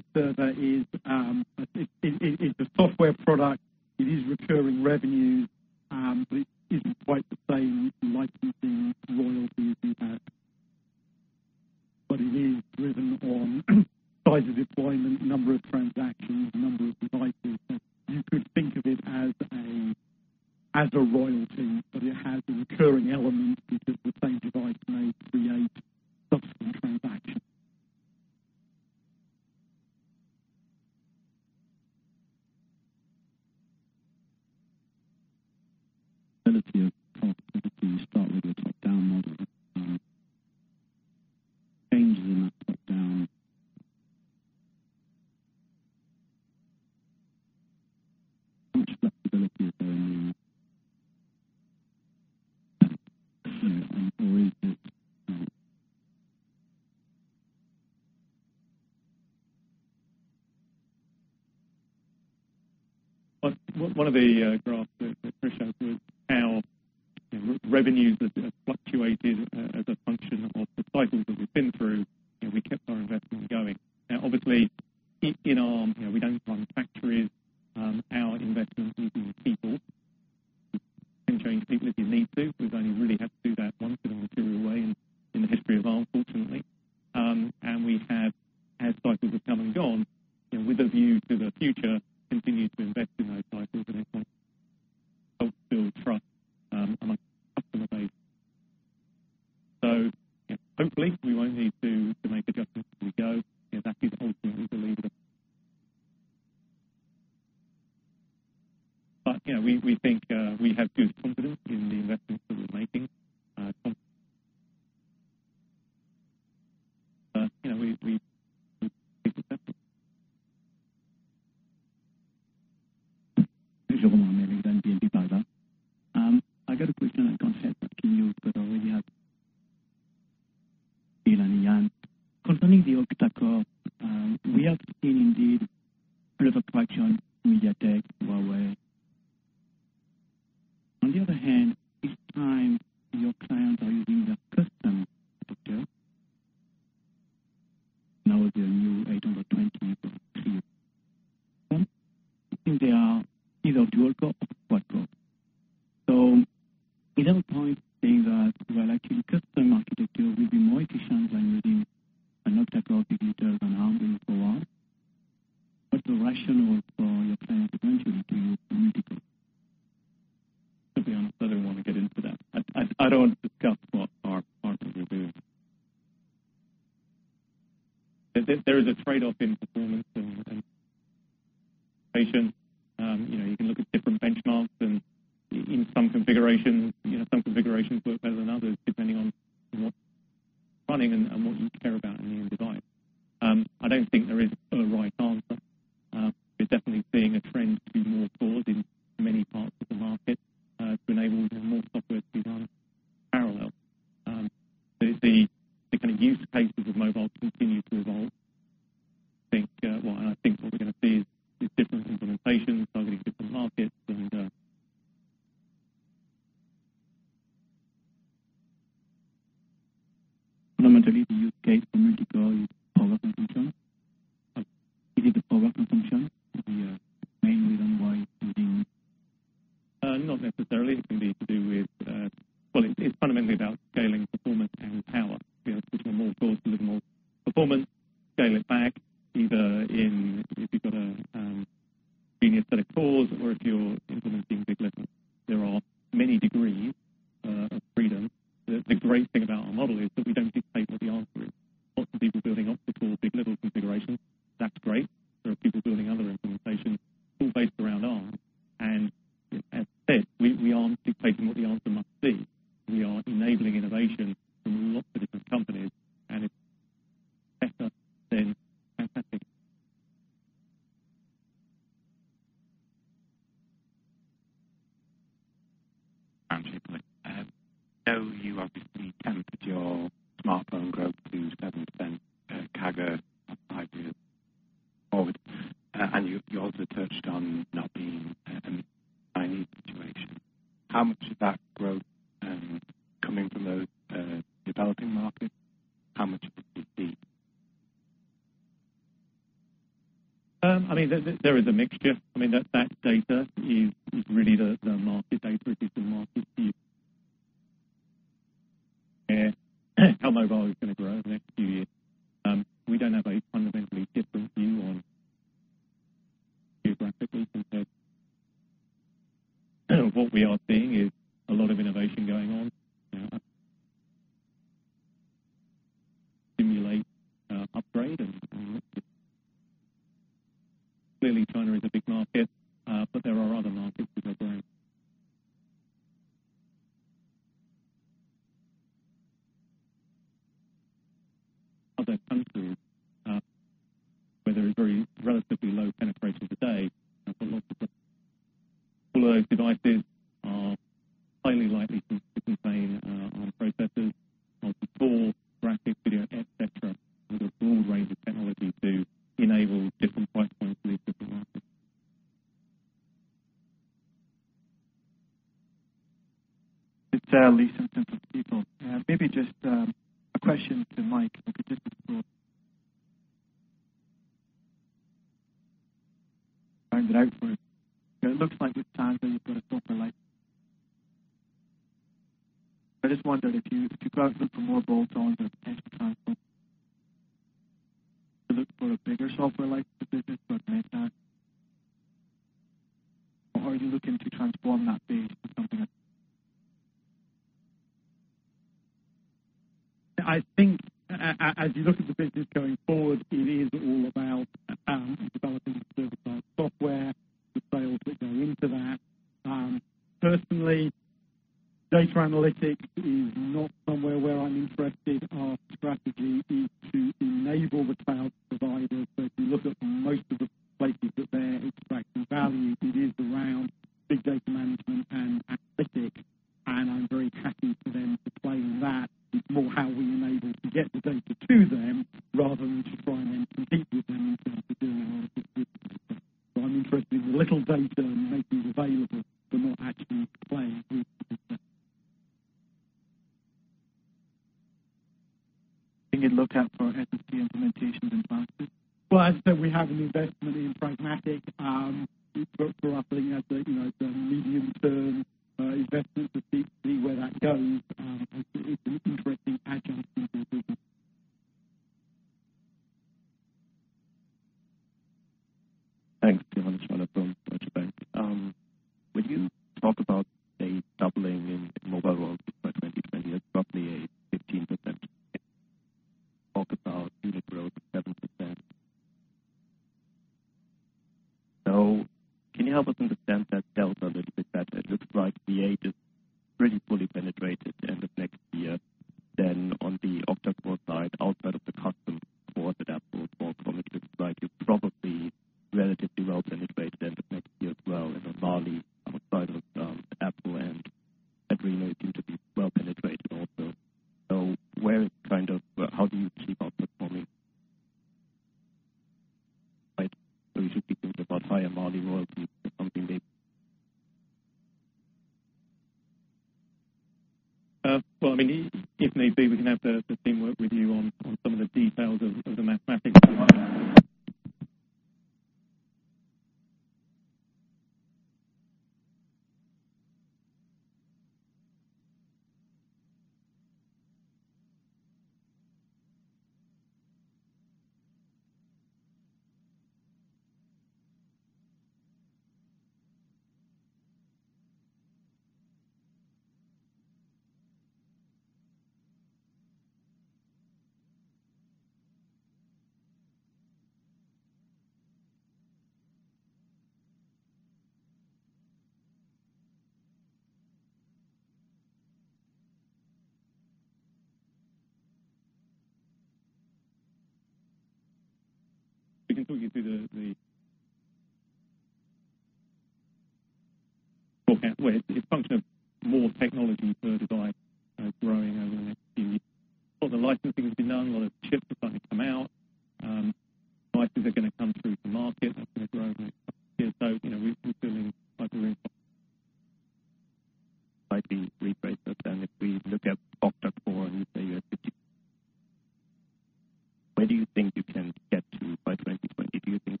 where do you think you can get to by 2020? Do you think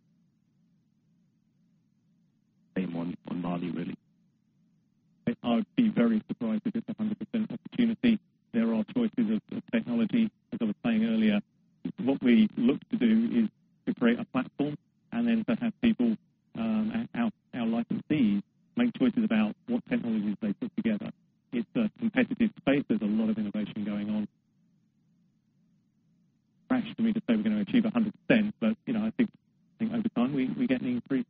same on Mali, really? I'd be very surprised if it's 100% opportunity. There are choices of technology, as I was saying earlier. What we look to do is to create a platform and then to have people, our licensees, make choices about what technologies they put together. It's a competitive space. There's a lot of innovation going on. Rash for me to say we're going to achieve 100%, but I think over time we get an increased-.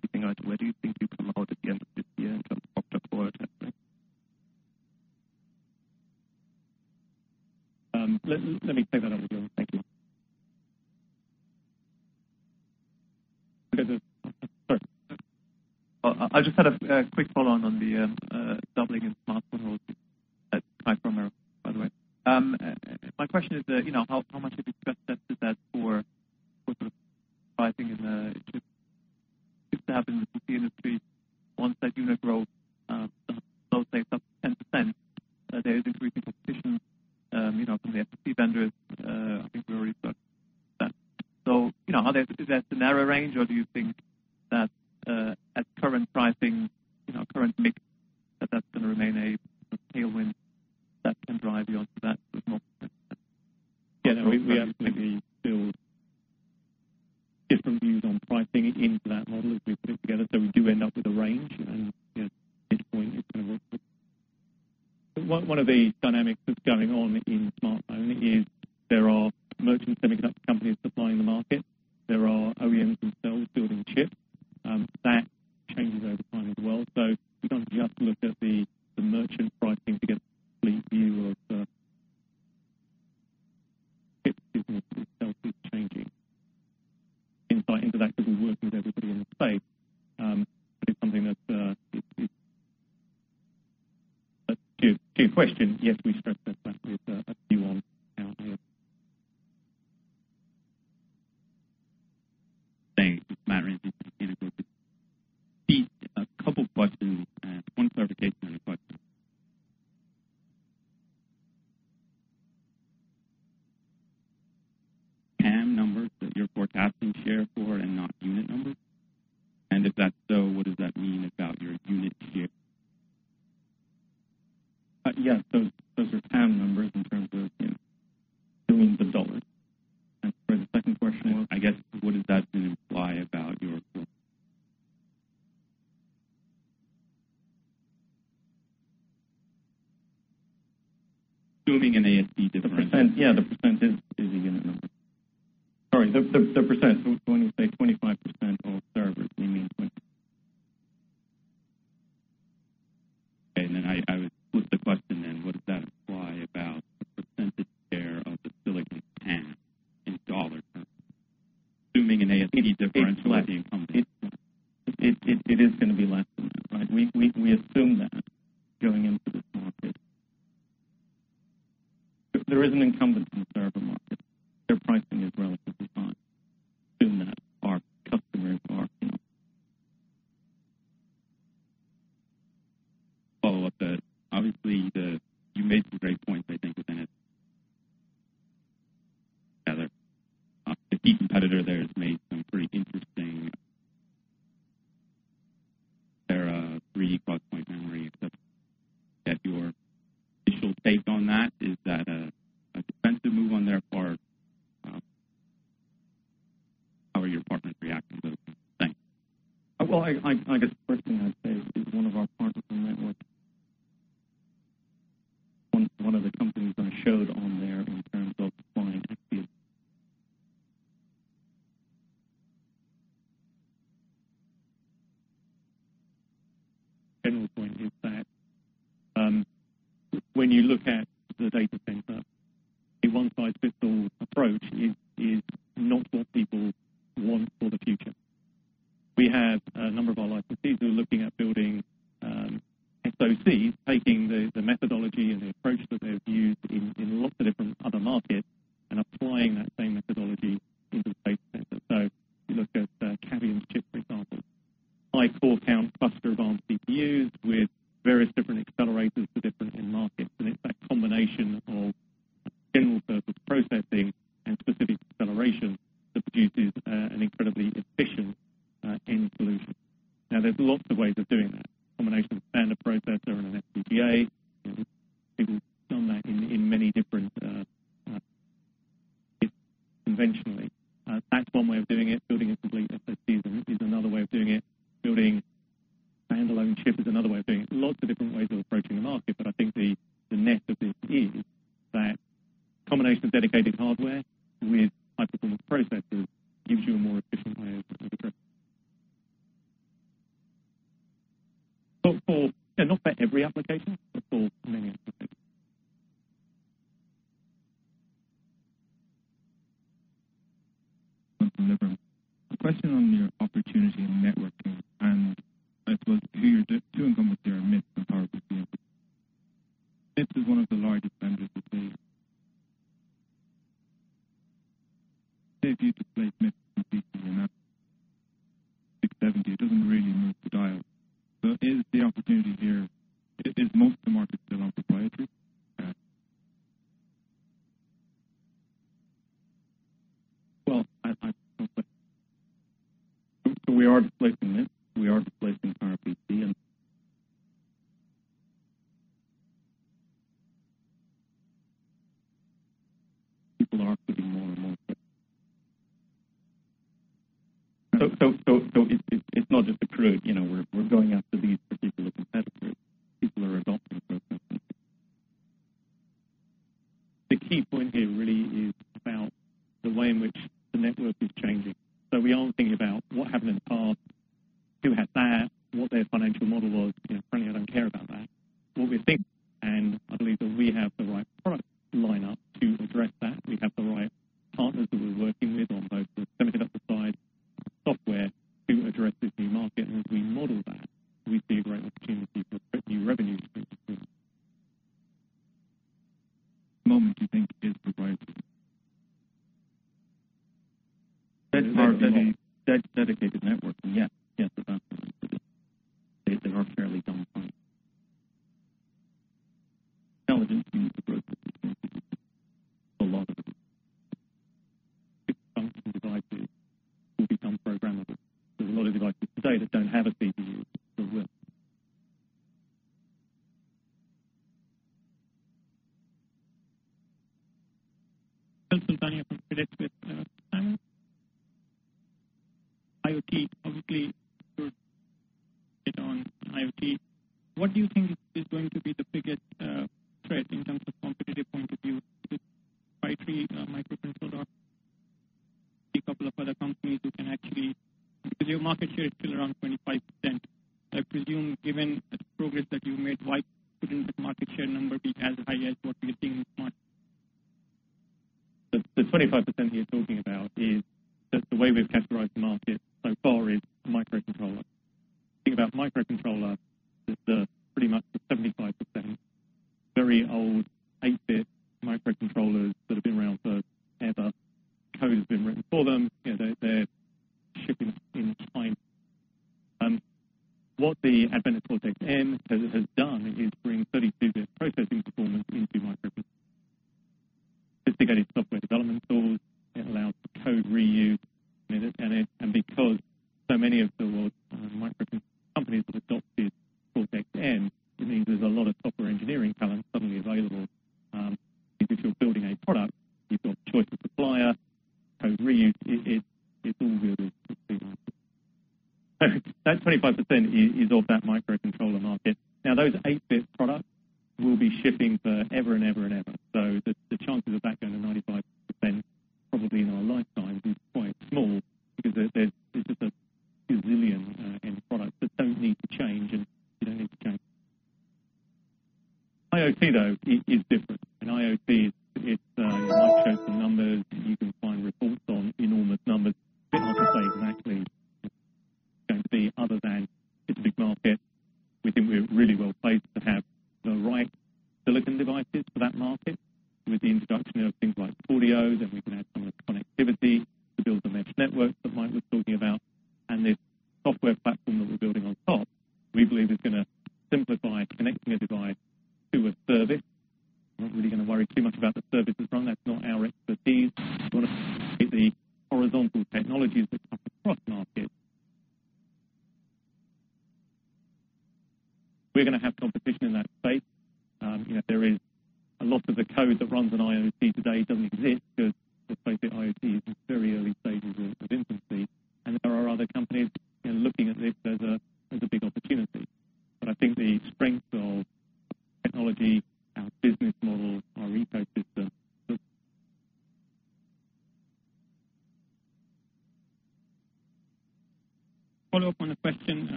Keeping item. Where do you think you come out at the end of this year in terms of octa-core and everything? Let me take that under review. Thank you. Okay. Sorry. I just had a quick follow on the doubling in smartphone royalty. Kai from, by the way. My question is, how much have you stress tested that for sort of pricing in the It seems to happen in the PC industry once that unit growth slows, say, sub 10%, there is increased competition from the FMC vendors. I think we already saw that. Is that the narrow range or do you think that at current pricing, current mix that's going to remain a tailwind that can drive you onto that sort of multiple? Yeah. No, we absolutely build different views on pricing into that model as we put it together. We do end up with a range and at each point it's going to look different. One of the dynamics that's going on in smartphone is there are merchant semiconductor companies supplying the market. There are OEMs themselves building chips. That changes over time as well. We can't just look at the merchant pricing to get a complete view of it is changing. Insight into that because we work with everybody in the space, but it's something that. To your question, yes, we stress test that with a few of our. Thanks. This is Matt Rinsey from Canaccord. Steve, two questions, one clarification and one question. TAM numbers that you're forecasting share for and not unit numbers? If that's so, what does that mean about your unit share? Yes, those are TAM numbers in terms of billions of GBP. For the second portion was? I guess what does that then imply about your assuming an ASP difference. Yeah, the % is a unit number. Sorry, the %, when we say 25% of servers, we mean 25. Okay. I would flip the question then, what does that imply about the percentage share of the silicon TAM in dollar terms, assuming an ASP differential by the incumbent? It is going to be less than that, right? We assume that going into this market. There is an incumbent in the server market. Their pricing is relatively high. Follow up to that. Obviously, you made some great points,